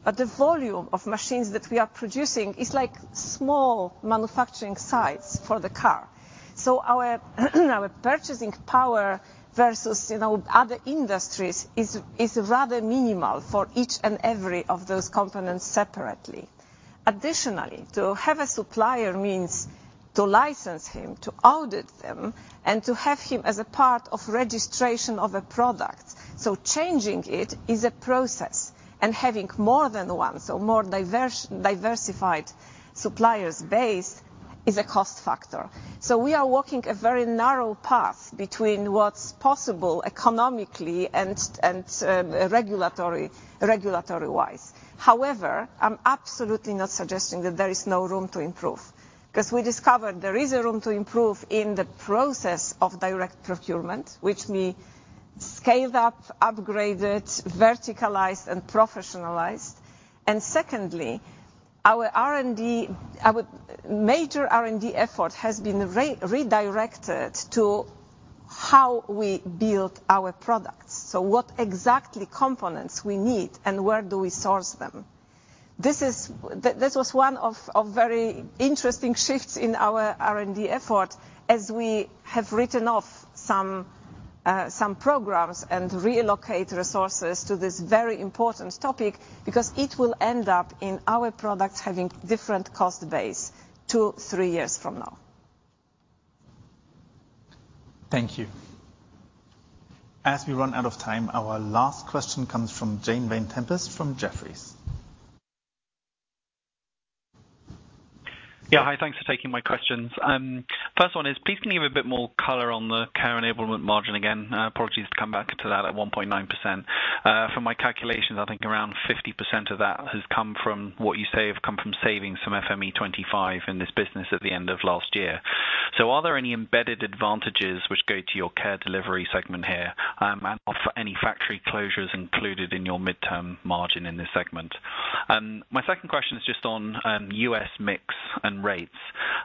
The volume of machines that we are producing is like small manufacturing sites for the car. Our purchasing power versus, you know, other industries is rather minimal for each and every of those components separately. Additionally, to have a supplier means to license him, to audit them, and to have him as a part of registration of a product. Changing it is a process, and having more than one, more diversified suppliers base is a cost factor. We are walking a very narrow path between what's possible economically and regulatory-wise. However, I'm absolutely not suggesting that there is no room to improve, because we discovered there is a room to improve in the process of direct procurement, which we scaled up, upgraded, verticalized, and professionalized. Secondly, our major R&D effort has been redirected to how we build our products. What exactly components we need, and where do we source them. This was one of very interesting shifts in our R&D effort as we have written off some programs and relocate resources to this very important topic, because it will end up in our product having different cost base two, three years from now. Thank you. As we run out of time, our last question comes from James Vane-Tempest from Jefferies. Yeah, hi. Thanks for taking my questions. First one is, please can you give a bit more color on the Care Enablement margin again? Apologies to come back to that at 1.9%. From my calculations, I think around 50% of that has come from what you say have come from savings from FME25 in this business at the end of last year. Are there any embedded advantages which go to your Care Delivery segment here, and are any factory closures included in your midterm margin in this segment? My second question is just on U.S. mix and rates.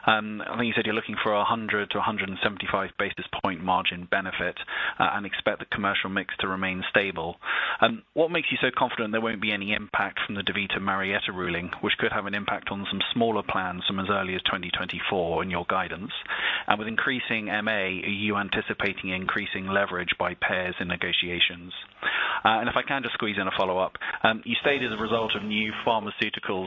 I think you said you're looking for a 100-175 basis point margin benefit, and expect the commercial mix to remain stable. What makes you so confident there won't be any impact from the DaVita Marietta ruling, which could have an impact on some smaller plans from as early as 2024 in your guidance? With increasing MA, are you anticipating increasing leverage by payers in negotiations? If I can just squeeze in a follow-up. You stated the result of new pharmaceuticals,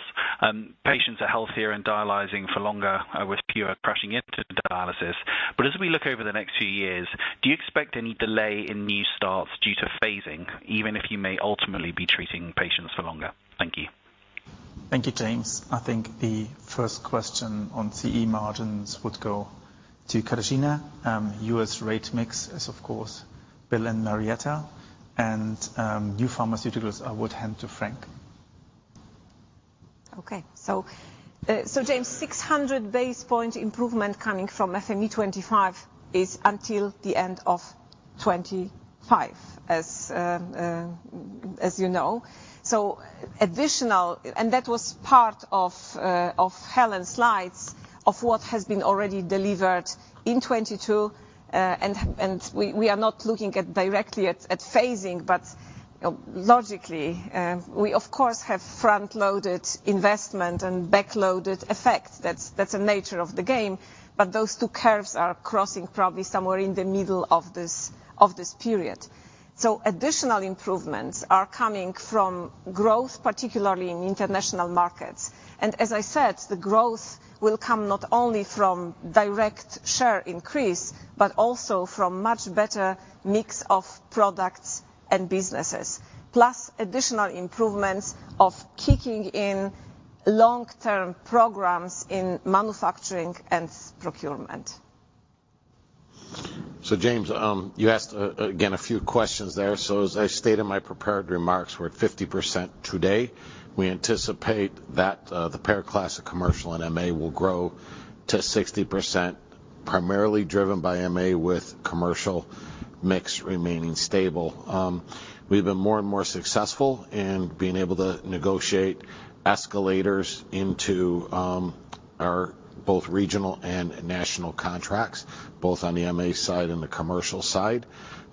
patients are healthier and dialyzing for longer with fewer crashing into dialysis. As we look over the next few years, do you expect any delay in new starts due to phasing, even if you may ultimately be treating patients for longer? Thank you. Thank you, James. I think the first question on CE margins would go to Katarzyna. U.S. rate mix is of course Bill and Marietta. New pharmaceuticals, I would hand to Frank. James, 600 basis point improvement coming from FME25 is until the end of 25, as you know. That was part of Helen's slides of what has been already delivered in 22. And we are not looking directly at phasing. Logically, we of course have front-loaded investment and back-loaded effect. That's the nature of the game. Those two curves are crossing probably somewhere in the middle of this period. Additional improvements are coming from growth, particularly in international markets. As I said, the growth will come not only from direct share increase, but also from much better mix of products and businesses. Plus additional improvements of kicking in long-term programs in manufacturing and procurement. James, you asked again a few questions there. As I stated in my prepared remarks, we're at 50% today. We anticipate that the payer class of commercial and MA will grow to 60%, primarily driven by MA with commercial mix remaining stable. We've been more and more successful in being able to negotiate escalators into our both regional and national contracts, both on the MA side and the commercial side.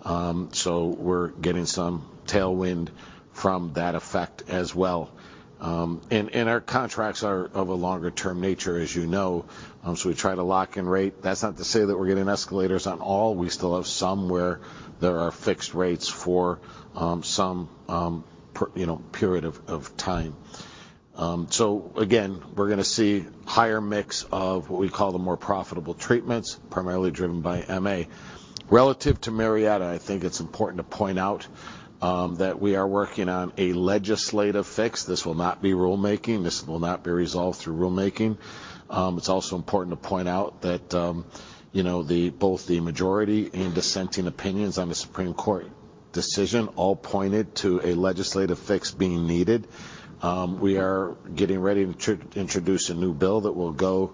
We're getting some tailwind from that effect as well. Our contracts are of a longer-term nature, as you know. We try to lock in rate. That's not to say that we're getting escalators on all. We still have some where there are fixed rates for some, you know, period of time. Again, we're gonna see higher mix of what we call the more profitable treatments, primarily driven by MA. Relative to Marietta, I think it's important to point out that we are working on a legislative fix. This will not be rulemaking. This will not be resolved through rulemaking. It's also important to point out that, you know, both the majority and dissenting opinions on the Supreme Court decision all pointed to a legislative fix being needed. We are getting ready to introduce a new bill that will go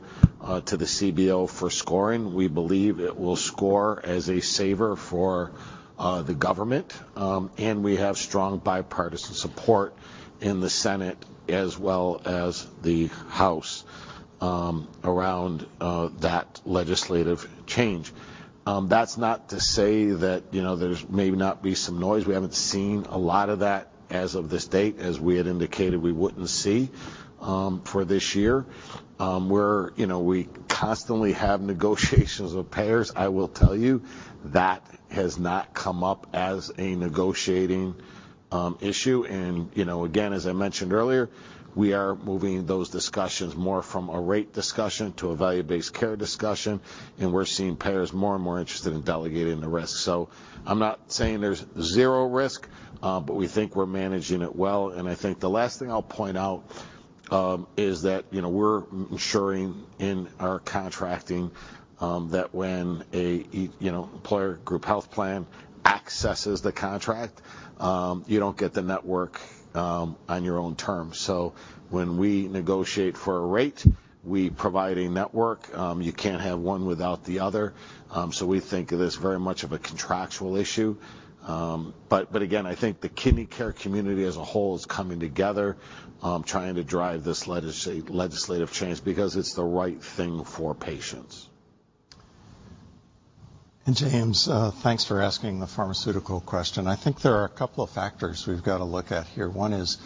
to the CBO for scoring. We believe it will score as a saver for the government. We have strong bipartisan support in the Senate as well as the House around that legislative change. That's not to say that, you know, there's may not be some noise. We haven't seen a lot of that as of this date, as we had indicated we wouldn't see for this year. We're, you know, we constantly have negotiations with payers. I will tell you that has not come up as a negotiating issue. You know, again, as I mentioned earlier, we are moving those discussions more from a rate discussion to a value-based care discussion. We're seeing payers more and more interested in delegating the risk. I'm not saying there's zero risk, but we think we're managing it well. I think the last thing I'll point out is that, you know, we're ensuring in our contracting that when a, you know, employer group health plan accesses the contract, you don't get the network on your own terms. When we negotiate for a rate, we provide a network. You can't have one without the other. We think of this very much of a contractual issue. But again, I think the kidney care community as a whole is coming together, trying to drive this legislative change because it's the right thing for patients. James, thanks for asking the pharmaceutical question. I think there are a couple of factors we've got to look at here. One is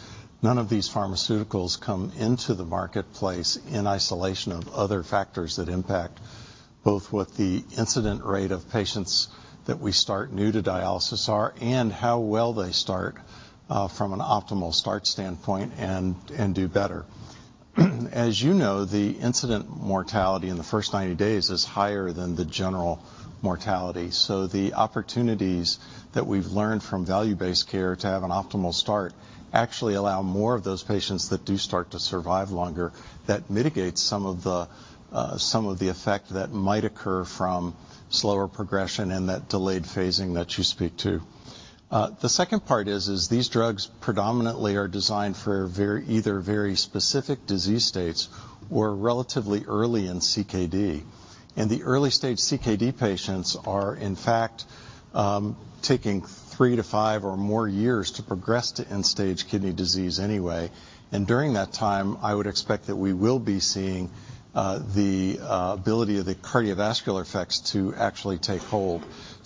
none of these pharmaceuticals come into the marketplace in isolation of other factors that impact both what the incident rate of patients that we start new to dialysis are and how well they start, from an optimal start standpoint and do better. As you know, the incident mortality in the first 90 days is higher than the general mortality. The opportunities that we've learned from value-based care to have an optimal start actually allow more of those patients that do start to survive longer. That mitigates some of the effect that might occur from slower progression and that delayed phasing that you speak to. The second part is these drugs predominantly are designed for either very specific disease states or relatively early in CKD. The early-stage CKD patients are, in fact, taking three to five or more years to progress to End-Stage Kidney Disease anyway. During that time, I would expect that we will be seeing the ability of the cardiovascular effects to actually take hold.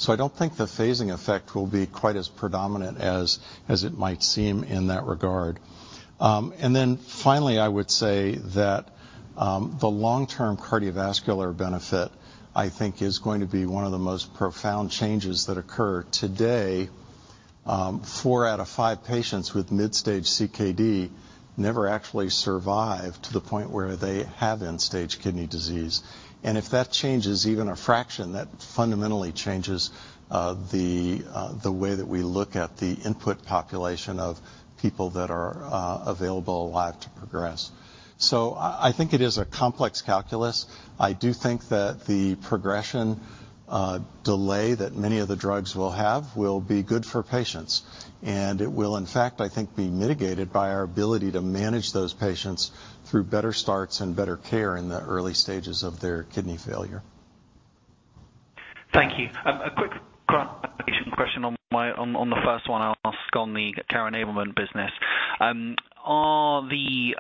I don't think the phasing effect will be quite as predominant as it might seem in that regard. Finally, I would say that the long-term cardiovascular benefit, I think, is going to be one of the most profound changes that occur today. Four out of five patients with mid-stage CKD never actually survive to the point where they have End-Stage Kidney Disease. If that changes even a fraction, that fundamentally changes the way that we look at the input population of people that are available alive to progress. I think it is a complex calculus. I do think that the progression delay that many of the drugs will have will be good for patients, and it will, in fact, I think, be mitigated by our ability to manage those patients through better starts and better care in the early stages of their kidney failure. Thank you. A quick clarification question on the first one I asked on the Care Enablement business. Are the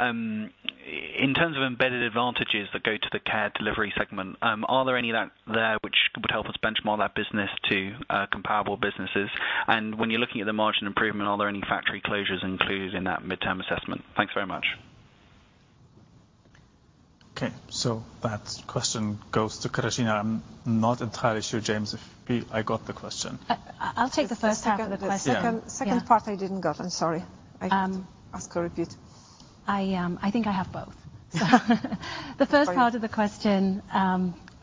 in terms of embedded advantages that go to the Care Delivery segment, are there any of that there which would help us benchmark that business to comparable businesses? When you're looking at the margin improvement, are there any factory closures included in that midterm assessment? Thanks very much. Okay. That question goes to Katarzyna. I'm not entirely sure, James, if I got the question. I'll take the first half of the question. The second part I didn't get. I'm sorry. Um- Ask her to repeat. I think I have both. Fine. The first part of the question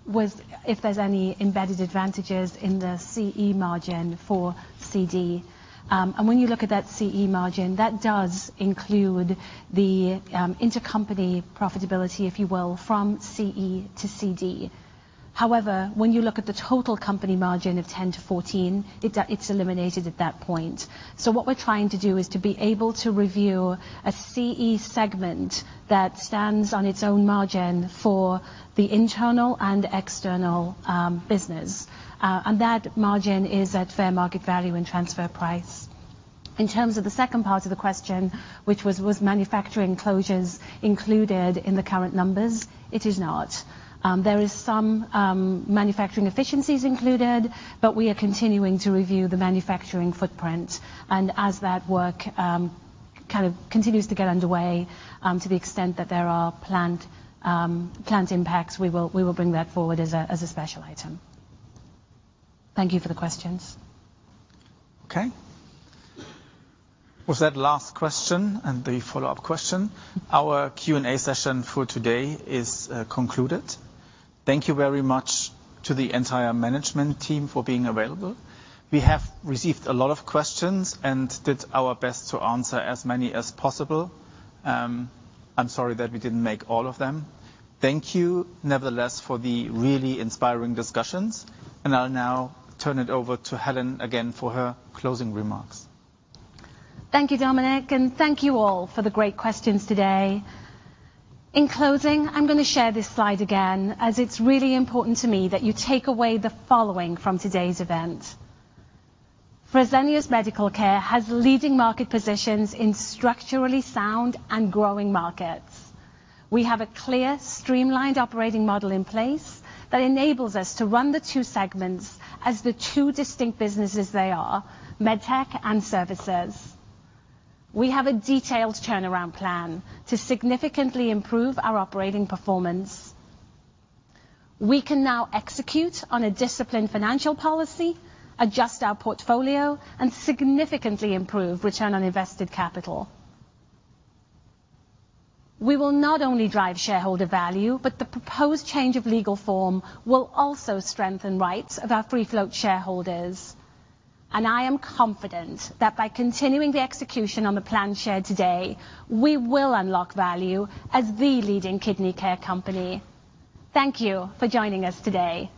was if there's any embedded advantages in the Care Enablement margin for Care Delivery. When you look at that Care Enablement margin, that does include the intercompany profitability, if you will, from Care Enablement to Care Delivery. However, when you look at the total company margin of 10%-14%, it's eliminated at that point. What we're trying to do is to be able to review a Care Enablement segment that stands on its own margin for the internal and external business. That margin is at fair market value and transfer price. In terms of the second part of the question, which was manufacturing closures included in the current numbers, it is not. There is some manufacturing efficiencies included, but we are continuing to review the manufacturing footprint. As that work, kind of continues to get underway, to the extent that there are planned impacts, we will bring that forward as a special item. Thank you for the questions. With that last question and the follow-up question, our Q&A session for today is concluded. Thank you very much to the entire management team for being available. We have received a lot of questions and did our best to answer as many as possible. I'm sorry that we didn't make all of them. Thank you nevertheless for the really inspiring discussions, and I'll now turn it over to Helen again for her closing remarks. Thank you, Dominic, and thank you all for the great questions today. In closing, I'm gonna share this slide again, as it's really important to me that you take away the following from today's event. Fresenius Medical Care has leading market positions in structurally sound and growing markets. We have a clear, streamlined operating model in place that enables us to run the two segments as the two distinct businesses they are, med tech and services. We have a detailed turnaround plan to significantly improve our operating performance. We can now execute on a disciplined financial policy, adjust our portfolio, and significantly improve return on invested capital. We will not only drive shareholder value, but the proposed change of legal form will also strengthen rights of our free float shareholders. I am confident that by continuing the execution on the plan shared today, we will unlock value as the leading kidney care company. Thank you for joining us today.